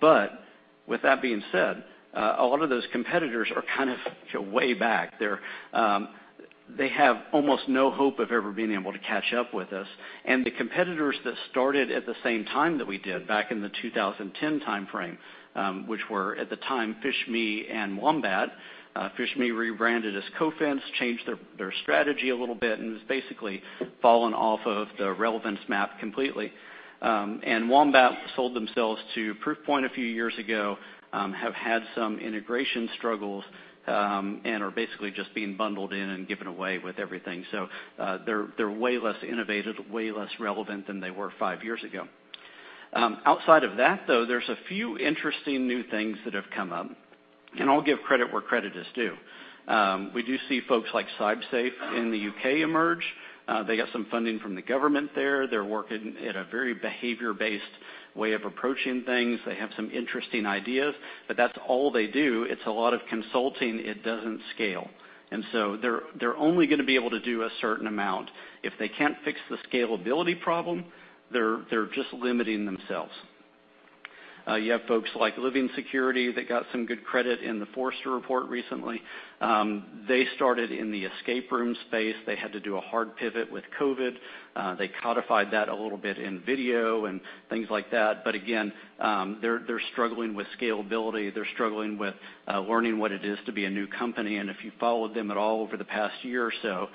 But with that being said, a lot of those competitors are kind of way back. They have almost no hope of ever being able to catch up with us. The competitors that started at the same time that we did back in the 2010 timeframe, which were at the time PhishMe and Wombat, PhishMe rebranded as Cofense, changed their strategy a little bit, and has basically fallen off of the relevance map completely. Wombat sold themselves to Proofpoint a few years ago, have had some integration struggles, and are basically just being bundled in and given away with everything. They're way less innovative, way less relevant than they were five years ago. Outside of that, though, there's a few interesting new things that have come up, and I'll give credit where credit is due. We do see folks like CybSafe in the U.K. emerge. They got some funding from the government there. They're working in a very behavior-based way of approaching things. They have some interesting ideas, but that's all they do. It's a lot of consulting. It doesn't scale. They're only gonna be able to do a certain amount. If they can't fix the scalability problem, they're just limiting themselves. You have folks like Living Security that got some good credit in the Forrester report recently. They started in the escape room space. They had to do a hard pivot with COVID. They codified that a little bit in video and things like that. They’re struggling with scalability. They're struggling with learning what it is to be a new company. If you followed them at all over the past year or so,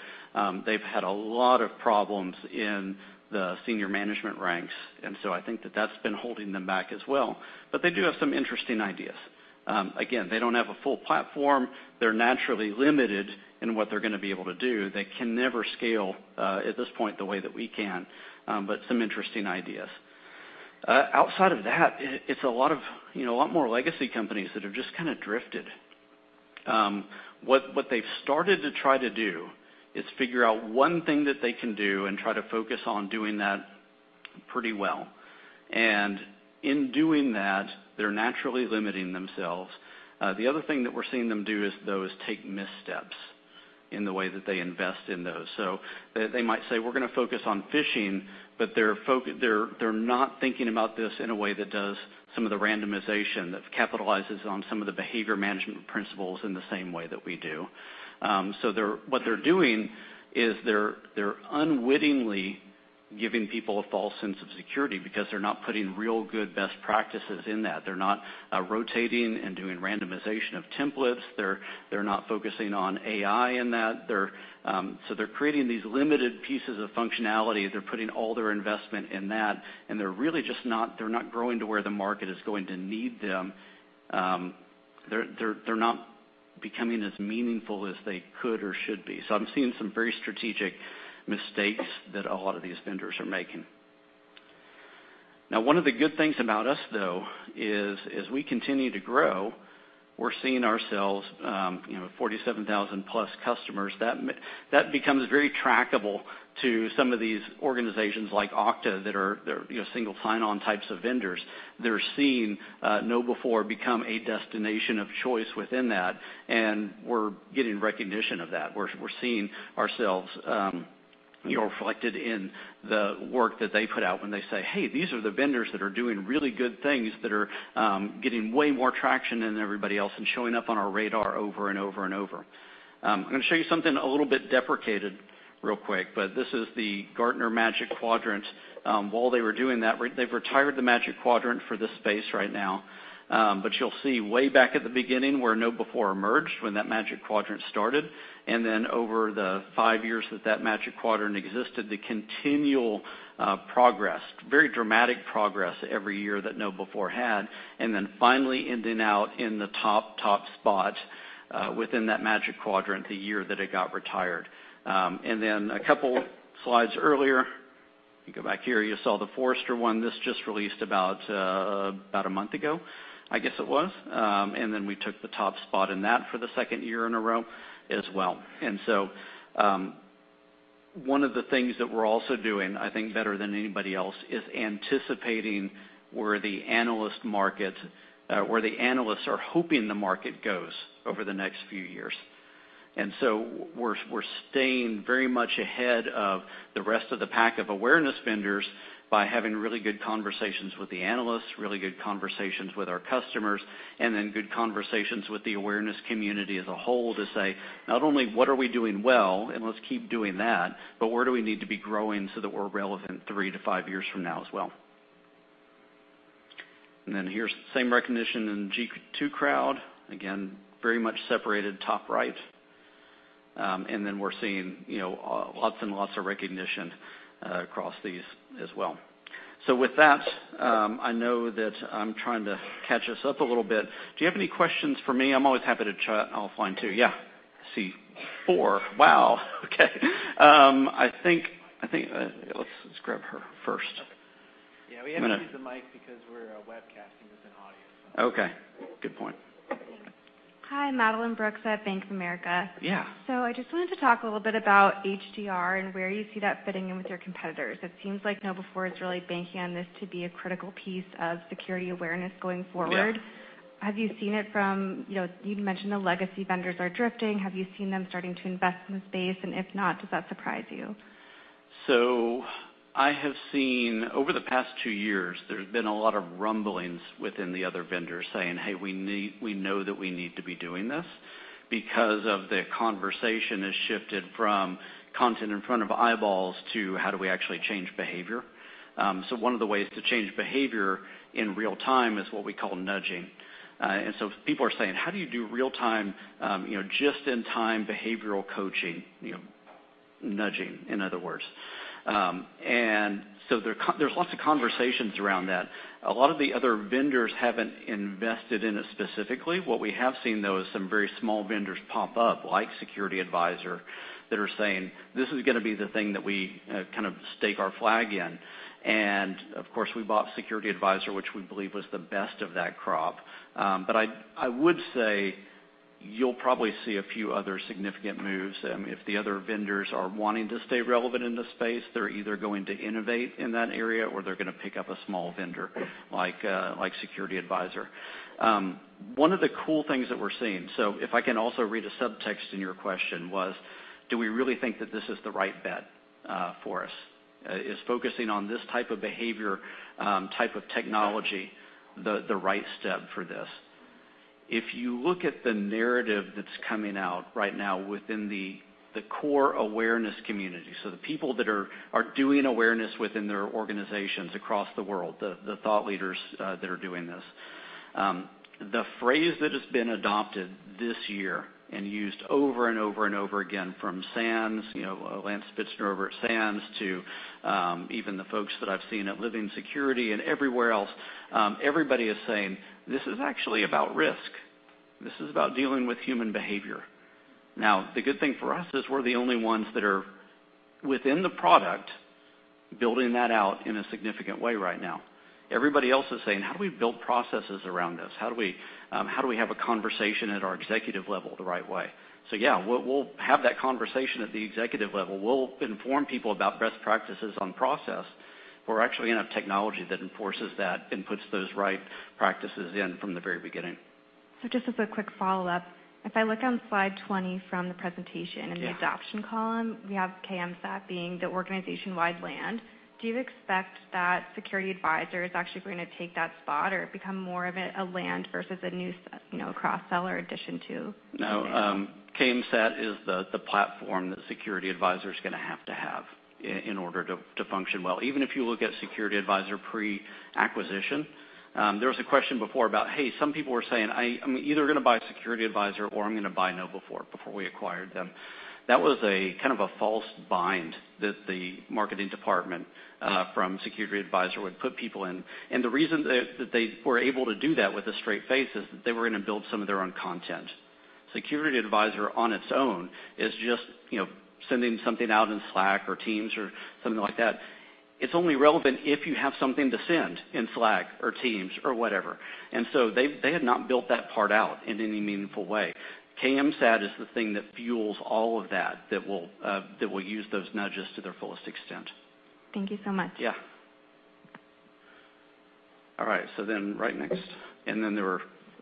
they've had a lot of problems in the senior management ranks, and so I think that that's been holding them back as well. They do have some interesting ideas. Again, they don't have a full platform. They're naturally limited in what they're gonna be able to do. They can never scale at this point the way that we can, but some interesting ideas. Outside of that, it's a lot of, you know, a lot more legacy companies that have just kinda drifted. What they've started to try to do is figure out one thing that they can do and try to focus on doing that pretty well. In doing that, they're naturally limiting themselves. The other thing that we're seeing them do is they take missteps in the way that they invest in those. They might say, "We're gonna focus on phishing," but they're not thinking about this in a way that does some of the randomization that capitalizes on some of the behavior management principles in the same way that we do. What they're doing is they're unwittingly giving people a false sense of security because they're not putting real good best practices in that. They're not rotating and doing randomization of templates. They're not focusing on AI in that. They're creating these limited pieces of functionality. They're putting all their investment in that, and they're really just not growing to where the market is going to need them. They're not becoming as meaningful as they could or should be. I'm seeing some very strategic mistakes that a lot of these vendors are making. Now one of the good things about us, though, is as we continue to grow, we're seeing ourselves, you know, 47,000+ customers. That becomes very trackable to some of these organizations like Okta that are, they're, you know, single sign-on types of vendors. They're seeing KnowBe4 become a destination of choice within that, and we're getting recognition of that. We're seeing ourselves, you know, reflected in the work that they put out when they say, "Hey, these are the vendors that are doing really good things, that are getting way more traction than everybody else and showing up on our radar over and over and over." I'm gonna show you something a little bit deprecated real quick, but this is the Gartner Magic Quadrant. While they were doing that, they've retired the Magic Quadrant for this space right now. You'll see way back at the beginning where KnowBe4 emerged, when that Magic Quadrant started, and then over the five years that Magic Quadrant existed, the continual progress, very dramatic progress every year that KnowBe4 had, and then finally ending up in the top spot within that Magic Quadrant the year that it got retired. A couple slides earlier, let me go back here, you saw the Forrester one. This just released about a month ago, I guess it was. We took the top spot in that for the second year in a row as well. One of the things that we're also doing, I think better than anybody else, is anticipating where the analyst market, where the analysts are hoping the market goes over the next few years. We're staying very much ahead of the rest of the pack of awareness vendors by having really good conversations with the analysts, really good conversations with our customers, and then good conversations with the awareness community as a whole to say not only what are we doing well, and let's keep doing that, but where do we need to be growing so that we're relevant three to five years from now as well. Here's the same recognition in G2 Crowd. Again, very much separated top right. We're seeing, you know, lots and lots of recognition across these as well. With that, I know that I'm trying to catch us up a little bit. Do you have any questions for me. I'm always happy to chat offline too. Yeah. I see four. Wow. Okay. I think, let's grab her first. Perfect. Yeah, we have to use the mic because we're webcasting with an audience. Okay. Good point. Hi. Madeline Brooks at Bank of America. Yeah. I just wanted to talk a little bit about HDR and where you see that fitting in with your competitors. It seems like KnowBe4 is really banking on this to be a critical piece of security awareness going forward. Yeah. Have you seen it from, you know, you'd mentioned the legacy vendors are drifting? Have you seen them starting to invest in the space? If not, does that surprise you? I have seen over the past two years, there's been a lot of rumblings within the other vendors saying, "Hey, we know that we need to be doing this," because the conversation has shifted from content in front of eyeballs to how do we actually change behavior. One of the ways to change behavior in real time is what we call nudging. People are saying, "How do you do real-time, you know, just in time behavioral coaching?" You know, nudging, in other words. There's lots of conversations around that. A lot of the other vendors haven't invested in it specifically. What we have seen, though, is some very small vendors pop up, like SecurityAdvisor, that are saying, "This is gonna be the thing that we kind of stake our flag in." Of course, we bought SecurityAdvisor, which we believe was the best of that crop. But I would say you'll probably see a few other significant moves. If the other vendors are wanting to stay relevant in this space, they're either going to innovate in that area or they're gonna pick up a small vendor like SecurityAdvisor. One of the cool things that we're seeing, so if I can also read a subtext in your question, was do we really think that this is the right bet? For us. Is focusing on this type of behavior, type of technology, the right step for this. If you look at the narrative that's coming out right now within the core awareness community, so the people that are doing awareness within their organizations across the world, the thought leaders that are doing this. The phrase that has been adopted this year and used over and over and over again from SANS, you know, Lance Spitzner over at SANS, to even the folks that I've seen at Living Security and everywhere else, everybody is saying this is actually about risk. This is about dealing with human behavior. Now, the good thing for us is we're the only ones that are within the product building that out in a significant way right now. Everybody else is saying, "How do we build processes around this? How do we have a conversation at our executive level the right way?" Yeah, we'll have that conversation at the executive level. We'll inform people about best practices on process. We're actually gonna have technology that enforces that and puts those right practices in from the very beginning. Just as a quick follow-up, if I look on slide 20 from the presentation. Yeah. In the adoption column, we have KMSAT being the organization-wide land. Do you expect that SecurityAdvisor is actually going to take that spot or become more of a land versus a new, you know, a cross-sell or addition to? No. KMSAT is the platform that SecurityAdvisor's gonna have to have in order to function well. Even if you look at SecurityAdvisor pre-acquisition, there was a question before about, hey, some people were saying, "I'm either gonna buy SecurityAdvisor or I'm gonna buy KnowBe4," before we acquired them. That was kind of a false bind that the marketing department from SecurityAdvisor would put people in. The reason that they were able to do that with a straight face is that they were gonna build some of their own content. SecurityAdvisor on its own is just, you know, sending something out in Slack or Teams or something like that. It's only relevant if you have something to send in Slack or Teams or whatever. They had not built that part out in any meaningful way. KMSAT is the thing that fuels all of that will use those nudges to their fullest extent. Thank you so much. All right.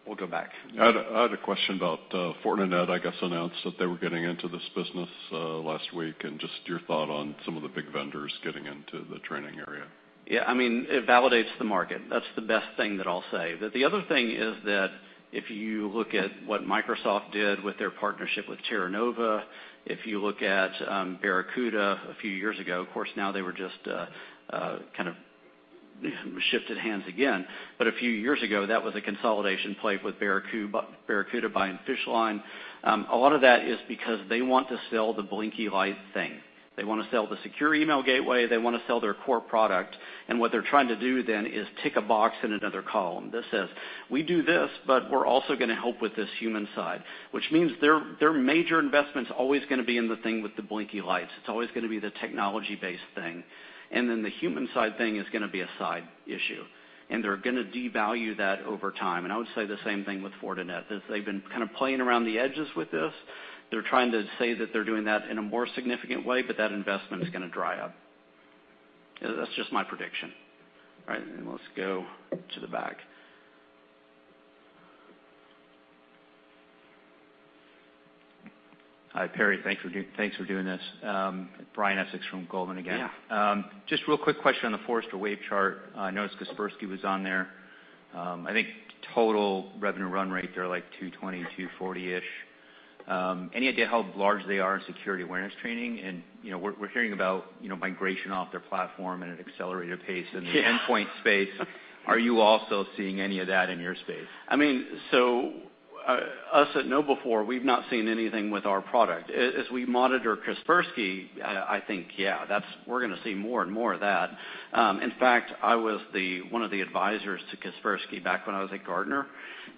We'll go back. I had a question about Fortinet. I guess they announced that they were getting into this business last week, and just your thought on some of the big vendors getting into the training area. Yeah. I mean, it validates the market. That's the best thing that I'll say. The other thing is that if you look at what Microsoft did with their partnership with Terranova, if you look at Barracuda a few years ago, of course now they were just kind of shifted hands again. A few years ago, that was a consolidation play with Barracuda buying PhishLine. A lot of that is because they want to sell the blinky light thing. They wanna sell the secure email gateway. They wanna sell their core product. What they're trying to do then is tick a box in another column that says, "We do this, but we're also gonna help with this human side," which means their major investment's always gonna be in the thing with the blinky lights. It's always gonna be the technology-based thing, and then the human side thing is gonna be a side issue, and they're gonna devalue that over time. I would say the same thing with Fortinet, is they've been kind of playing around the edges with this. They're trying to say that they're doing that in a more significant way, but that investment is gonna dry up. That's just my prediction. All right, let's go to the back. Hi, Perry. Thanks for doing this. Brian Essex from Goldman again. Yeah. Just real quick question on the Forrester Wave chart. I noticed Kaspersky was on there. I think total revenue run rate, they're like $220-$240-ish. Any idea how large they are in security awareness training? You know, we're hearing about, you know, migration off their platform at an accelerated pace in the. Yeah. Endpoint space. Are you also seeing any of that in your space? I mean, us at KnowBe4, we've not seen anything with our product. As we monitor Kaspersky, I think, yeah, that we're gonna see more and more of that. In fact, I was one of the advisors to Kaspersky back when I was at Gartner,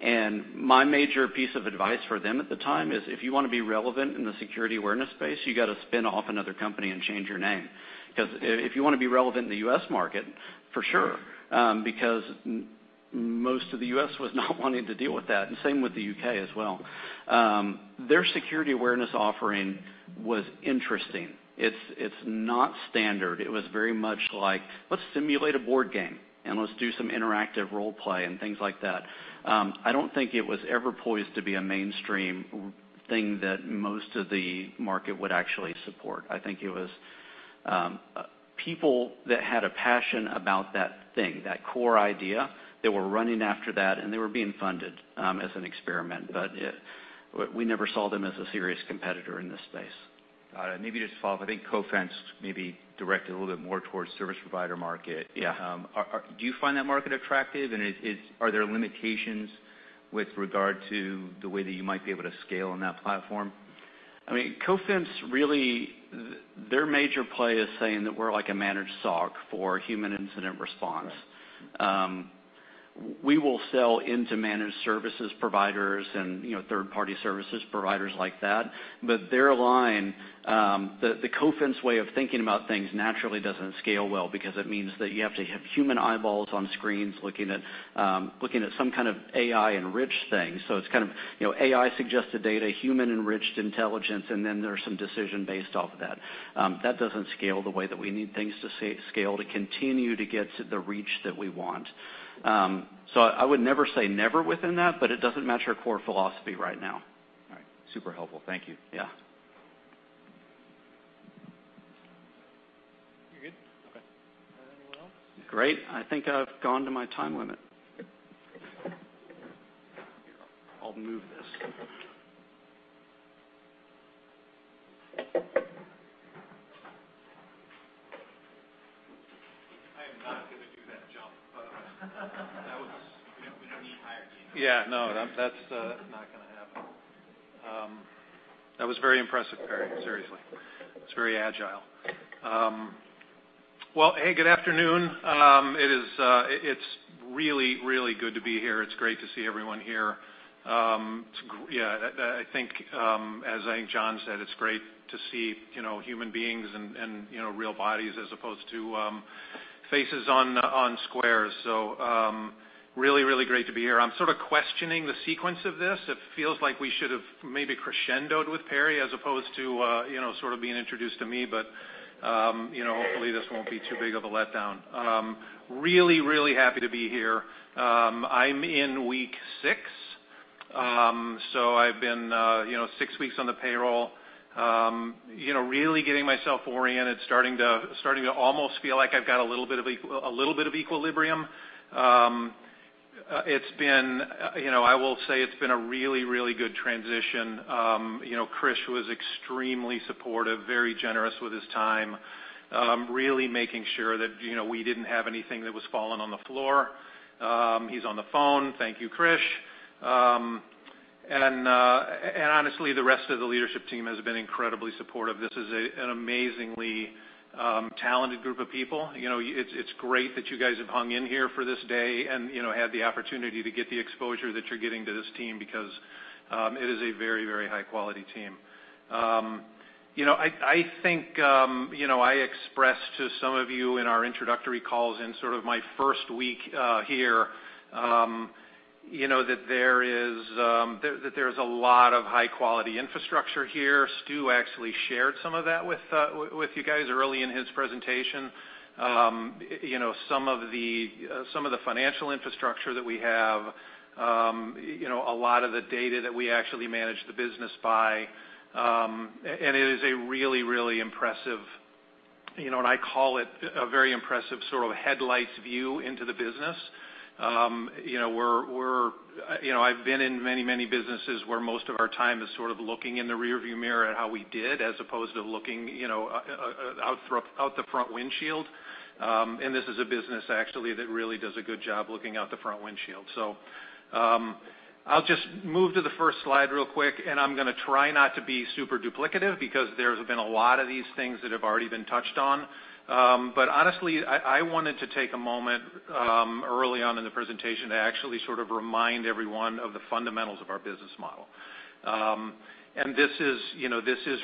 and my major piece of advice for them at the time is, "If you wanna be relevant in the security awareness space, you gotta spin off another company and change your name." Because if you wanna be relevant in the U.S. market, for sure, because most of the U.S. was not wanting to deal with that, and same with the U.K. as well. Their security awareness offering was interesting. It's not standard. It was very much like, "Let's simulate a board game, and let's do some interactive role play and things like that." I don't think it was ever poised to be a mainstream thing that most of the market would actually support. I think it was people that had a passion about that thing, that core idea, they were running after that, and they were being funded as an experiment. We never saw them as a serious competitor in this space. Got it. Maybe just to follow up, I think Cofense maybe directed a little bit more towards service provider market. Yeah. Do you find that market attractive, and are there limitations with regard to the way that you might be able to scale on that platform? I mean, Cofense really, their major play is saying that we're like a managed SOC for human incident response. Right. We will sell into managed services providers and, you know, third-party services providers like that. Their line, the Cofense way of thinking about things naturally doesn't scale well because it means that you have to have human eyeballs on screens looking at some kind of AI-enriched thing. It's kind of, you know, AI suggested data, human-enriched intelligence, and then there's some decision based off of that. That doesn't scale the way that we need things to scale to continue to get to the reach that we want. I would never say never within that, but it doesn't match our core philosophy right now. All right. Super helpful. Thank you. Yeah. You're good? Okay. Is there anyone else? Great. I think I've gone to my time limit. I'll move this. I am not gonna do that jump. We don't need to hire Tina. Yeah, no, that's not gonna happen. That was very impressive, Perry. Seriously. It's very agile. Well, hey, good afternoon. It is really, really good to be here. It's great to see everyone here. I think, as I think John said, it's great to see, you know, human beings and, you know, real bodies as opposed to faces on squares. Really, really great to be here. I'm sort of questioning the sequence of this. It feels like we should have maybe crescendoed with Perry as opposed to, you know, sort of being introduced to me. You know, hopefully this won't be too big of a letdown. Really, really happy to be here. I'm in week six. I've been, you know, six weeks on the payroll. You know, really getting myself oriented, starting to almost feel like I've got a little bit of equilibrium. It's been, you know, I will say it's been a really good transition. You know, Krish was extremely supportive, very generous with his time, really making sure that, you know, we didn't have anything that was falling on the floor. He's on the phone. Thank you, Krish. Honestly, the rest of the leadership team has been incredibly supportive. This is an amazingly talented group of people. You know, it's great that you guys have hung in here for this day and, you know, had the opportunity to get the exposure that you're getting to this team because it is a very high quality team. You know, I think you know, I expressed to some of you in our introductory calls in sort of my first week here, you know, that there's a lot of high quality infrastructure here. Stu actually shared some of that with you guys early in his presentation. You know, some of the financial infrastructure that we have, you know, a lot of the data that we actually manage the business by, and it is a really, really impressive. You know, I call it a very impressive sort of headlights view into the business. You know, I've been in many, many businesses where most of our time is sort of looking in the rearview mirror at how we did as opposed to looking, you know, out the front windshield. This is a business actually that really does a good job looking out the front windshield. I'll just move to the first slide real quick, and I'm gonna try not to be super duplicative because there's been a lot of these things that have already been touched on. Honestly, I wanted to take a moment early on in the presentation to actually sort of remind everyone of the fundamentals of our business model. This is, you know,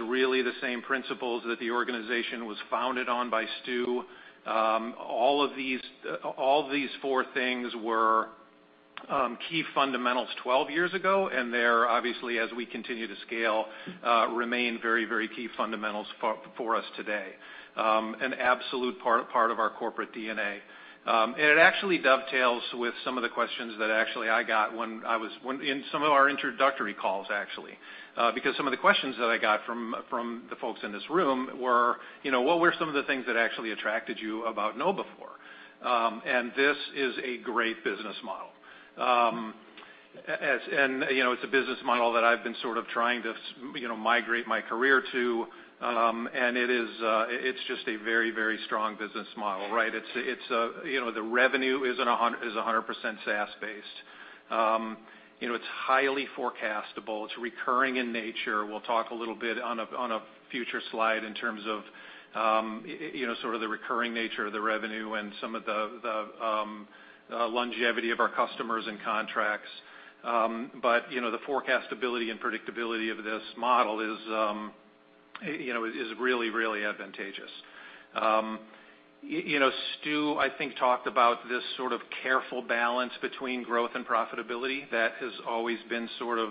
really the same principles that the organization was founded on by Stu. All of these four things were key fundamentals 12 years ago, and they're obviously, as we continue to scale, remain very, very key fundamentals for us today, an absolute part of our corporate DNA. It actually dovetails with some of the questions that actually I got when in some of our introductory calls actually. Because some of the questions that I got from the folks in this room were, you know, what were some of the things that actually attracted you about KnowBe4? This is a great business model. You know, it's a business model that I've been sort of trying to, you know, migrate my career to. It is, it's just a very, very strong business model, right? It's you know, the revenue is 100% SaaS-based. You know, it's highly forecastable. It's recurring in nature. We'll talk a little bit on a future slide in terms of you know, sort of the recurring nature of the revenue and some of the longevity of our customers and contracts. You know, the forecastability and predictability of this model is you know, is really, really advantageous. You know, Stu, I think talked about this sort of careful balance between growth and profitability that has always been sort of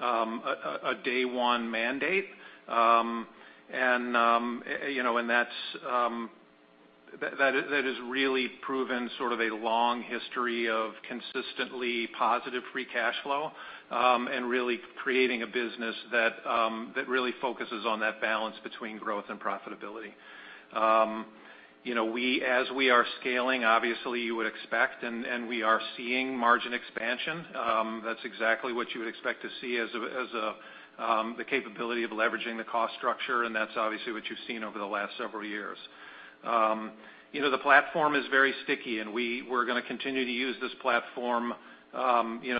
a day one mandate. You know, that's really proven a long history of consistently positive free cash flow, and really creating a business that really focuses on that balance between growth and profitability. As we are scaling, obviously you would expect and we are seeing margin expansion. That's exactly what you would expect to see as the capability of leveraging the cost structure, and that's obviously what you've seen over the last several years. You know, the platform is very sticky, and we're gonna continue to use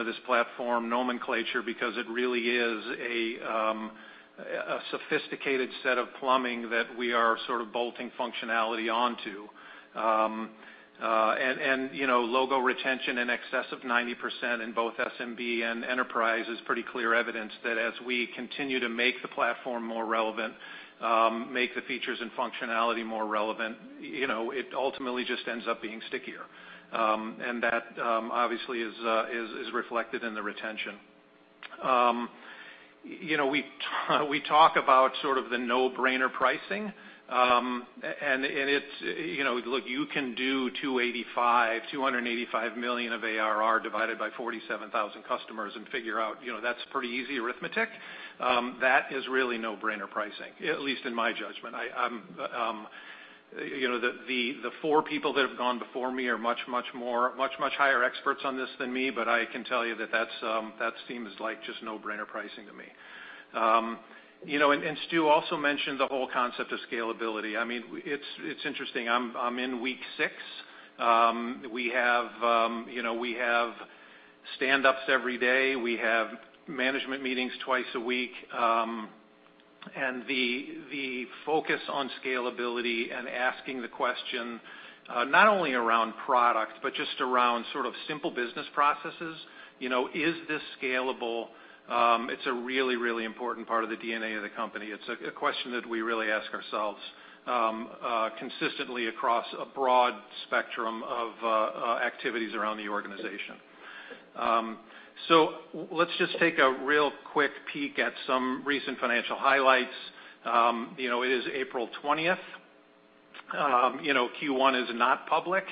this platform nomenclature because it really is a sophisticated set of plumbing that we are sort of bolting functionality onto. You know, logo retention in excess of 90% in both SMB and enterprise is pretty clear evidence that as we continue to make the platform more relevant, make the features and functionality more relevant, you know, it ultimately just ends up being stickier. That obviously is reflected in the retention. You know, we talk about sort of the no-brainer pricing, and it's, you know, look, you can do $285 million of ARR divided by 47,000 customers and figure out, you know, that's pretty easy arithmetic. That is really no-brainer pricing, at least in my judgment. I, you know, the four people that have gone before me are much higher experts on this than me, but I can tell you that that seems like just no-brainer pricing to me. You know, Stu also mentioned the whole concept of scalability. I mean, it's interesting. I'm in week six. We have stand-ups every day. We have management meetings twice a week. The focus on scalability and asking the question, not only around product, but just around sort of simple business processes, you know, is this scalable? It's a really important part of the DNA of the company. It's a question that we really ask ourselves consistently across a broad spectrum of activities around the organization. Let's just take a real quick peek at some recent financial highlights. You know, it is April 20th. You know, Q1 is not public.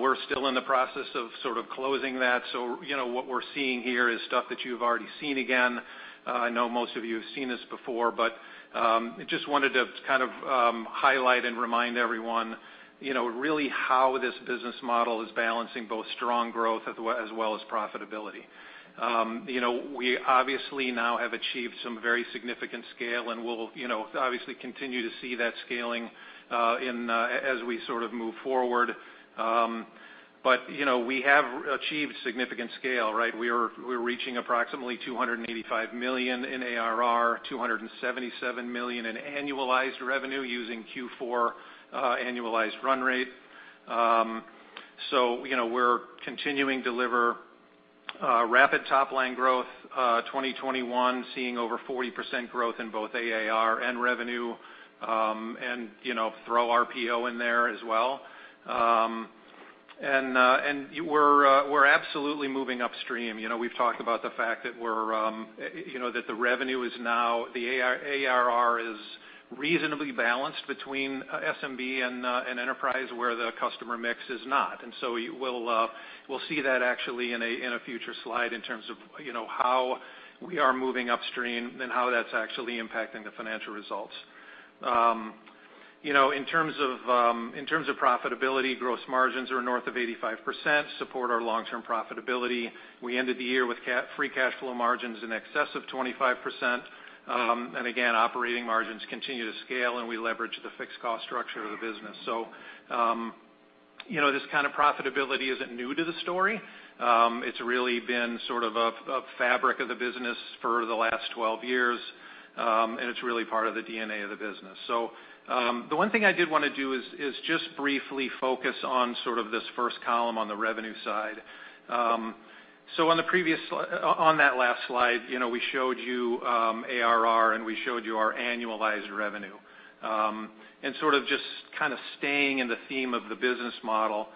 We're still in the process of sort of closing that. You know, what we're seeing here is stuff that you've already seen again. I know most of you have seen this before, but just wanted to kind of highlight and remind everyone, you know, really how this business model is balancing both strong growth as well as profitability. You know, we obviously now have achieved some very significant scale, and we'll, you know, obviously continue to see that scaling in as we sort of move forward. You know, we have achieved significant scale, right? We're reaching approximately $285 million in ARR, $277 million in annualized revenue using Q4 annualized run rate. You know, we're continuing to deliver rapid top-line growth, 2021 seeing over 40% growth in both ARR and revenue, and you know, throw RPO in there as well. We're absolutely moving upstream. You know, we've talked about the fact that the ARR is reasonably balanced between SMB and enterprise where the customer mix is not. You'll see that actually in a future slide in terms of you know, how we are moving upstream and how that's actually impacting the financial results. You know, in terms of profitability, gross margins are north of 85%, support our long-term profitability. We ended the year with free cash flow margins in excess of 25%. Again, operating margins continue to scale, and we leverage the fixed cost structure of the business. You know, this kind of profitability isn't new to the story. It's really been sort of a fabric of the business for the last 12 years, and it's really part of the DNA of the business. The one thing I did wanna do is just briefly focus on sort of this first column on the revenue side. On that last slide, you know, we showed you ARR, and we showed you our annualized revenue. Sort of just kind of staying in the theme of the business model,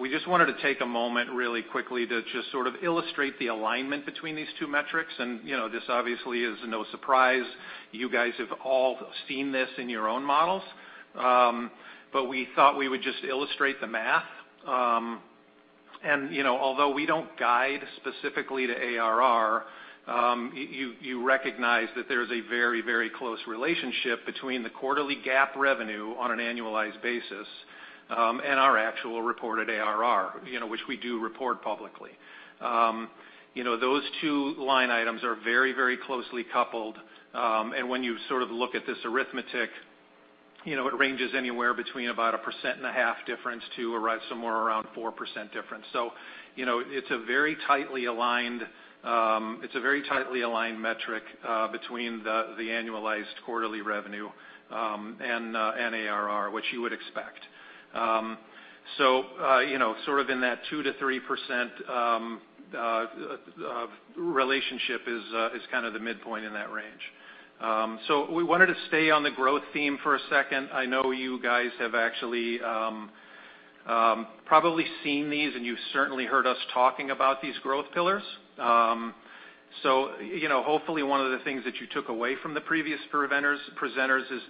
we just wanted to take a moment really quickly to just sort of illustrate the alignment between these two metrics. You know, this obviously is no surprise. You guys have all seen this in your own models. But we thought we would just illustrate the math. You know, although we don't guide specifically to ARR, you recognize that there's a very, very close relationship between the quarterly GAAP revenue on an annualized basis, and our actual reported ARR, you know, which we do report publicly. You know, those two line items are very, very closely coupled. When you sort of look at this arithmetic, you know, it ranges anywhere between about 1.5% difference to somewhere around 4% difference. You know, it's a very tightly aligned metric between the annualized quarterly revenue and ARR, which you would expect. You know, sort of in that 2%-3% relationship is kind of the midpoint in that range. We wanted to stay on the growth theme for a second. I know you guys have actually probably seen these, and you've certainly heard us talking about these growth pillars. Hopefully one of the things that you took away from the previous presenters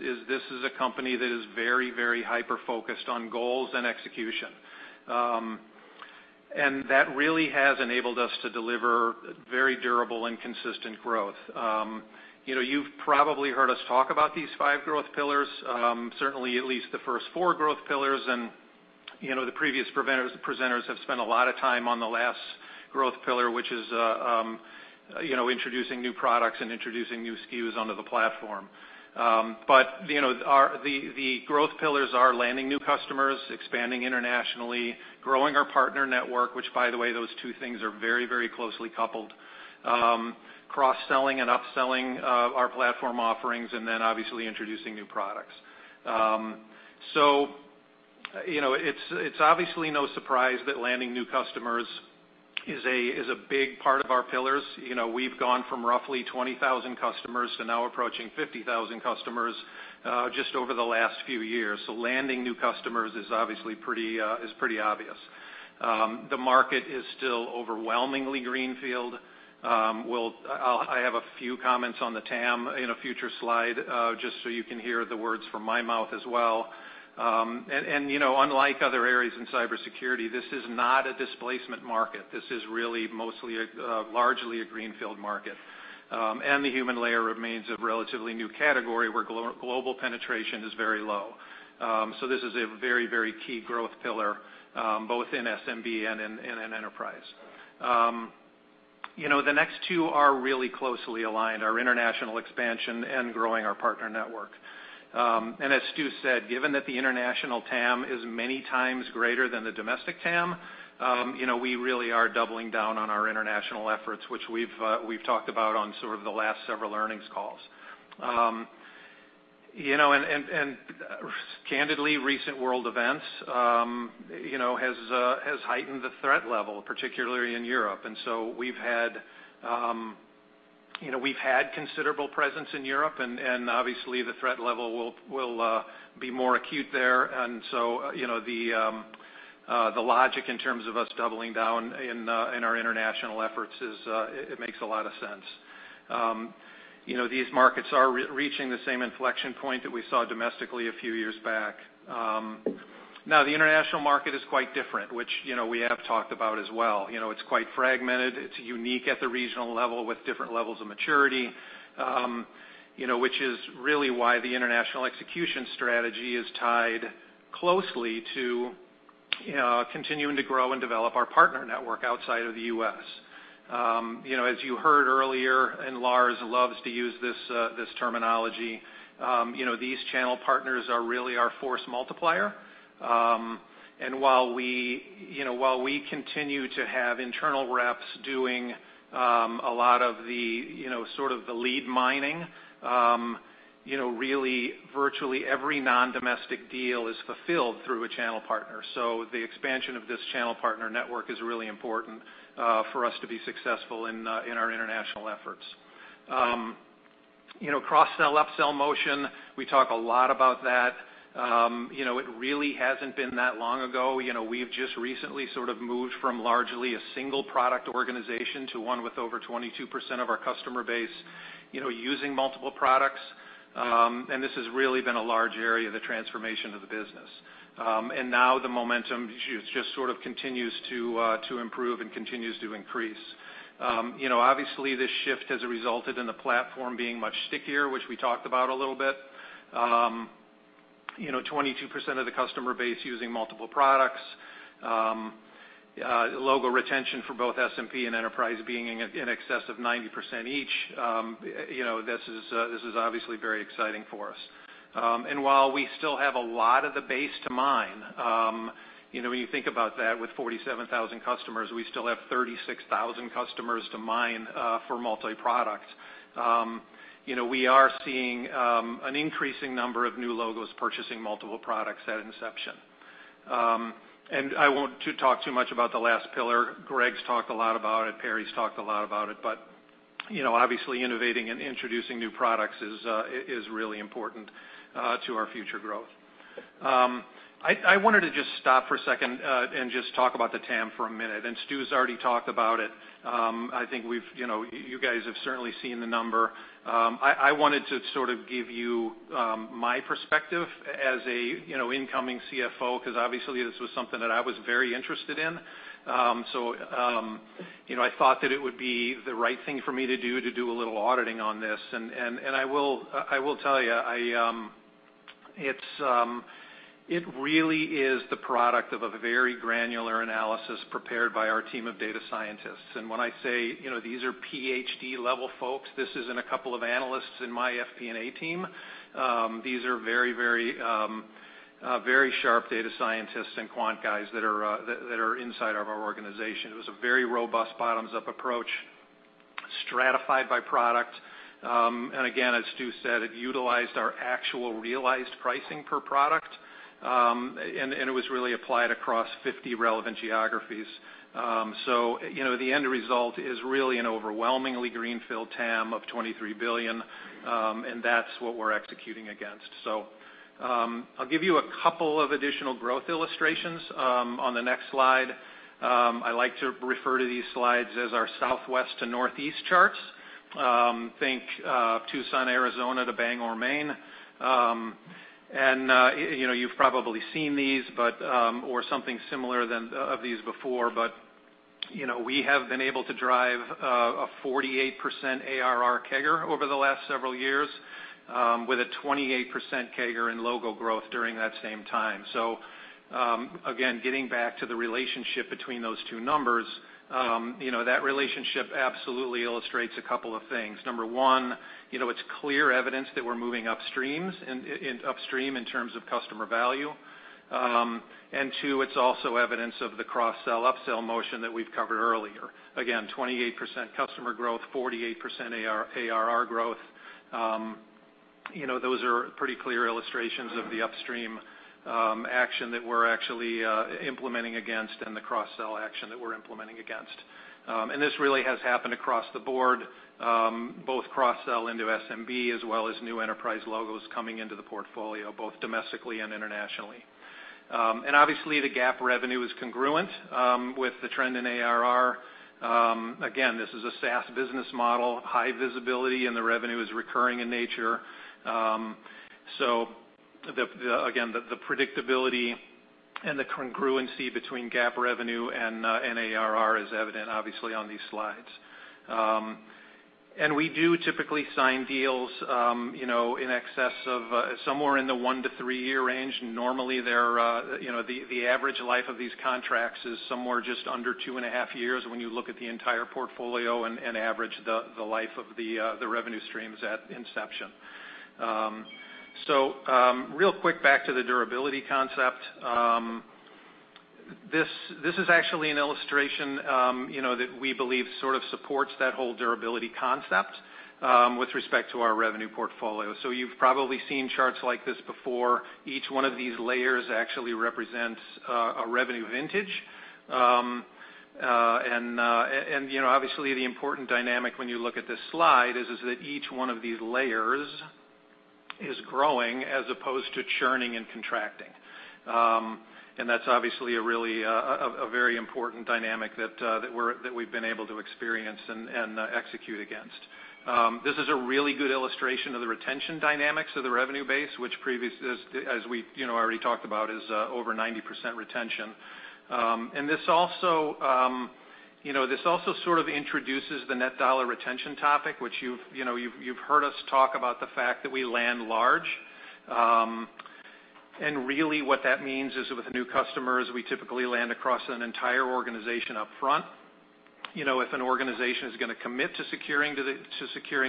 is this is a company that is very, very hyper-focused on goals and execution. That really has enabled us to deliver very durable and consistent growth. You know, you've probably heard us talk about these five growth pillars, certainly at least the first four growth pillars. You know, the previous presenters have spent a lot of time on the last growth pillar, which is, you know, introducing new products and introducing new SKUs onto the platform. You know, the growth pillars are landing new customers, expanding internationally, growing our partner network, which by the way, those two things are very, very closely coupled, cross-selling and upselling our platform offerings, and then obviously introducing new products. You know, it's obviously no surprise that landing new customers is a big part of our pillars. You know, we've gone from roughly 20,000 customers to now approaching 50,000 customers, just over the last few years. Landing new customers is obviously pretty obvious. The market is still overwhelmingly greenfield. I have a few comments on the TAM in a future slide, just so you can hear the words from my mouth as well. You know, unlike other areas in cybersecurity, this is not a displacement market. This is really mostly a largely greenfield market. The human layer remains a relatively new category where global penetration is very low. This is a very key growth pillar both in SMB and in enterprise. You know, the next two are really closely aligned, our international expansion and growing our partner network. As Stu said, given that the international TAM is many times greater than the domestic TAM, you know, we really are doubling down on our international efforts, which we've talked about on sort of the last several earnings calls. You know, and candidly, recent world events, you know, has heightened the threat level, particularly in Europe. We've had considerable presence in Europe, and obviously the threat level will be more acute there. You know, the logic in terms of us doubling down in our international efforts is, it makes a lot of sense. You know, these markets are re-reaching the same inflection point that we saw domestically a few years back. Now the international market is quite different, which, you know, we have talked about as well. You know, it's quite fragmented. It's unique at the regional level with different levels of maturity, you know, which is really why the international execution strategy is tied closely to, you know, continuing to grow and develop our partner network outside of the U.S. You know, as you heard earlier, and Lars loves to use this terminology, you know, these channel partners are really our force multiplier. While we, you know, continue to have internal reps doing a lot of the, you know, sort of the lead mining, you know, really virtually every non-domestic deal is fulfilled through a channel partner. The expansion of this channel partner network is really important for us to be successful in our international efforts. You know, cross-sell, upsell motion, we talk a lot about that. You know, it really hasn't been that long ago. You know, we've just recently sort of moved from largely a single product organization to one with over 22% of our customer base using multiple products. This has really been a large area of the transformation of the business. Now the momentum just sort of continues to improve and continues to increase. You know, obviously this shift has resulted in the platform being much stickier, which we talked about a little bit. You know, 22% of the customer base using multiple products, logo retention for both SMB and enterprise being in excess of 90% each. You know, this is obviously very exciting for us. While we still have a lot of the base to mine, you know, when you think about that with 47,000 customers, we still have 36,000 customers to mine for multi-product. You know, we are seeing an increasing number of new logos purchasing multiple products at inception. I don't want to talk too much about the last pillar. Greg's talked a lot about it, Perry's talked a lot about it, but, you know, obviously innovating and introducing new products is really important to our future growth. I wanted to just stop for a second and just talk about the TAM for a minute, and Stu's already talked about it. I think we've, you know, you guys have certainly seen the number. I wanted to sort of give you my perspective as a, you know, incoming CFO, 'cause obviously this was something that I was very interested in. You know, I thought that it would be the right thing for me to do a little auditing on this. It really is the product of a very granular analysis prepared by our team of data scientists. When I say, you know, these are Ph.D. level folks, this isn't a couple of analysts in my FP&A team. These are very sharp data scientists and quant guys that are inside of our organization. It was a very robust bottoms-up approach, stratified by product. Again, as Stu said, it utilized our actual realized pricing per product, and it was really applied across 50 relevant geographies. You know, the end result is really an overwhelmingly greenfield TAM of $23 billion, and that's what we're executing against. I'll give you a couple of additional growth illustrations on the next slide. I like to refer to these slides as our southwest to northeast charts. Think Tucson, Arizona to Bangor, Maine. You know, you've probably seen these, but or something similar to these before. You know, we have been able to drive a 48% ARR CAGR over the last several years with a 28% CAGR in logo growth during that same time. Again, getting back to the relationship between those two numbers, you know, that relationship absolutely illustrates a couple of things. Number one, you know, it is clear evidence that we are moving upstream in terms of customer value. And two, it is also evidence of the cross-sell, upsell motion that we have covered earlier. Again, 28% customer growth, 48% ARR growth. You know, those are pretty clear illustrations of the upstream action that we are actually implementing against and the cross-sell action that we are implementing against. This really has happened across the board, both cross-sell into SMB as well as new enterprise logos coming into the portfolio, both domestically and internationally. Obviously, the GAAP revenue is congruent with the trend in ARR. Again, this is a SaaS business model, high visibility, and the revenue is recurring in nature. The predictability and the congruency between GAAP revenue and ARR is evident obviously on these slides. We do typically sign deals, you know, in excess of somewhere in the one to three year range. Normally, they're the average life of these contracts is somewhere just under 2.5 years when you look at the entire portfolio and average the life of the revenue streams at inception. Real quick back to the durability concept. This is actually an illustration, you know, that we believe sort of supports that whole durability concept with respect to our revenue portfolio. You've probably seen charts like this before. Each one of these layers actually represents a revenue vintage. You know, obviously, the important dynamic when you look at this slide is that each one of these layers is growing as opposed to churning and contracting. That's obviously a really very important dynamic that we've been able to experience and execute against. This is a really good illustration of the retention dynamics of the revenue base, which as we, you know, already talked about, is over 90% retention. This also, you know, this also sort of introduces the net dollar retention topic, which you've, you know, heard us talk about the fact that we land large. Really what that means is with new customers, we typically land across an entire organization up front. You know, if an organization is gonna commit to securing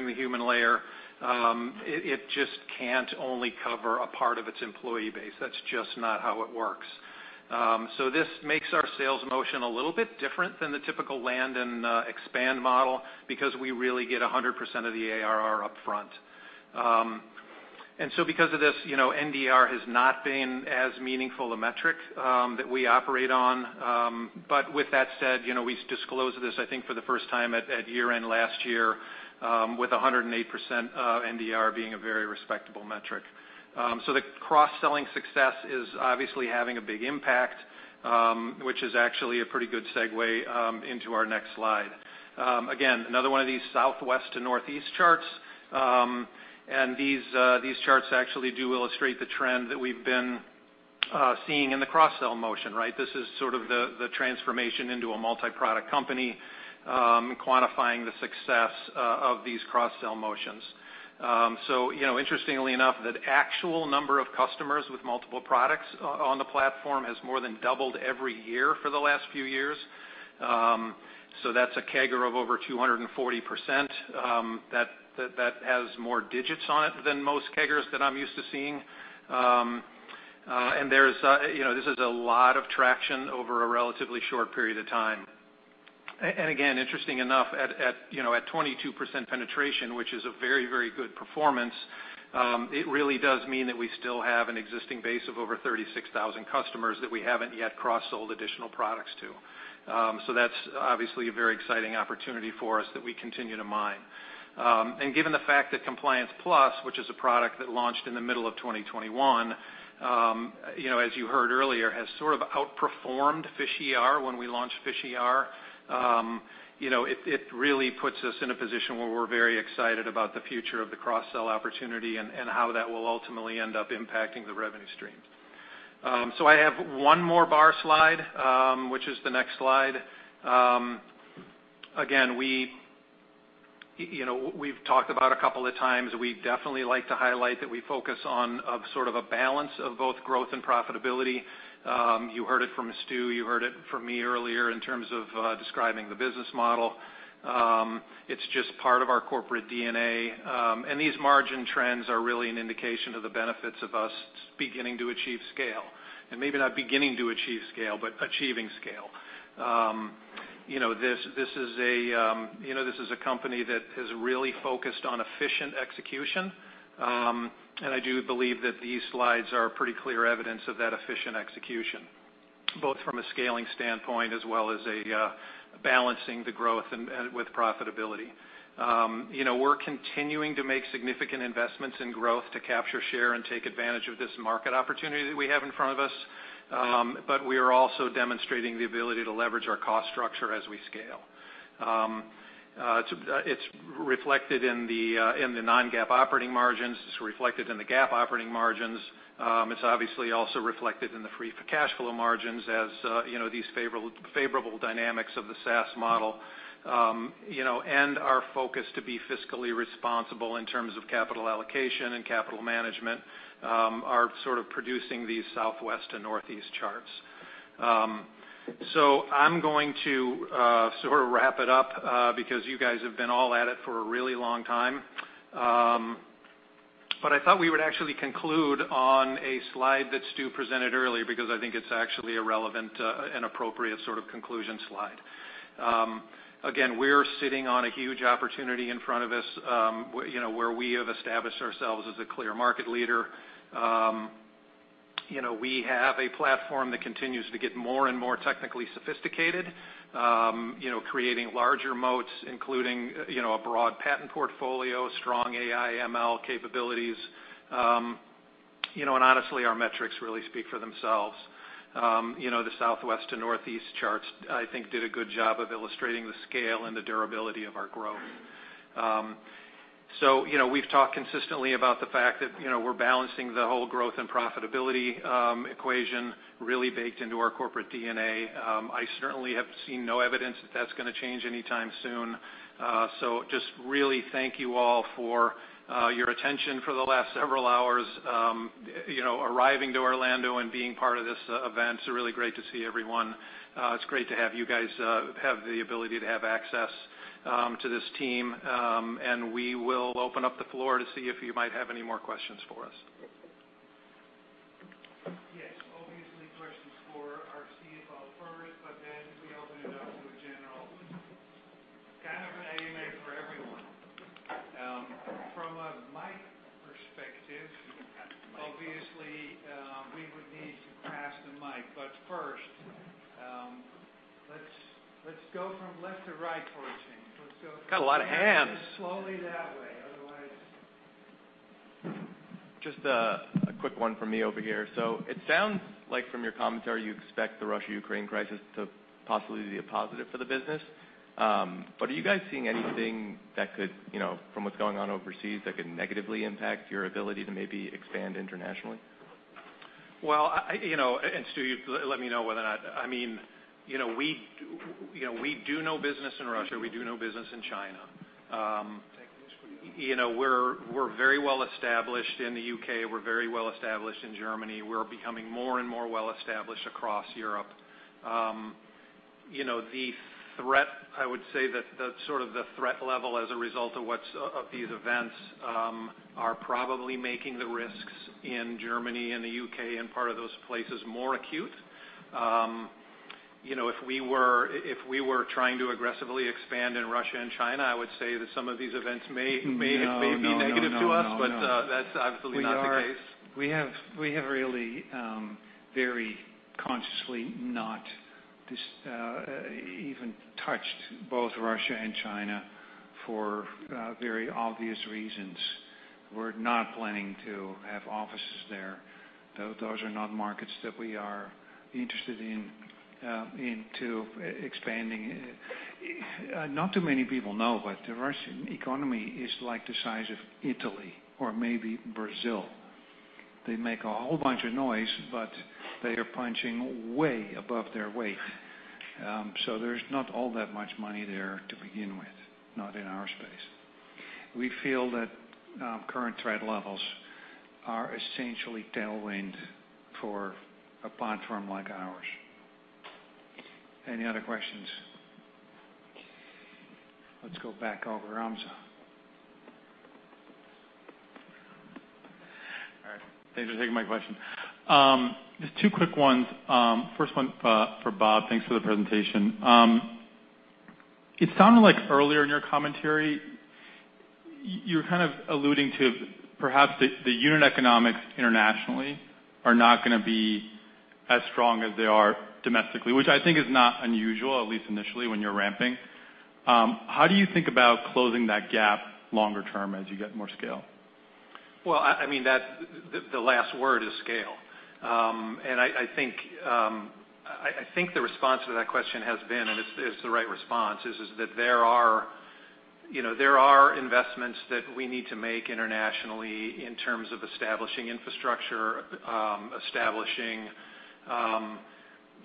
the human layer, it just can't only cover a part of its employee base. That's just not how it works. This makes our sales motion a little bit different than the typical land and expand model because we really get 100% of the ARR up front. Because of this, you know, NDR has not been as meaningful a metric that we operate on. With that said, you know, we disclosed this, I think, for the first time at year-end last year, with 108% NDR being a very respectable metric. The cross-selling success is obviously having a big impact, which is actually a pretty good segue into our next slide. Again, another one of these southwest to northeast charts. These charts actually do illustrate the trend that we've been seeing in the cross-sell motion, right? This is sort of the transformation into a multi-product company, quantifying the success of these cross-sell motions. You know, interestingly enough, the actual number of customers with multiple products on the platform has more than doubled every year for the last few years. That's a CAGR of over 240%, that has more digits on it than most CAGRs that I'm used to seeing. There's you know this is a lot of traction over a relatively short period of time. Again, interesting enough, at you know at 22% penetration, which is a very, very good performance, it really does mean that we still have an existing base of over 36,000 customers that we haven't yet cross-sold additional products to. That's obviously a very exciting opportunity for us that we continue to mine. Given the fact that Compliance Plus, which is a product that launched in the middle of 2021, you know as you heard earlier, has sort of outperformed PhishER when we launched PhishER. You know, it really puts us in a position where we're very excited about the future of the cross-sell opportunity and how that will ultimately end up impacting the revenue stream. So I have one more bar slide, which is the next slide. Again, you know, we've talked about a couple of times, we definitely like to highlight that we focus on of sort of a balance of both growth and profitability. You heard it from Stu, you heard it from me earlier in terms of describing the business model. It's just part of our corporate DNA, and these margin trends are really an indication of the benefits of us beginning to achieve scale, and maybe not beginning to achieve scale, but achieving scale. You know, this is a company that has really focused on efficient execution. I do believe that these slides are pretty clear evidence of that efficient execution, both from a scaling standpoint as well as balancing the growth and with profitability. You know, we're continuing to make significant investments in growth to capture share and take advantage of this market opportunity that we have in front of us. We are also demonstrating the ability to leverage our cost structure as we scale. It's reflected in the non-GAAP operating margins. It's reflected in the GAAP operating margins. It's obviously also reflected in the free cash flow margins as you know, these favorable dynamics of the SaaS model. You know, our focus to be fiscally responsible in terms of capital allocation and capital management are sort of producing these southwest and northeast charts. I'm going to sort of wrap it up because you guys have been all at it for a really long time. I thought we would actually conclude on a slide that Stu presented earlier because I think it's actually a relevant and appropriate sort of conclusion slide. Again, we're sitting on a huge opportunity in front of us, you know, where we have established ourselves as a clear market leader. You know, we have a platform that continues to get more and more technically sophisticated, you know, creating larger moats, including, you know, a broad patent portfolio, strong AI, ML capabilities. You know, and honestly, our metrics really speak for themselves. You know, the Southwest to Northeast charts, I think, did a good job of illustrating the scale and the durability of our growth. You know, we've talked consistently about the fact that, you know, we're balancing the whole growth and profitability equation really baked into our corporate DNA. I certainly have seen no evidence that that's gonna change anytime soon. Just really thank you all for your attention for the last several hours, you know, arriving to Orlando and being part of this event. It's really great to see everyone. It's great to have you guys have the ability to have access to this team. We will open up the floor to see if you might have any more questions for us. Yes. Obviously, questions for our CFO first, but then we open it up to a general, kind of an AMA for everyone. From a mic perspective, obviously, we would need to pass the mic. First, let's go from left to right for a change. Let's go- Got a lot of hands. Slowly that way. Otherwise Just a quick one from me over here. It sounds like from your commentary, you expect the Russia-Ukraine crisis to possibly be a positive for the business. Are you guys seeing anything that could, you know, from what's going on overseas, that could negatively impact your ability to maybe expand internationally? Well, you know, and Stu, let me know whether or not. I mean, you know, we do no business in Russia. We do no business in China. You know, we're very well established in the U.K. We're very well established in Germany. We're becoming more and more well established across Europe. You know, the threat, I would say that the sort of the threat level as a result of of these events are probably making the risks in Germany and the U.K. and part of those places more acute. You know, if we were trying to aggressively expand in Russia and China, I would say that some of these events may be negative to us. No. That's absolutely not the case. We have really very consciously not even touched both Russia and China for very obvious reasons. We're not planning to have offices there, though those are not markets that we are interested in expanding into. Not too many people know, but the Russian economy is like the size of Italy or maybe Brazil. They make a whole bunch of noise, but they are punching way above their weight. So there's not all that much money there to begin with, not in our space. We feel that current threat levels are essentially tailwind for a platform like ours. Any other questions? Let's go back over. Hamza Fodderwala. All right. Thanks for taking my question. Just two quick ones. First one, for Bob. Thanks for the presentation. It sounded like earlier in your commentary, you're kind of alluding to perhaps the unit economics internationally are not gonna be as strong as they are domestically, which I think is not unusual, at least initially, when you're ramping. How do you think about closing that gap longer term as you get more scale? Well, I mean, that's the last word is scale. I think the response to that question has been, and it's the right response, is that there are, you know, investments that we need to make internationally in terms of establishing infrastructure, establishing,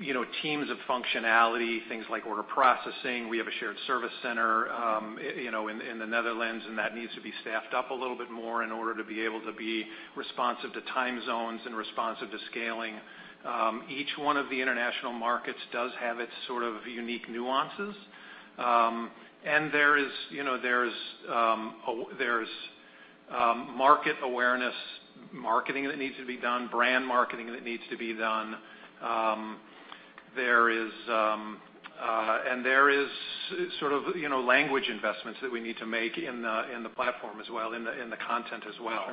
you know, teams of functionality, things like order processing. We have a shared service center, you know, in the Netherlands, and that needs to be staffed up a little bit more in order to be able to be responsive to time zones and responsive to scaling. Each one of the international markets does have its sort of unique nuances. There is, you know, there's market awareness marketing that needs to be done, brand marketing that needs to be done. There is sort of, you know, language investments that we need to make in the platform as well, in the content as well.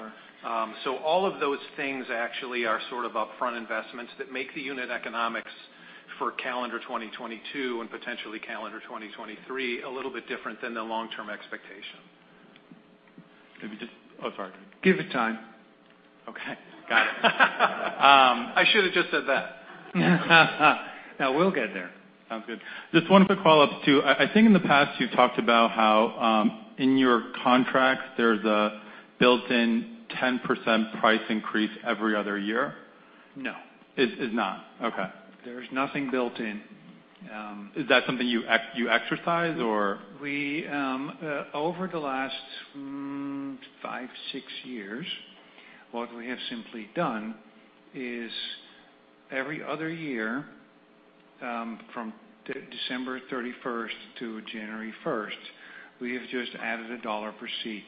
Sure. All of those things actually are sort of upfront investments that make the unit economics for calendar 2022 and potentially calendar 2023 a little bit different than the long-term expectation. Oh, sorry. Give it time. Okay. Got it. I should have just said that. Now we'll get there. Sounds good. Just one quick follow-up, too. I think in the past, you talked about how in your contracts, there's a built-in 10% price increase every other year. No. It's not? Okay. There's nothing built in. Is that something you exercise or? We, over the last 5-6 years, what we have simply done is every other year, from December 31 to January 1, we have just added $1 per seat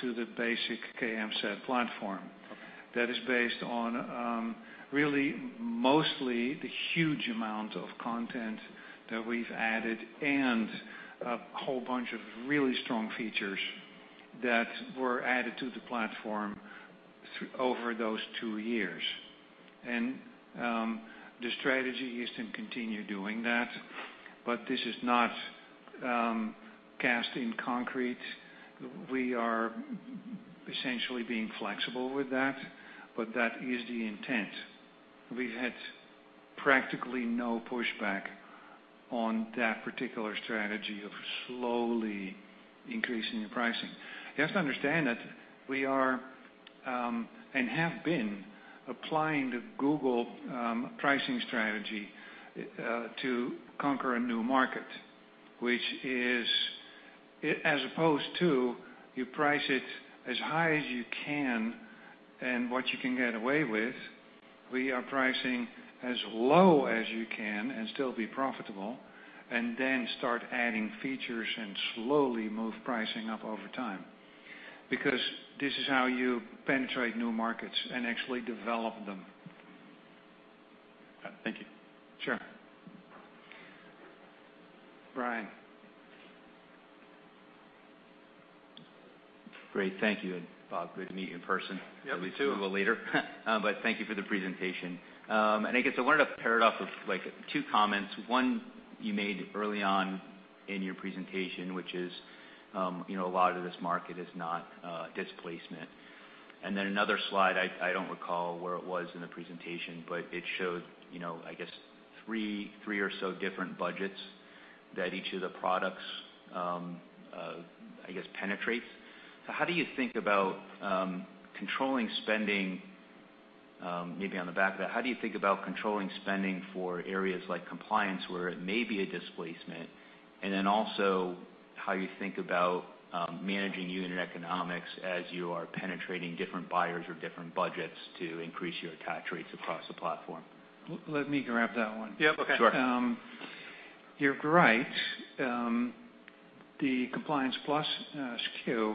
to the basic KMSAT platform. Okay. That is based on, really mostly the huge amount of content that we've added and a whole bunch of really strong features that were added to the platform over those two years. The strategy is to continue doing that, but this is not cast in concrete. We are essentially being flexible with that, but that is the intent. We've had practically no pushback on that particular strategy of slowly increasing the pricing. You have to understand that we are and have been applying the Google pricing strategy to conquer a new market, which is, as opposed to you price it as high as you can and what you can get away with, we are pricing as low as you can and still be profitable, and then start adding features and slowly move pricing up over time. Because this is how you penetrate new markets and actually develop them. Thank you. Sure. Brian. Great. Thank you. Bob, good to meet you in person. You too. At least a little later. Thank you for the presentation. I guess I wanted to piggyback off of, like, two comments. One you made early on in your presentation, which is, you know, a lot of this market is not displacement. Then another slide, I don't recall where it was in the presentation, but it showed, you know, I guess three or so different budgets that each of the products, I guess penetrates. How do you think about controlling spending, maybe on the back of that, how do you think about controlling spending for areas like compliance where it may be a displacement? Then also how you think about managing unit economics as you are penetrating different buyers or different budgets to increase your attach rates across the platform? Let me grab that one. Yeah. Okay. Sure. You're right. The Compliance Plus SKU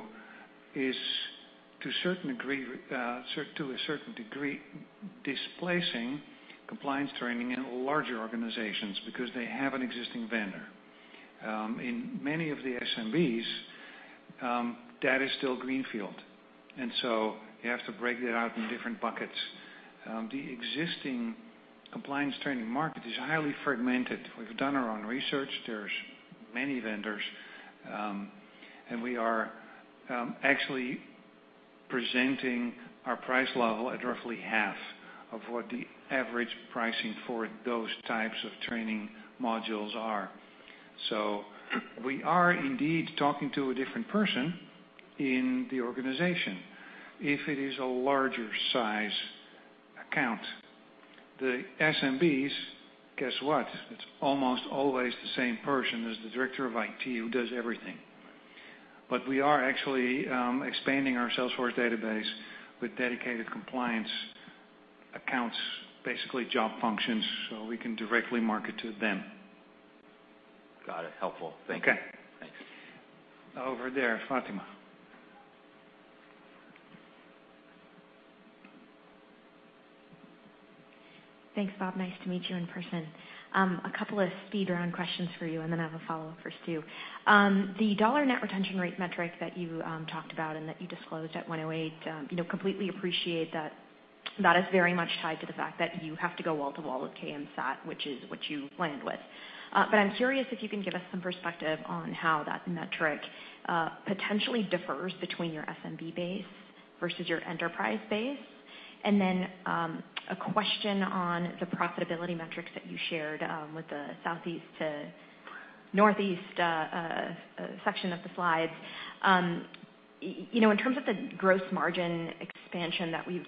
is to a certain degree displacing compliance training in larger organizations because they have an existing vendor. In many of the SMBs, that is still greenfield, and so you have to break that out in different buckets. The existing compliance training market is highly fragmented. We've done our own research. There's many vendors, and we are actually presenting our price level at roughly half of what the average pricing for those types of training modules are. We are indeed talking to a different person in the organization if it is a larger size account. The SMBs, guess what? It's almost always the same person as the director of IT who does everything. We are actually expanding our Salesforce database with dedicated compliance accounts, basically job functions, so we can directly market to them. Got it. Helpful. Thank you. Okay. Thanks. Over there, Fatima. Thanks, Bob. Nice to meet you in person. A couple of speed round questions for you, and then I have a follow-up for Stu. The dollar net retention rate metric that you talked about and that you disclosed at 108%, you know, completely appreciate that that is very much tied to the fact that you have to go wall to wall with KMSAT, which is what you planned with. But I'm curious if you can give us some perspective on how that metric potentially differs between your SMB base versus your enterprise base. Then, a question on the profitability metrics that you shared with the southeast to northeast section of the slides. You know, in terms of the gross margin expansion that we've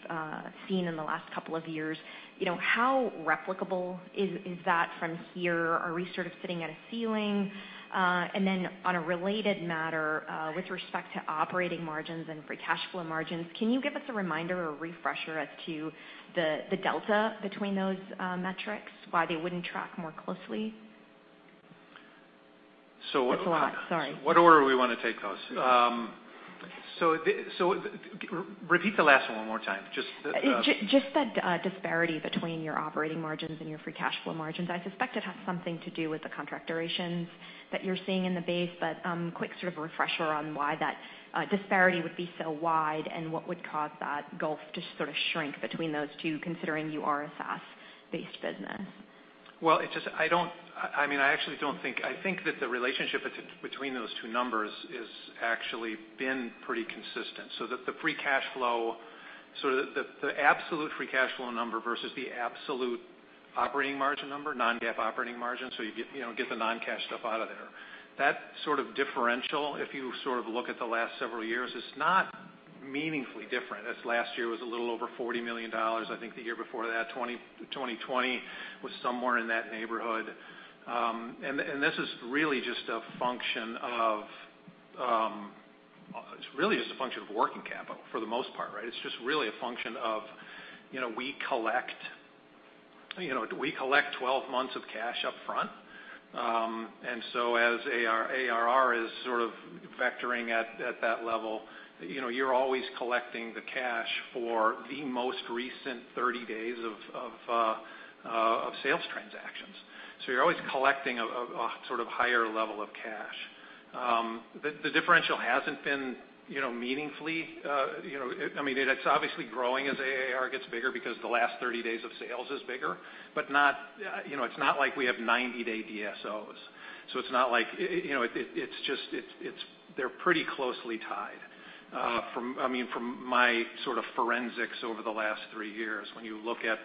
seen in the last couple of years, you know, how replicable is that from here? Are we sort of sitting at a ceiling? And then on a related matter, with respect to operating margins and free cash flow margins, can you give us a reminder or refresher as to the delta between those metrics, why they wouldn't track more closely? So- It's a lot. Sorry. What order we wanna take those? Repeat the last one more time. Just the Just the disparity between your operating margins and your free cash flow margins. I suspect it has something to do with the contract durations that you're seeing in the base, but quick sort of refresher on why that disparity would be so wide and what would cause that gulf to sort of shrink between those two, considering you are a SaaS-based business. I mean, I actually don't think I think that the relationship between those two numbers is actually been pretty consistent. The free cash flow, the absolute free cash flow number versus the absolute operating margin number, non-GAAP operating margin, so you get, you know, get the non-cash stuff out of there. That sort of differential, if you sort of look at the last several years, is not meaningfully different. This last year was a little over $40 million. I think the year before that, 2020 was somewhere in that neighborhood. And this is really just a function of, it's really just a function of working capital for the most part, right? It's just really a function of, you know, we collect, you know, we collect 12 months of cash up front. As ARR is sort of vectoring at that level, you know, you're always collecting the cash for the most recent 30 days of sales transactions. So you're always collecting a sort of higher level of cash. The differential hasn't been, you know, meaningfully, you know. I mean, it's obviously growing as ARR gets bigger because the last 30 days of sales is bigger, but not, you know, it's not like we have 90-day DSOs. So it's not like. You know, it's just. It's. They're pretty closely tied, uh, from, I mean, from my sort of forensics over the last 3 years when you look at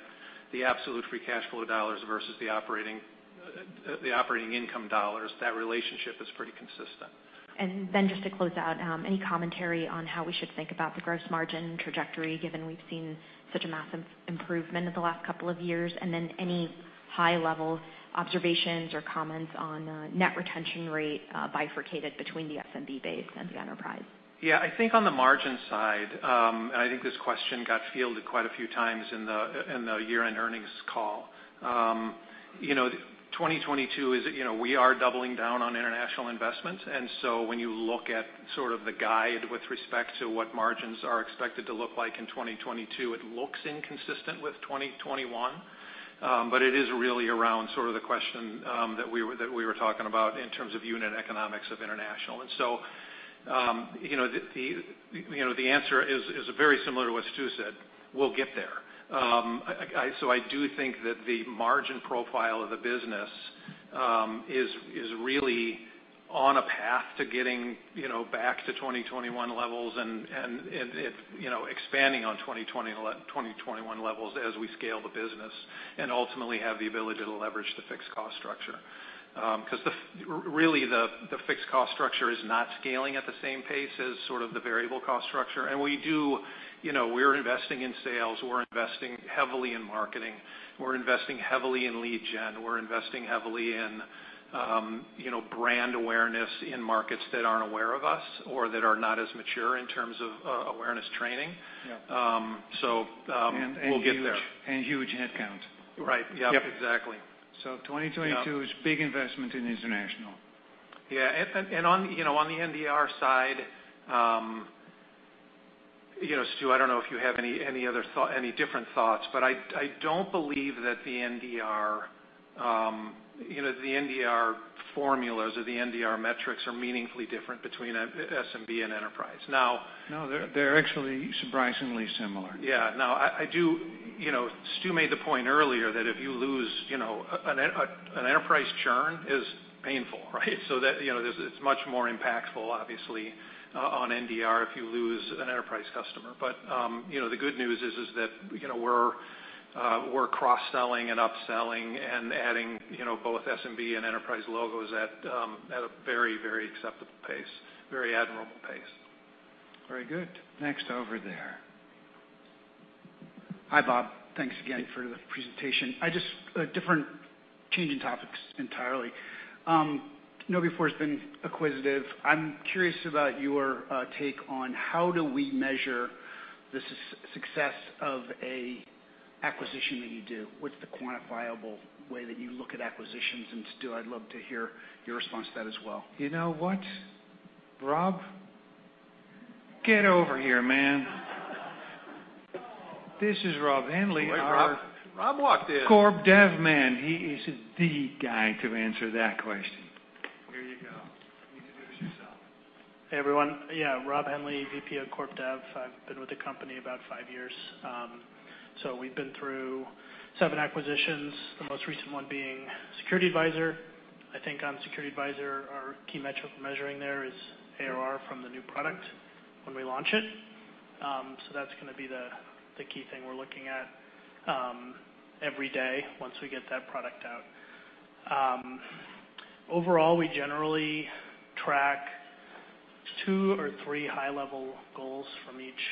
the absolute free cash flow dollars versus the operating income dollars, that relationship is pretty consistent. Just to close out, any commentary on how we should think about the gross margin trajectory, given we've seen such a massive improvement in the last couple of years? Any high level observations or comments on net retention rate, bifurcated between the SMB base and the enterprise? Yeah. I think on the margin side, I think this question got fielded quite a few times in the year-end earnings call. You know, 2022 is, you know, we are doubling down on international investments. When you look at sort of the guide with respect to what margins are expected to look like in 2022, it looks inconsistent with 2021. It is really around sort of the question that we were talking about in terms of unit economics of international. You know, the answer is very similar to what Stu said. We'll get there. I do think that the margin profile of the business is really on a path to getting back to 2021 levels and expanding on 2021 levels as we scale the business and ultimately have the ability to leverage the fixed cost structure. Because the fixed cost structure is not scaling at the same pace as the variable cost structure. We do, you know, we're investing in sales, we're investing heavily in marketing, we're investing heavily in lead gen, we're investing heavily in brand awareness in markets that aren't aware of us or that are not as mature in terms of awareness training. Yeah. We'll get there. Huge headcount. Right. Yep, exactly. 2022 is big investment in international. Yeah. On the NDR side, you know, Stu, I don't know if you have any different thoughts, but I don't believe that the NDR formulas or the NDR metrics are meaningfully different between SMB and enterprise. Now No, they're actually surprisingly similar. Yeah. Now I do. You know, Stu made the point earlier that if you lose, you know, an enterprise churn is painful, right? That, you know, this is much more impactful, obviously, on NDR if you lose an enterprise customer. You know, the good news is that, you know, we're cross-selling and upselling and adding, you know, both SMB and enterprise logos at a very acceptable pace, very admirable pace. Very good. Next, over there. Hi, Bob. Thanks again for the presentation. Changing topics entirely. KnowBe4 has been acquisitive. I'm curious about your take on how do we measure the success of an acquisition that you do? What's the quantifiable way that you look at acquisitions? Stu, I'd love to hear your response to that as well. You know what, Rob? Get over here, man. This is Rob Henley, our- Rob walked in. Corp dev man. He is the guy to answer that question. Here you go. Introduce yourself. Hey, everyone. Yeah, Rob Henley, VP of Corp Dev. I've been with the company about five years. We've been through seven acquisitions, the most recent one being SecurityAdvisor. I think on SecurityAdvisor, our key metric for measuring there is ARR from the new product when we launch it. That's gonna be the key thing we're looking at every day once we get that product out. Overall, we generally track two or three high-level goals from each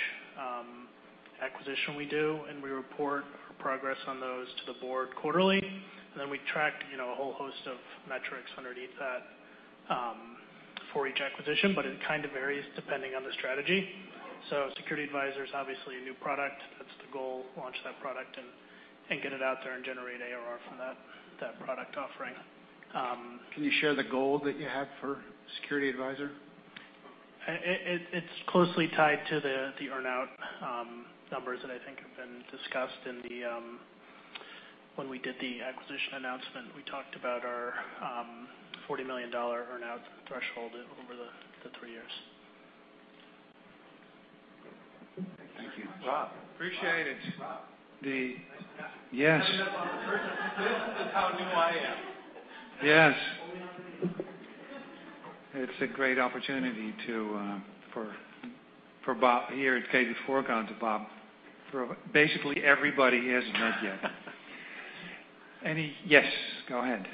acquisition we do, and we report progress on those to the board quarterly. We track, you know, a whole host of metrics underneath that for each acquisition, but it kind of varies depending on the strategy. SecurityAdvisor is obviously a new product. That's the goal, launch that product and get it out there and generate ARR from that product offering. Um- Can you share the goal that you have for SecurityAdvisor? It's closely tied to the earn-out numbers that I think have been discussed when we did the acquisition announcement. We talked about our $40 million earn-out threshold over the three years. Thank you. Rob. Appreciate it. Rob. The- Nice to have you. Yes. This is how new I am. Yes. It's a great opportunity for Bob here at KnowBe4 for basically everybody he hasn't met yet. Yes, go ahead.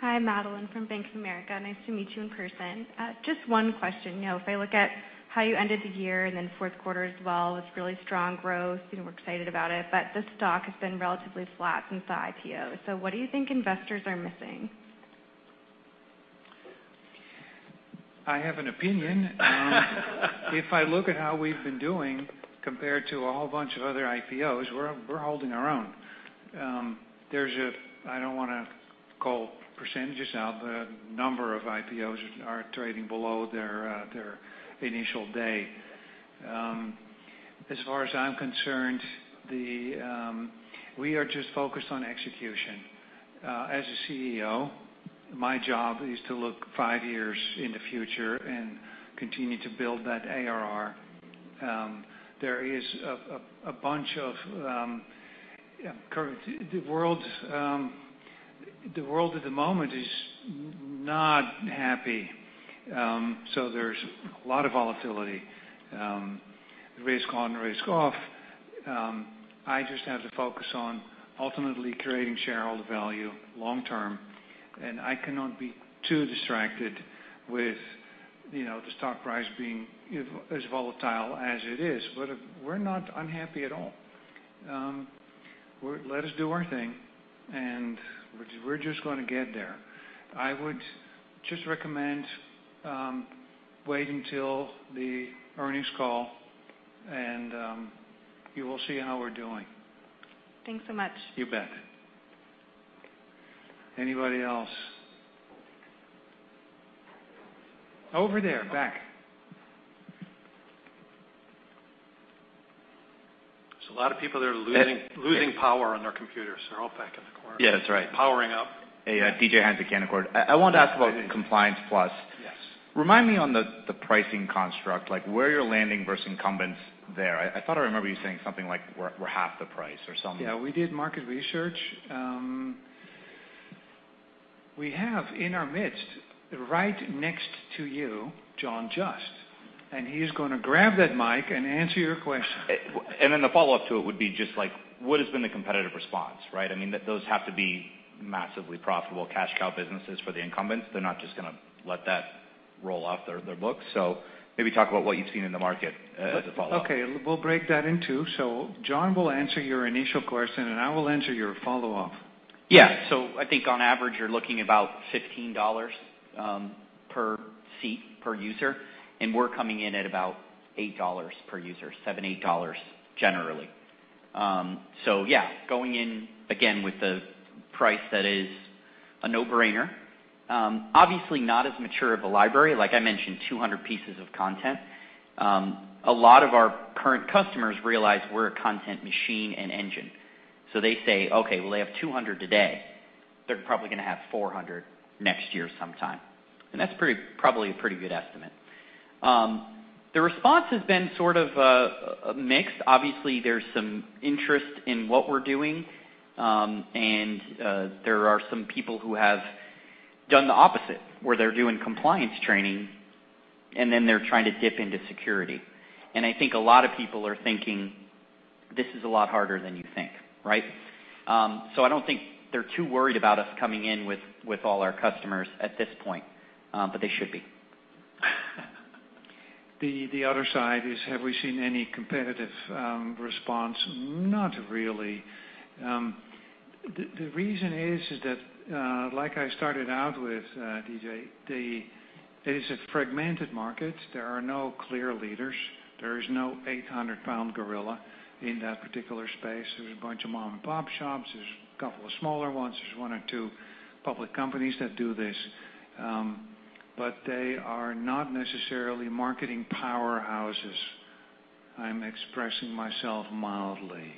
Hi, Madeline Brooks from Bank of America. Nice to meet you in person. Just one question. You know, if I look at how you ended the year and then fourth quarter as well, it's really strong growth, and we're excited about it, but the stock has been relatively flat since the IPO. What do you think investors are missing? I have an opinion. If I look at how we've been doing compared to a whole bunch of other IPOs, we're holding our own. There's a, I don't wanna call percentages out, but a number of IPOs are trading below their initial day. As far as I'm concerned, we are just focused on execution. As a CEO, my job is to look five years in the future and continue to build that ARR. There is a bunch of. The world at the moment is not happy. So there's a lot of volatility, risk on, risk off. I just have to focus on ultimately creating shareholder value long term, and I cannot be too distracted with, you know, the stock price being as volatile as it is. We're not unhappy at all. Let us do our thing, and we're just gonna get there. I would just recommend waiting till the earnings call and you will see how we're doing. Thanks so much. You bet. Anybody else? Over there, back. There's a lot of people that are losing. Yes. Losing power on their computers. They're all back in the corner. Yeah, that's right. Powering up. Yeah. Hey, David Hynes at Canaccord. I wanted to ask about Compliance Plus. Yes. Remind me on the pricing construct, like, where you're landing versus incumbents there. I thought I remember you saying something like we're half the price or something. Yeah, we did market research. We have in our midst, right next to you, John Just, and he is gonna grab that mic and answer your question. The follow-up to it would be just, like, what has been the competitive response, right? I mean, those have to be massively profitable cash cow businesses for the incumbents. They're not just gonna let that roll off their books. Maybe talk about what you've seen in the market as a follow-up. Okay, we'll break that in two. John will answer your initial question, and I will answer your follow-up. Yeah. I think on average, you're looking about $15 per seat, per user, and we're coming in at about $8 per user, $7-$8 generally. Yeah, going in, again, with a price that is a no-brainer. Obviously not as mature of a library, like I mentioned, 200 pieces of content. A lot of our current customers realize we're a content machine and engine. They say, "Okay, well, they have 200 today. They're probably gonna have 400 next year sometime." That's probably a pretty good estimate. The response has been sort of mixed. Obviously, there's some interest in what we're doing, and there are some people who have done the opposite, where they're doing compliance training, and then they're trying to dip into security. I think a lot of people are thinking this is a lot harder than you think, right? I don't think they're too worried about us coming in with all our customers at this point, but they should be. The other side is, have we seen any competitive response? Not really. The reason is that like I started out with DJ it is a fragmented market. There are no clear leaders. There is no 800-pound gorilla in that particular space. There's a bunch of mom-and-pop shops. There's a couple of smaller ones. There's one or two public companies that do this. But they are not necessarily marketing powerhouses. I'm expressing myself mildly.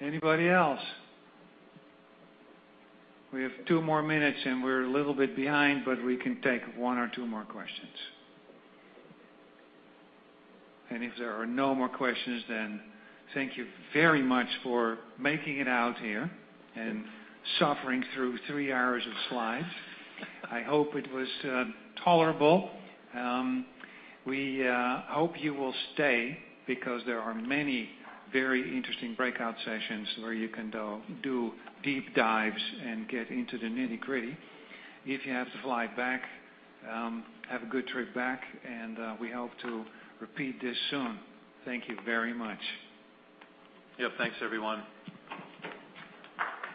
Anybody else? We have two more minutes, and we're a little bit behind, but we can take one or two more questions. If there are no more questions, then thank you very much for making it out here and suffering through three hours of slides. I hope it was tolerable. We hope you will stay because there are many very interesting breakout sessions where you can go do deep dives and get into the nitty-gritty. If you have to fly back, have a good trip back, and we hope to repeat this soon. Thank you very much. Yep. Thanks, everyone.